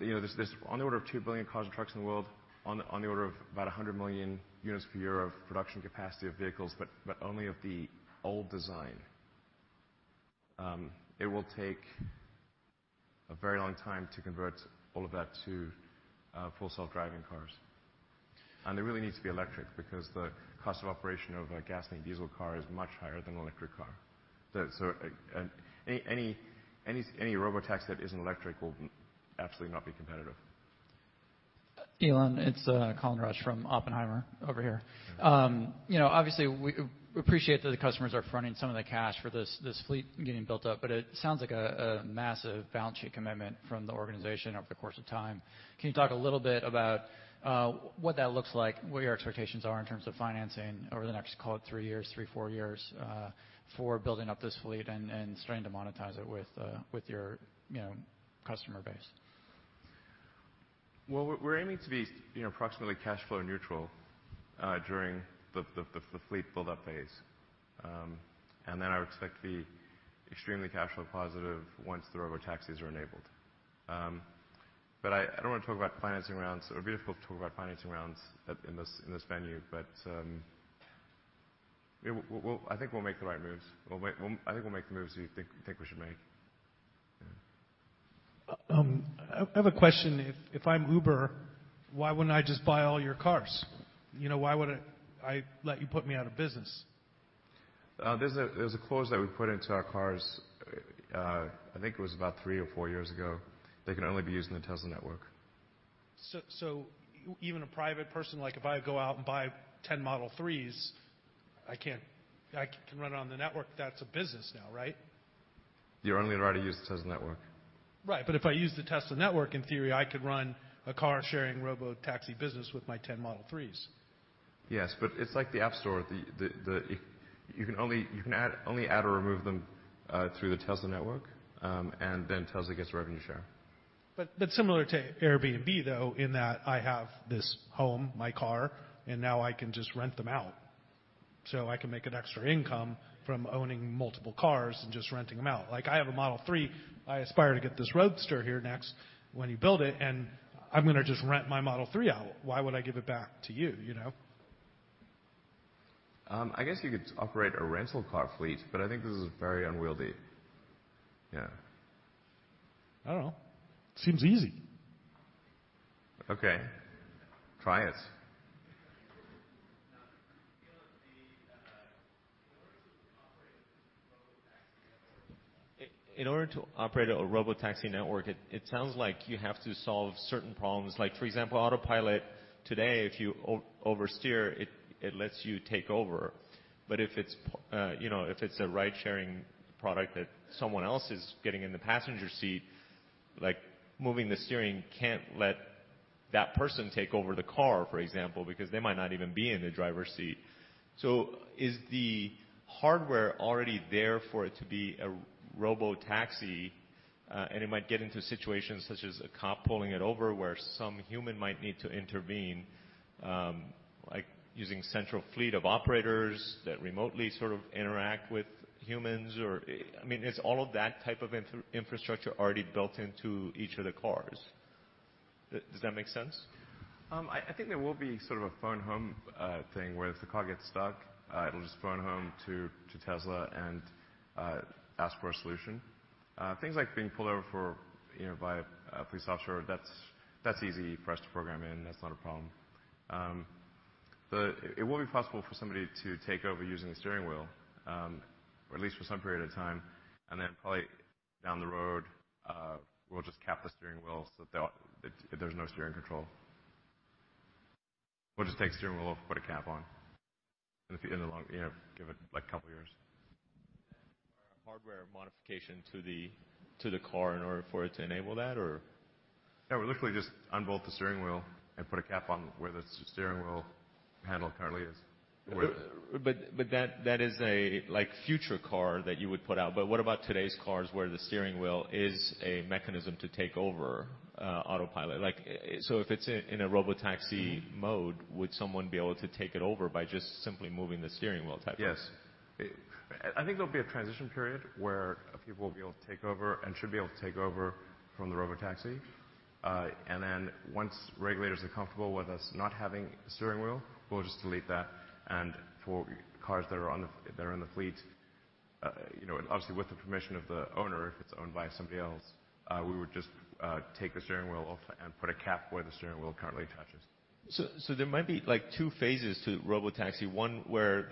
on the order of 2 billion cars and trucks in the world, on the order of about 100 million units per year of production capacity of vehicles, but only of the old design. It will take a very long time to convert all of that to Full Self-Driving cars. They really need to be electric because the cost of operation of a gasoline diesel car is much higher than an electric car. Any Robotaxi that isn't electric will absolutely not be competitive. Elon, it's Colin Rusch from Oppenheimer over here. Yeah. Obviously, we appreciate that the customers are fronting some of the cash for this fleet getting built up. It sounds like a massive balance sheet commitment from the organization over the course of time. Can you talk a little bit about what that looks like, what your expectations are in terms of financing over the next, call it three years, three to four years, for building up this fleet and starting to monetize it with your customer base? Well, we're aiming to be approximately cash flow neutral during the fleet build-up phase. I would expect to be extremely cash flow positive once the Robotaxis are enabled. I don't want to talk about financing rounds, or be able to talk about financing rounds in this venue. I think we'll make the right moves. I think we'll make the moves we think we should make. Yeah. I have a question. If I'm Uber, why wouldn't I just buy all your cars? Why would I let you put me out of business? There's a clause that we put into our cars, I think it was about three or four years ago, they can only be used in the Tesla Network. Even a private person, like if I go out and buy 10 Model 3s, I can run it on the network, that's a business now, right? You're only allowed to use the Tesla Network. Right. If I use the Tesla Network, in theory, I could run a car-sharing Robotaxi business with my 10 Model 3s. Yes, it's like the App Store. You can only add or remove them, through the Tesla Network, and then Tesla gets a revenue share. Similar to Airbnb, though, in that I have this home, my car, and now I can just rent them out. I can make an extra income from owning multiple cars and just renting them out. Like I have a Model 3, I aspire to get this Roadster here next when you build it, and I'm going to just rent my Model 3 out. Why would I give it back to you? I guess you could operate a rental car fleet, I think this is very unwieldy. Yeah. I don't know. Seems easy. Okay. Try it. Elon, in order to operate a Robotaxi network, it sounds like you have to solve certain problems. For example, Autopilot today, if you oversteer it lets you take over. If it's a ride-sharing product that someone else is getting in the passenger seat, moving the steering can't let that person take over the car, for example, because they might not even be in the driver's seat. Is the hardware already there for it to be a Robotaxi, and it might get into situations such as a cop pulling it over where some human might need to intervene, like using central fleet of operators that remotely sort of interact with humans? Is all of that type of infrastructure already built into each of the cars? Does that make sense? I think there will be sort of a phone home thing where if the car gets stuck, it'll just phone home to Tesla and ask for a solution. Things like being pulled over by a police officer, that's easy for us to program in. That's not a problem. It will be possible for somebody to take over using the steering wheel, or at least for some period of time, and then probably down the road, we'll just cap the steering wheel so there's no steering control. We'll just take the steering wheel off and put a cap on in the long, give it a couple of years. Will that require a hardware modification to the car in order for it to enable that or? Yeah, we'll literally just unbolt the steering wheel and put a cap on where the steering wheel handle currently is. That is a future car that you would put out. What about today's cars where the steering wheel is a mechanism to take over Autopilot? If it's in a Robotaxi mode, would someone be able to take it over by just simply moving the steering wheel type of thing? Yes. I think there'll be a transition period where people will be able to take over and should be able to take over from the Robotaxi. Then once regulators are comfortable with us not having a steering wheel, we'll just delete that and for cars that are in the fleet, and obviously with the permission of the owner, if it's owned by somebody else, we would just take the steering wheel off and put a cap where the steering wheel currently touches. There might be two phases to Robotaxi. One where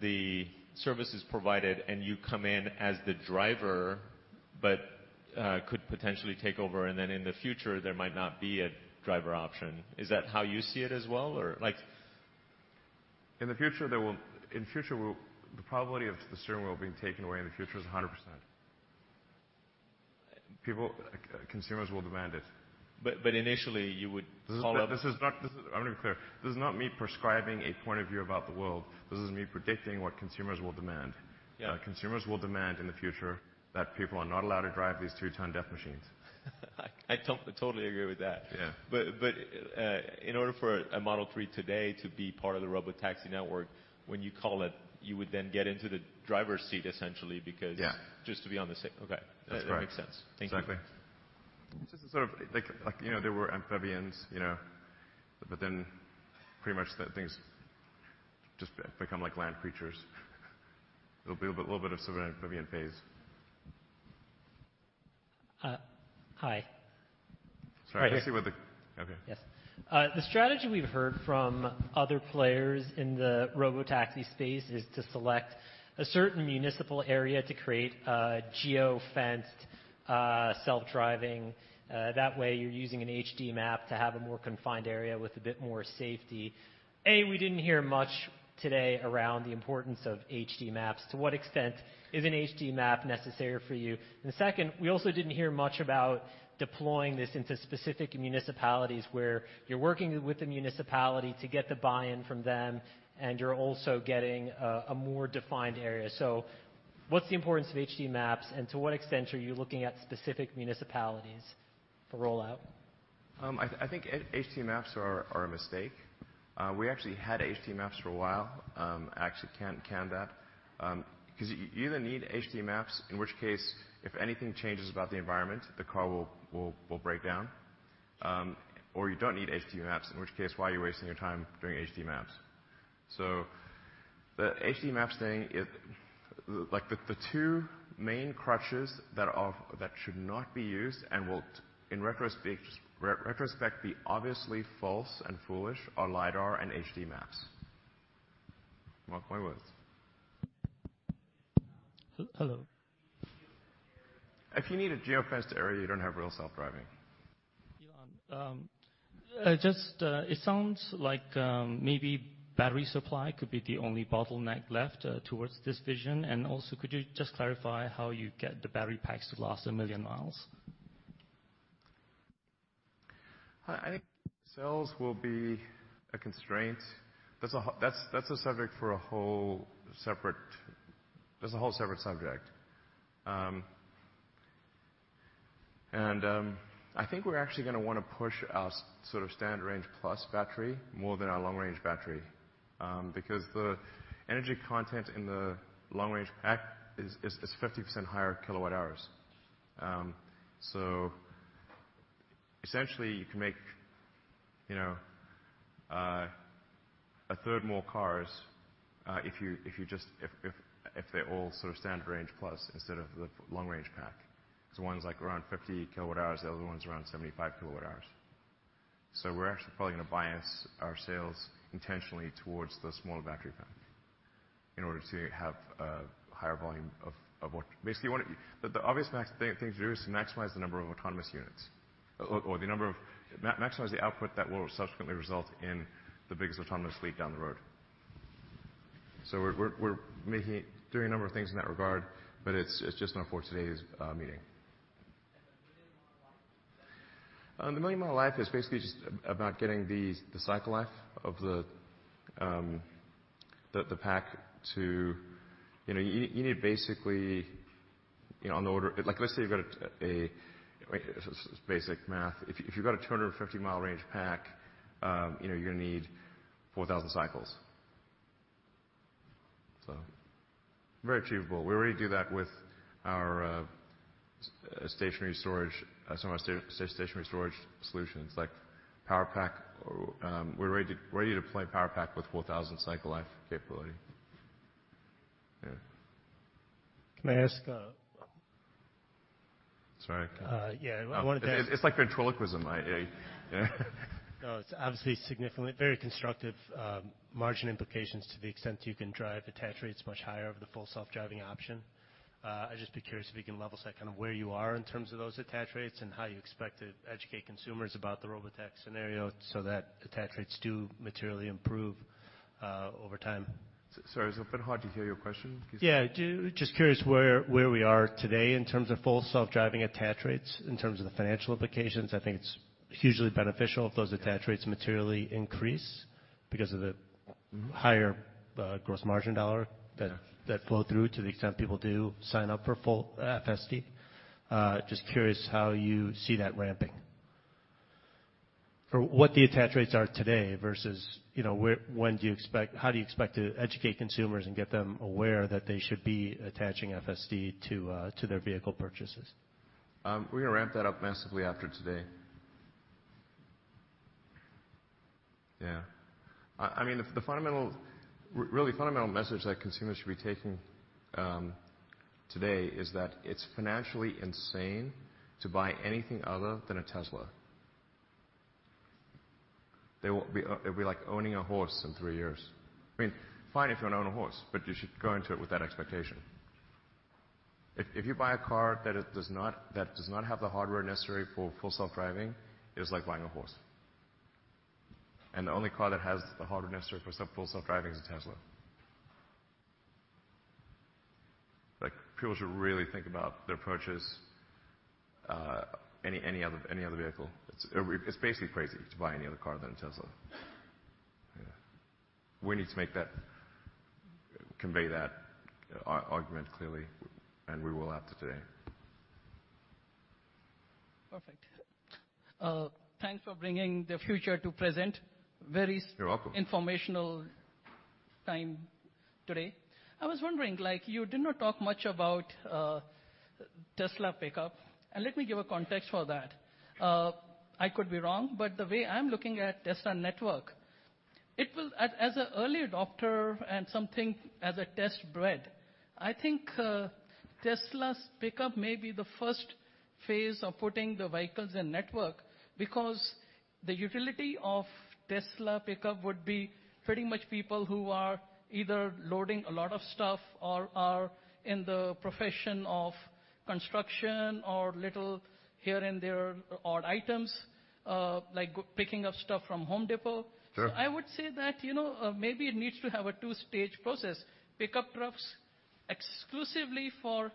the service is provided and you come in as the driver, but could potentially take over, and then in the future, there might not be a driver option. Is that how you see it as well? In the future, the probability of the steering wheel being taken away in the future is 100%. People, consumers will demand it. Initially, you would call. This is not I'm going to be clear. This is not me prescribing a point of view about the world. This is me predicting what consumers will demand. Yeah. Consumers will demand in the future that people are not allowed to drive these two-ton death machines. I totally agree with that. Yeah. In order for a Model 3 today to be part of the Robotaxi Network, when you call it, you would then get into the driver's seat, essentially- Yeah... just to be on the same. Okay. That's correct. That makes sense. Thank you. Exactly. Just to sort of like, there were amphibians, pretty much things just become like land creatures. There'll be a little bit of sort of amphibian phase. Hi. Sorry. I see with the Okay. Yes. The strategy we've heard from other players in the Robotaxi space is to select a certain municipal area to create a geo-fenced self-driving. That way you're using an HD map to have a more confined area with a bit more safety. A, we didn't hear much today around the importance of HD maps. To what extent is an HD map necessary for you? Second, we also didn't hear much about deploying this into specific municipalities where you're working with the municipality to get the buy-in from them, and you're also getting a more defined area. What's the importance of HD maps, and to what extent are you looking at specific municipalities for rollout? I think HD maps are a mistake. We actually had HD maps for a while. I actually canned that. You either need HD maps, in which case, if anything changes about the environment, the car will break down. You don't need HD maps, in which case, why are you wasting your time doing HD maps? The HD maps thing, the two main crutches that should not be used and will in retrospect be obviously false and foolish are LiDAR and HD maps. Mark my words. Hello. If you need a geo-fenced area, you don't have real self-driving. Elon, it sounds like maybe battery supply could be the only bottleneck left towards this vision. Also, could you just clarify how you get the battery packs to last a million miles? I think cells will be a constraint. That's a subject for a whole separate subject. I think we're actually going to want to push our sort of standard range plus battery more than our long-range battery, because the energy content in the long-range pack is 50% higher kilowatt hours. Essentially, you can make a third more cars, if they're all sort of standard range plus instead of the long-range pack, because one's like around 50 kWh, the other one's around 75 kWh. We're actually probably going to bias our sales intentionally towards the smaller battery pack in order to have a higher volume of. Basically, the obvious thing to do is to maximize the number of autonomous units or maximize the output that will subsequently result in the biggest autonomous fleet down the road. We're doing a number of things in that regard, but it's just not for today's meeting. The million-mile life? The million-mile life is basically just about getting the cycle life of the pack. You need basically on the order. Like, let's say you've got a, basic math, if you've got a 250 mi range pack, you're going to need 4,000 cycles. Very achievable. We already do that with some of our stationary storage solutions like Powerpack. We're ready to deploy Powerpack with 4,000 cycle life capability. Yeah. Can I ask? Sorry. Yeah. I wanted to ask- It's like ventriloquism. No, it's obviously significantly very constructive margin implications to the extent you can drive attach rates much higher over the Full Self-Driving option. I'd just be curious if you can level-set kind of where you are in terms of those attach rates and how you expect to educate consumers about the Robotaxi scenario so that attach rates do materially improve over time. Sorry. It's a bit hard to hear your question. Yeah. Just curious where we are today in terms of Full Self-Driving attach rates, in terms of the financial implications. I think it's hugely beneficial if those attach rates materially increase because of the higher gross margin dollar that flow through to the extent people do sign up for full FSD. Just curious how you see that ramping. For what the attach rates are today versus how do you expect to educate consumers and get them aware that they should be attaching FSD to their vehicle purchases? We're going to ramp that up massively after today. Yeah. The really fundamental message that consumers should be taking today is that it's financially insane to buy anything other than a Tesla. It will be like owning a horse in three years. Fine if you want to own a horse, but you should go into it with that expectation. If you buy a car that does not have the hardware necessary for Full Self-Driving, it is like buying a horse. The only car that has the hardware necessary for Full Self-Driving is a Tesla. People should really think about their purchase. Any other vehicle, it's basically crazy to buy any other car than a Tesla. Yeah. We need to convey that argument clearly, and we will have to today. Perfect. Thanks for bringing the future to present. You're welcome. Very informational time today. I was wondering, you did not talk much about Tesla pickup. Let me give a context for that. I could be wrong, but the way I'm looking at Tesla Network, as an early adopter and something as a testbed, I think Tesla's pickup may be the first phase of putting the vehicles in network because the utility of Tesla pickup would be pretty much people who are either loading a lot of stuff or are in the profession of construction or little here and there odd items, like picking up stuff from The Home Depot. Sure. I would say that maybe it needs to have a two-stage process, pickup trucks exclusively for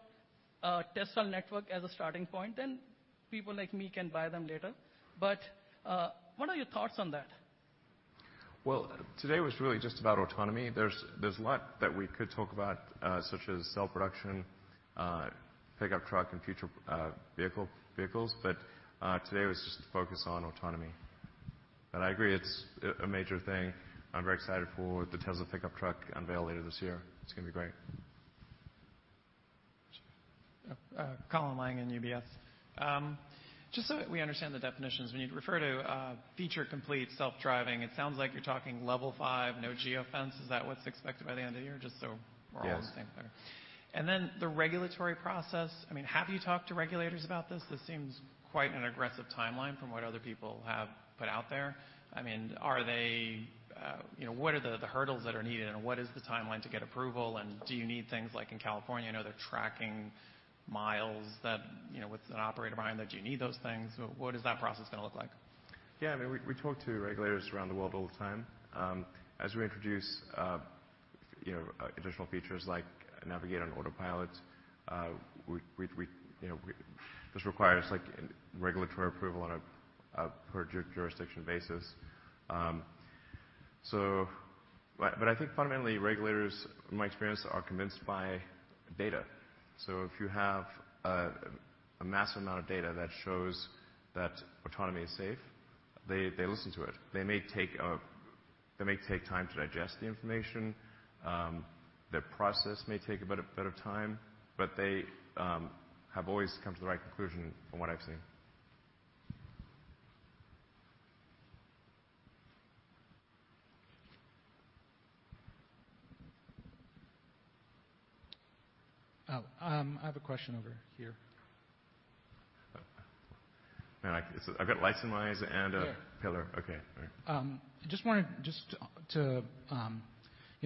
Tesla Network as a starting point, then people like me can buy them later. What are your thoughts on that? Today was really just about autonomy. There's a lot that we could talk about, such as cell production, pickup truck, and future vehicles. Today was just the focus on autonomy. I agree, it's a major thing. I'm very excited for the Tesla pickup truck unveil later this year. It's going to be great. Colin Langan in UBS. Just so that we understand the definitions, when you refer to feature complete self-driving, it sounds like you're talking level five, no geofence. Is that what's expected by the end of the year? Just so we're all. Yes. On the same page. The regulatory process. Have you talked to regulators about this? This seems quite an aggressive timeline from what other people have put out there. What are the hurdles that are needed, and what is the timeline to get approval? Do you need things like in California, I know they're tracking miles with an operator behind them. Do you need those things? What is that process going to look like? Yeah. We talk to regulators around the world all the time. As we introduce additional features like Navigate on Autopilot this requires regulatory approval on a per jurisdiction basis. I think fundamentally, regulators, from my experience, are convinced by data. If you have a massive amount of data that shows that autonomy is safe, they listen to it. They may take time to digest the information. Their process may take a bit of time, but they have always come to the right conclusion from what I've seen. Oh, I have a question over here. I've got lights in my eyes and a pillar. Yeah. Okay. All right.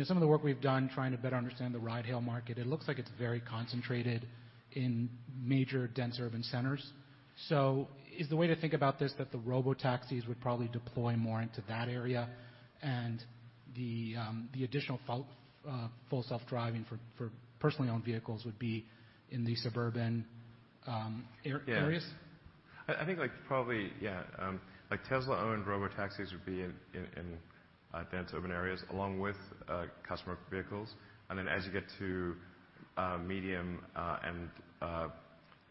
Some of the work we've done trying to better understand the ride-hail market, it looks like it's very concentrated in major dense urban centers. Is the way to think about this, that the Robotaxis would probably deploy more into that area and the additional Full Self-Driving for personally owned vehicles would be in the suburban areas? Yeah. I think probably, Tesla-owned Robotaxis would be in dense urban areas along with customer vehicles. Then as you get to medium and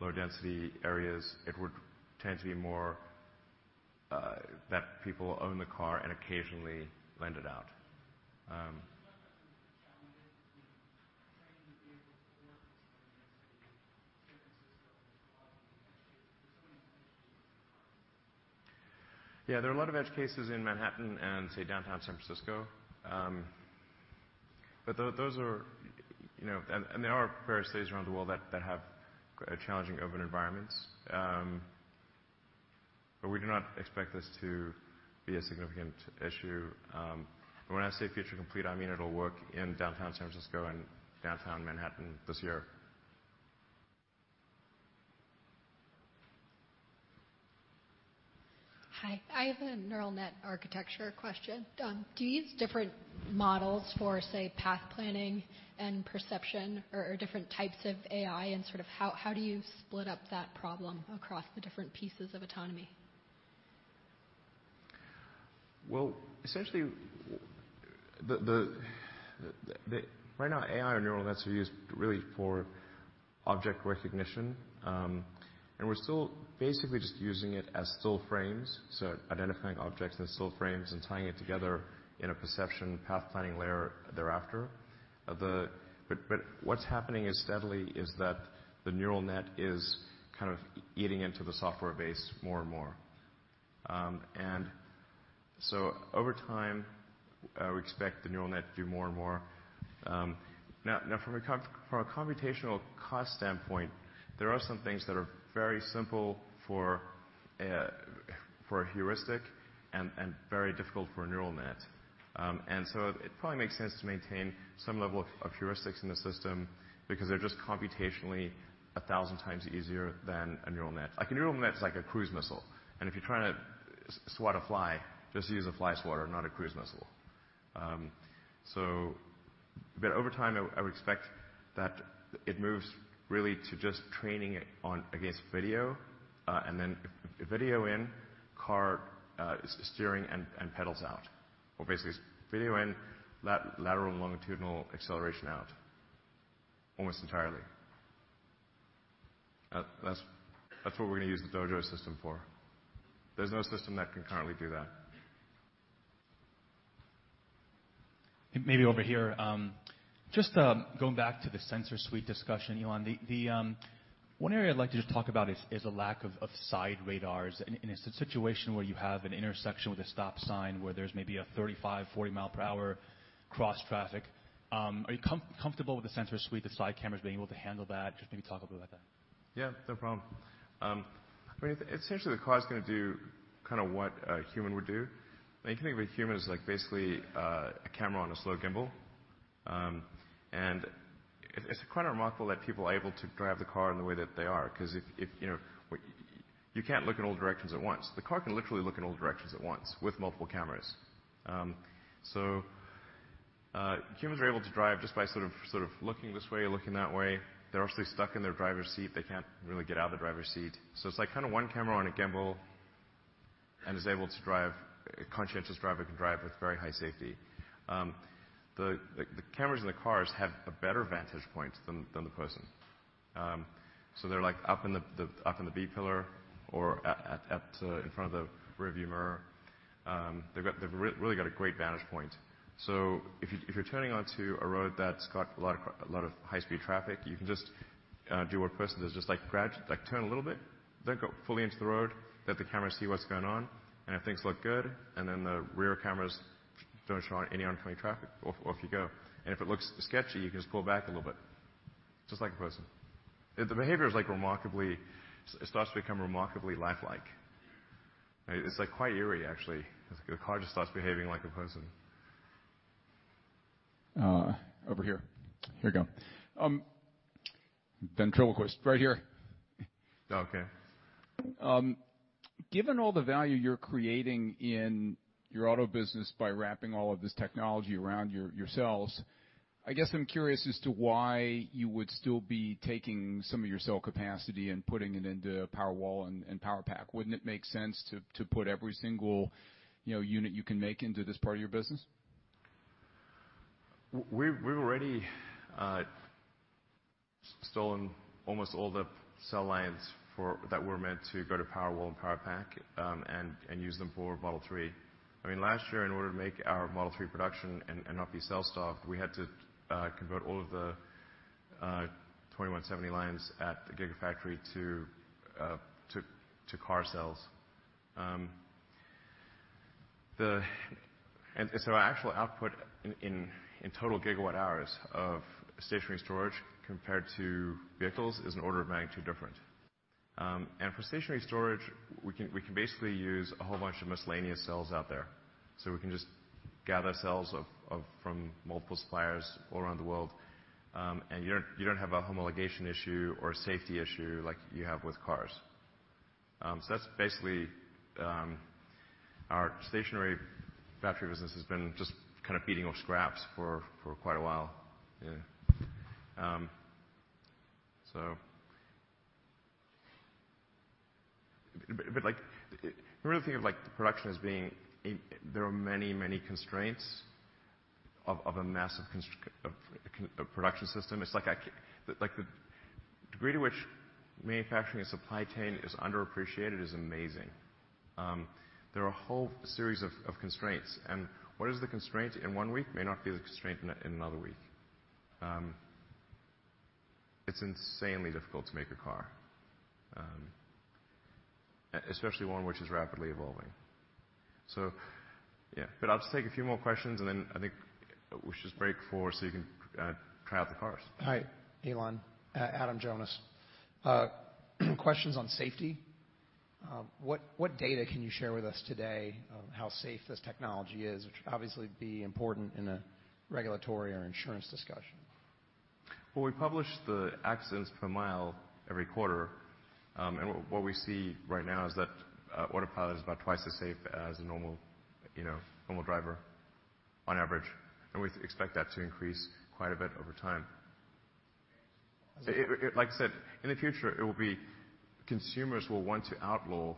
lower density areas, it would tend to be more that people own the car and occasionally lend it out. Can you talk about some of the challenges in trying new vehicles to work in, say, Manhattan, San Francisco, and Chicago? There are so many edge cases in those places. There are a lot of edge cases in Manhattan and, say, downtown San Francisco. There are various places around the world that have challenging urban environments. We do not expect this to be a significant issue. When I say feature complete, I mean it'll work in downtown San Francisco and downtown Manhattan this year. Hi, I have a neural net architecture question. Do you use different models for, say, path planning and perception, or different types of AI, and how do you split up that problem across the different pieces of autonomy? Well, essentially, right now, AI and neural nets are used really for object recognition. We're still basically just using it as still frames, so identifying objects in still frames and tying it together in a perception path-planning layer thereafter. What's happening steadily is that the neural net is eating into the software base more and more. Over time, we expect the neural net to do more and more. Now, from a computational cost standpoint, there are some things that are very simple for a heuristic and very difficult for a neural net. It probably makes sense to maintain some level of heuristics in the system because they're just computationally 1,000x easier than a neural net. Like a neural net is like a cruise missile, and if you're trying to swat a fly, just use a fly swatter, not a cruise missile. Over time, I would expect that it moves really to just training it against video, then video in, car steering and pedals out. Basically, video in, lateral and longitudinal acceleration out almost entirely. That's what we're going to use the Dojo system for. There's no system that can currently do that. Maybe over here. Just going back to the sensor suite discussion, Elon. One area I'd like to just talk about is the lack of side radars. In a situation where you have an intersection with a stop sign where there's maybe a 35, 40 mi per hour cross traffic, are you comfortable with the sensor suite, the side cameras being able to handle that? Just maybe talk a bit about that. No problem. Essentially, the car is going to do kind of what a human would do. You can think of a human as basically a camera on a slow gimbal. It's quite remarkable that people are able to drive the car in the way that they are, because you can't look in all directions at once. The car can literally look in all directions at once with multiple cameras. Humans are able to drive just by sort of looking this way, looking that way. They're obviously stuck in their driver's seat. They can't really get out of the driver's seat. It's like one camera on a gimbal and a conscientious driver can drive with very high safety. The cameras in the cars have a better vantage point than the person. They're up in the B pillar or in front of the rearview mirror. They've really got a great vantage point. If you're turning onto a road that's got a lot of high-speed traffic, you can just do what a person does, just gradually turn a little bit, then go fully into the road, let the camera see what's going on, if things look good, the rear cameras don't show any oncoming traffic, off you go. If it looks sketchy, you can just pull back a little bit, just like a person. The behavior starts to become remarkably lifelike. It's quite eerie, actually. The car just starts behaving like a person. Over here. Here we go. Ben Kallo, right here. Okay. Given all the value you're creating in your auto business by wrapping all of this technology around your cells, I guess I'm curious as to why you would still be taking some of your cell capacity and putting it into Powerwall and Powerpack. Wouldn't it make sense to put every single unit you can make into this part of your business? We've already stolen almost all the cell lines that were meant to go to Powerwall and Powerpack, used them for Model 3. Last year, in order to make our Model 3 production and not be cell-stocked, we had to convert all of the 2170 lines at the Gigafactory to car cells. Our actual output in total gigawatt hours of stationary storage compared to vehicles is an order of magnitude different. For stationary storage, we can basically use a whole bunch of miscellaneous cells out there. We can just gather cells from multiple suppliers all around the world. You don't have a homologation issue or safety issue like you have with cars. That's basically our stationary factory business has been just kind of feeding off scraps for quite a while. Yeah. We really think of production as being there are many, many constraints of a massive production system. The degree to which manufacturing and supply chain is underappreciated is amazing. There are a whole series of constraints, and what is the constraint in one week may not be the constraint in another week. It's insanely difficult to make a car, especially one which is rapidly evolving. Yeah. I'll just take a few more questions, and then I think we should just break for so you can try out the cars. Hi, Elon. Adam Jonas. Questions on safety. What data can you share with us today on how safe this technology is, which would obviously be important in a regulatory or insurance discussion? Well, we publish the accidents per mile every quarter. What we see right now is that Autopilot is about twice as safe as a normal driver on average, and we expect that to increase quite a bit over time. Like I said, in the future, consumers will want to outlaw,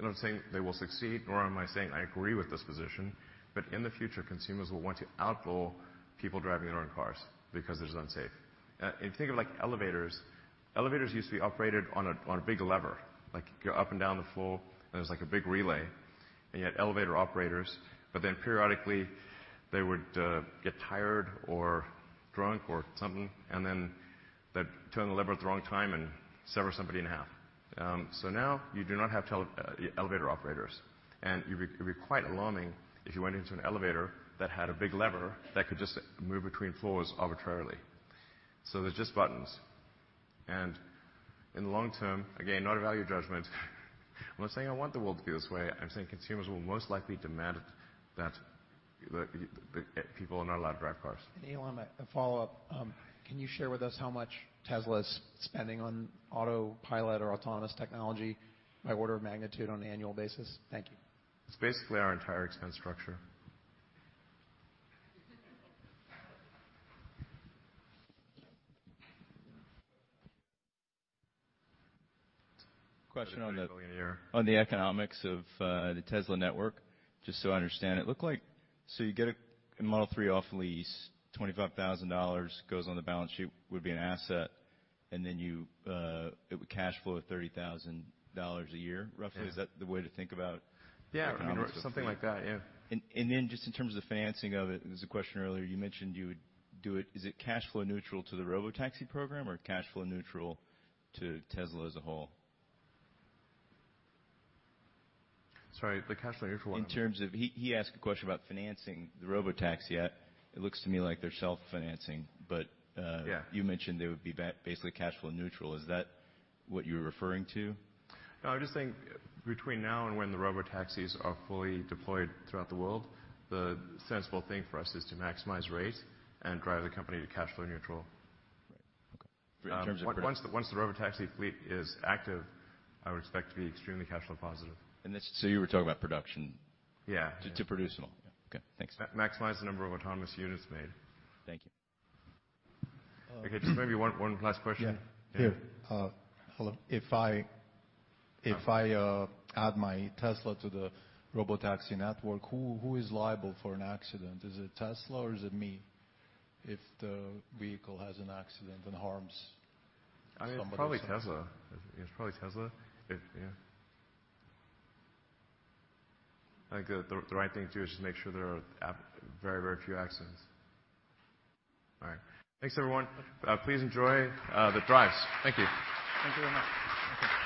I'm not saying they will succeed, nor am I saying I agree with this position, in the future, consumers will want to outlaw people driving their own cars because it's unsafe. If you think of elevators used to be operated on a big lever, like you go up and down the floor, and there's like a big relay, and you had elevator operators, periodically, they would get tired or drunk or something, they'd turn the lever at the wrong time and sever somebody in half. Now you do not have elevator operators, and it'd be quite alarming if you went into an elevator that had a big lever that could just move between floors arbitrarily. There's just buttons. In the long term, again, not a value judgment, I'm not saying I want the world to be this way. I'm saying consumers will most likely demand that people are not allowed to drive cars. Elon, a follow-up. Can you share with us how much Tesla is spending on Autopilot or autonomous technology by order of magnitude on an annual basis? Thank you. It's basically our entire expense structure. $33 billion a year. Question on the economics of the Tesla Network, just so I understand. It looked like, you get a Model 3 off lease, $25,000 goes on the balance sheet, would be an asset. Then it would cash flow at $30,000 a year, roughly. Yeah. Is that the way to think about the economics of? Yeah. Something like that. Yeah. Then just in terms of the financing of it, there was a question earlier, you mentioned you would do it. Is it cash flow neutral to the Robotaxi program or cash flow neutral to Tesla as a whole? Sorry, the cash flow neutral one. He asked a question about financing the robotaxi. It looks to me like they're self-financing. Yeah You mentioned they would be basically cash flow neutral. Is that what you were referring to? No, I'm just saying between now and when the robotaxis are fully deployed throughout the world, the sensible thing for us is to maximize rate and drive the company to cash flow neutral. Right. Okay. Once the Robotaxi fleet is active, I would expect to be extremely cash flow positive. You were talking about production- Yeah.... to produce them all. Yeah. Okay. Thanks. Maximize the number of autonomous units made. Thank you. Okay. Just maybe one last question. Here. Hello. If I add my Tesla to the Robotaxi network, who is liable for an accident? Is it Tesla or is it me if the vehicle has an accident and harms somebody? It's probably Tesla. I think the right thing to do is just make sure there are very, very few accidents. All right. Thanks, everyone. Please enjoy the drives. Thank you. Thank you very much.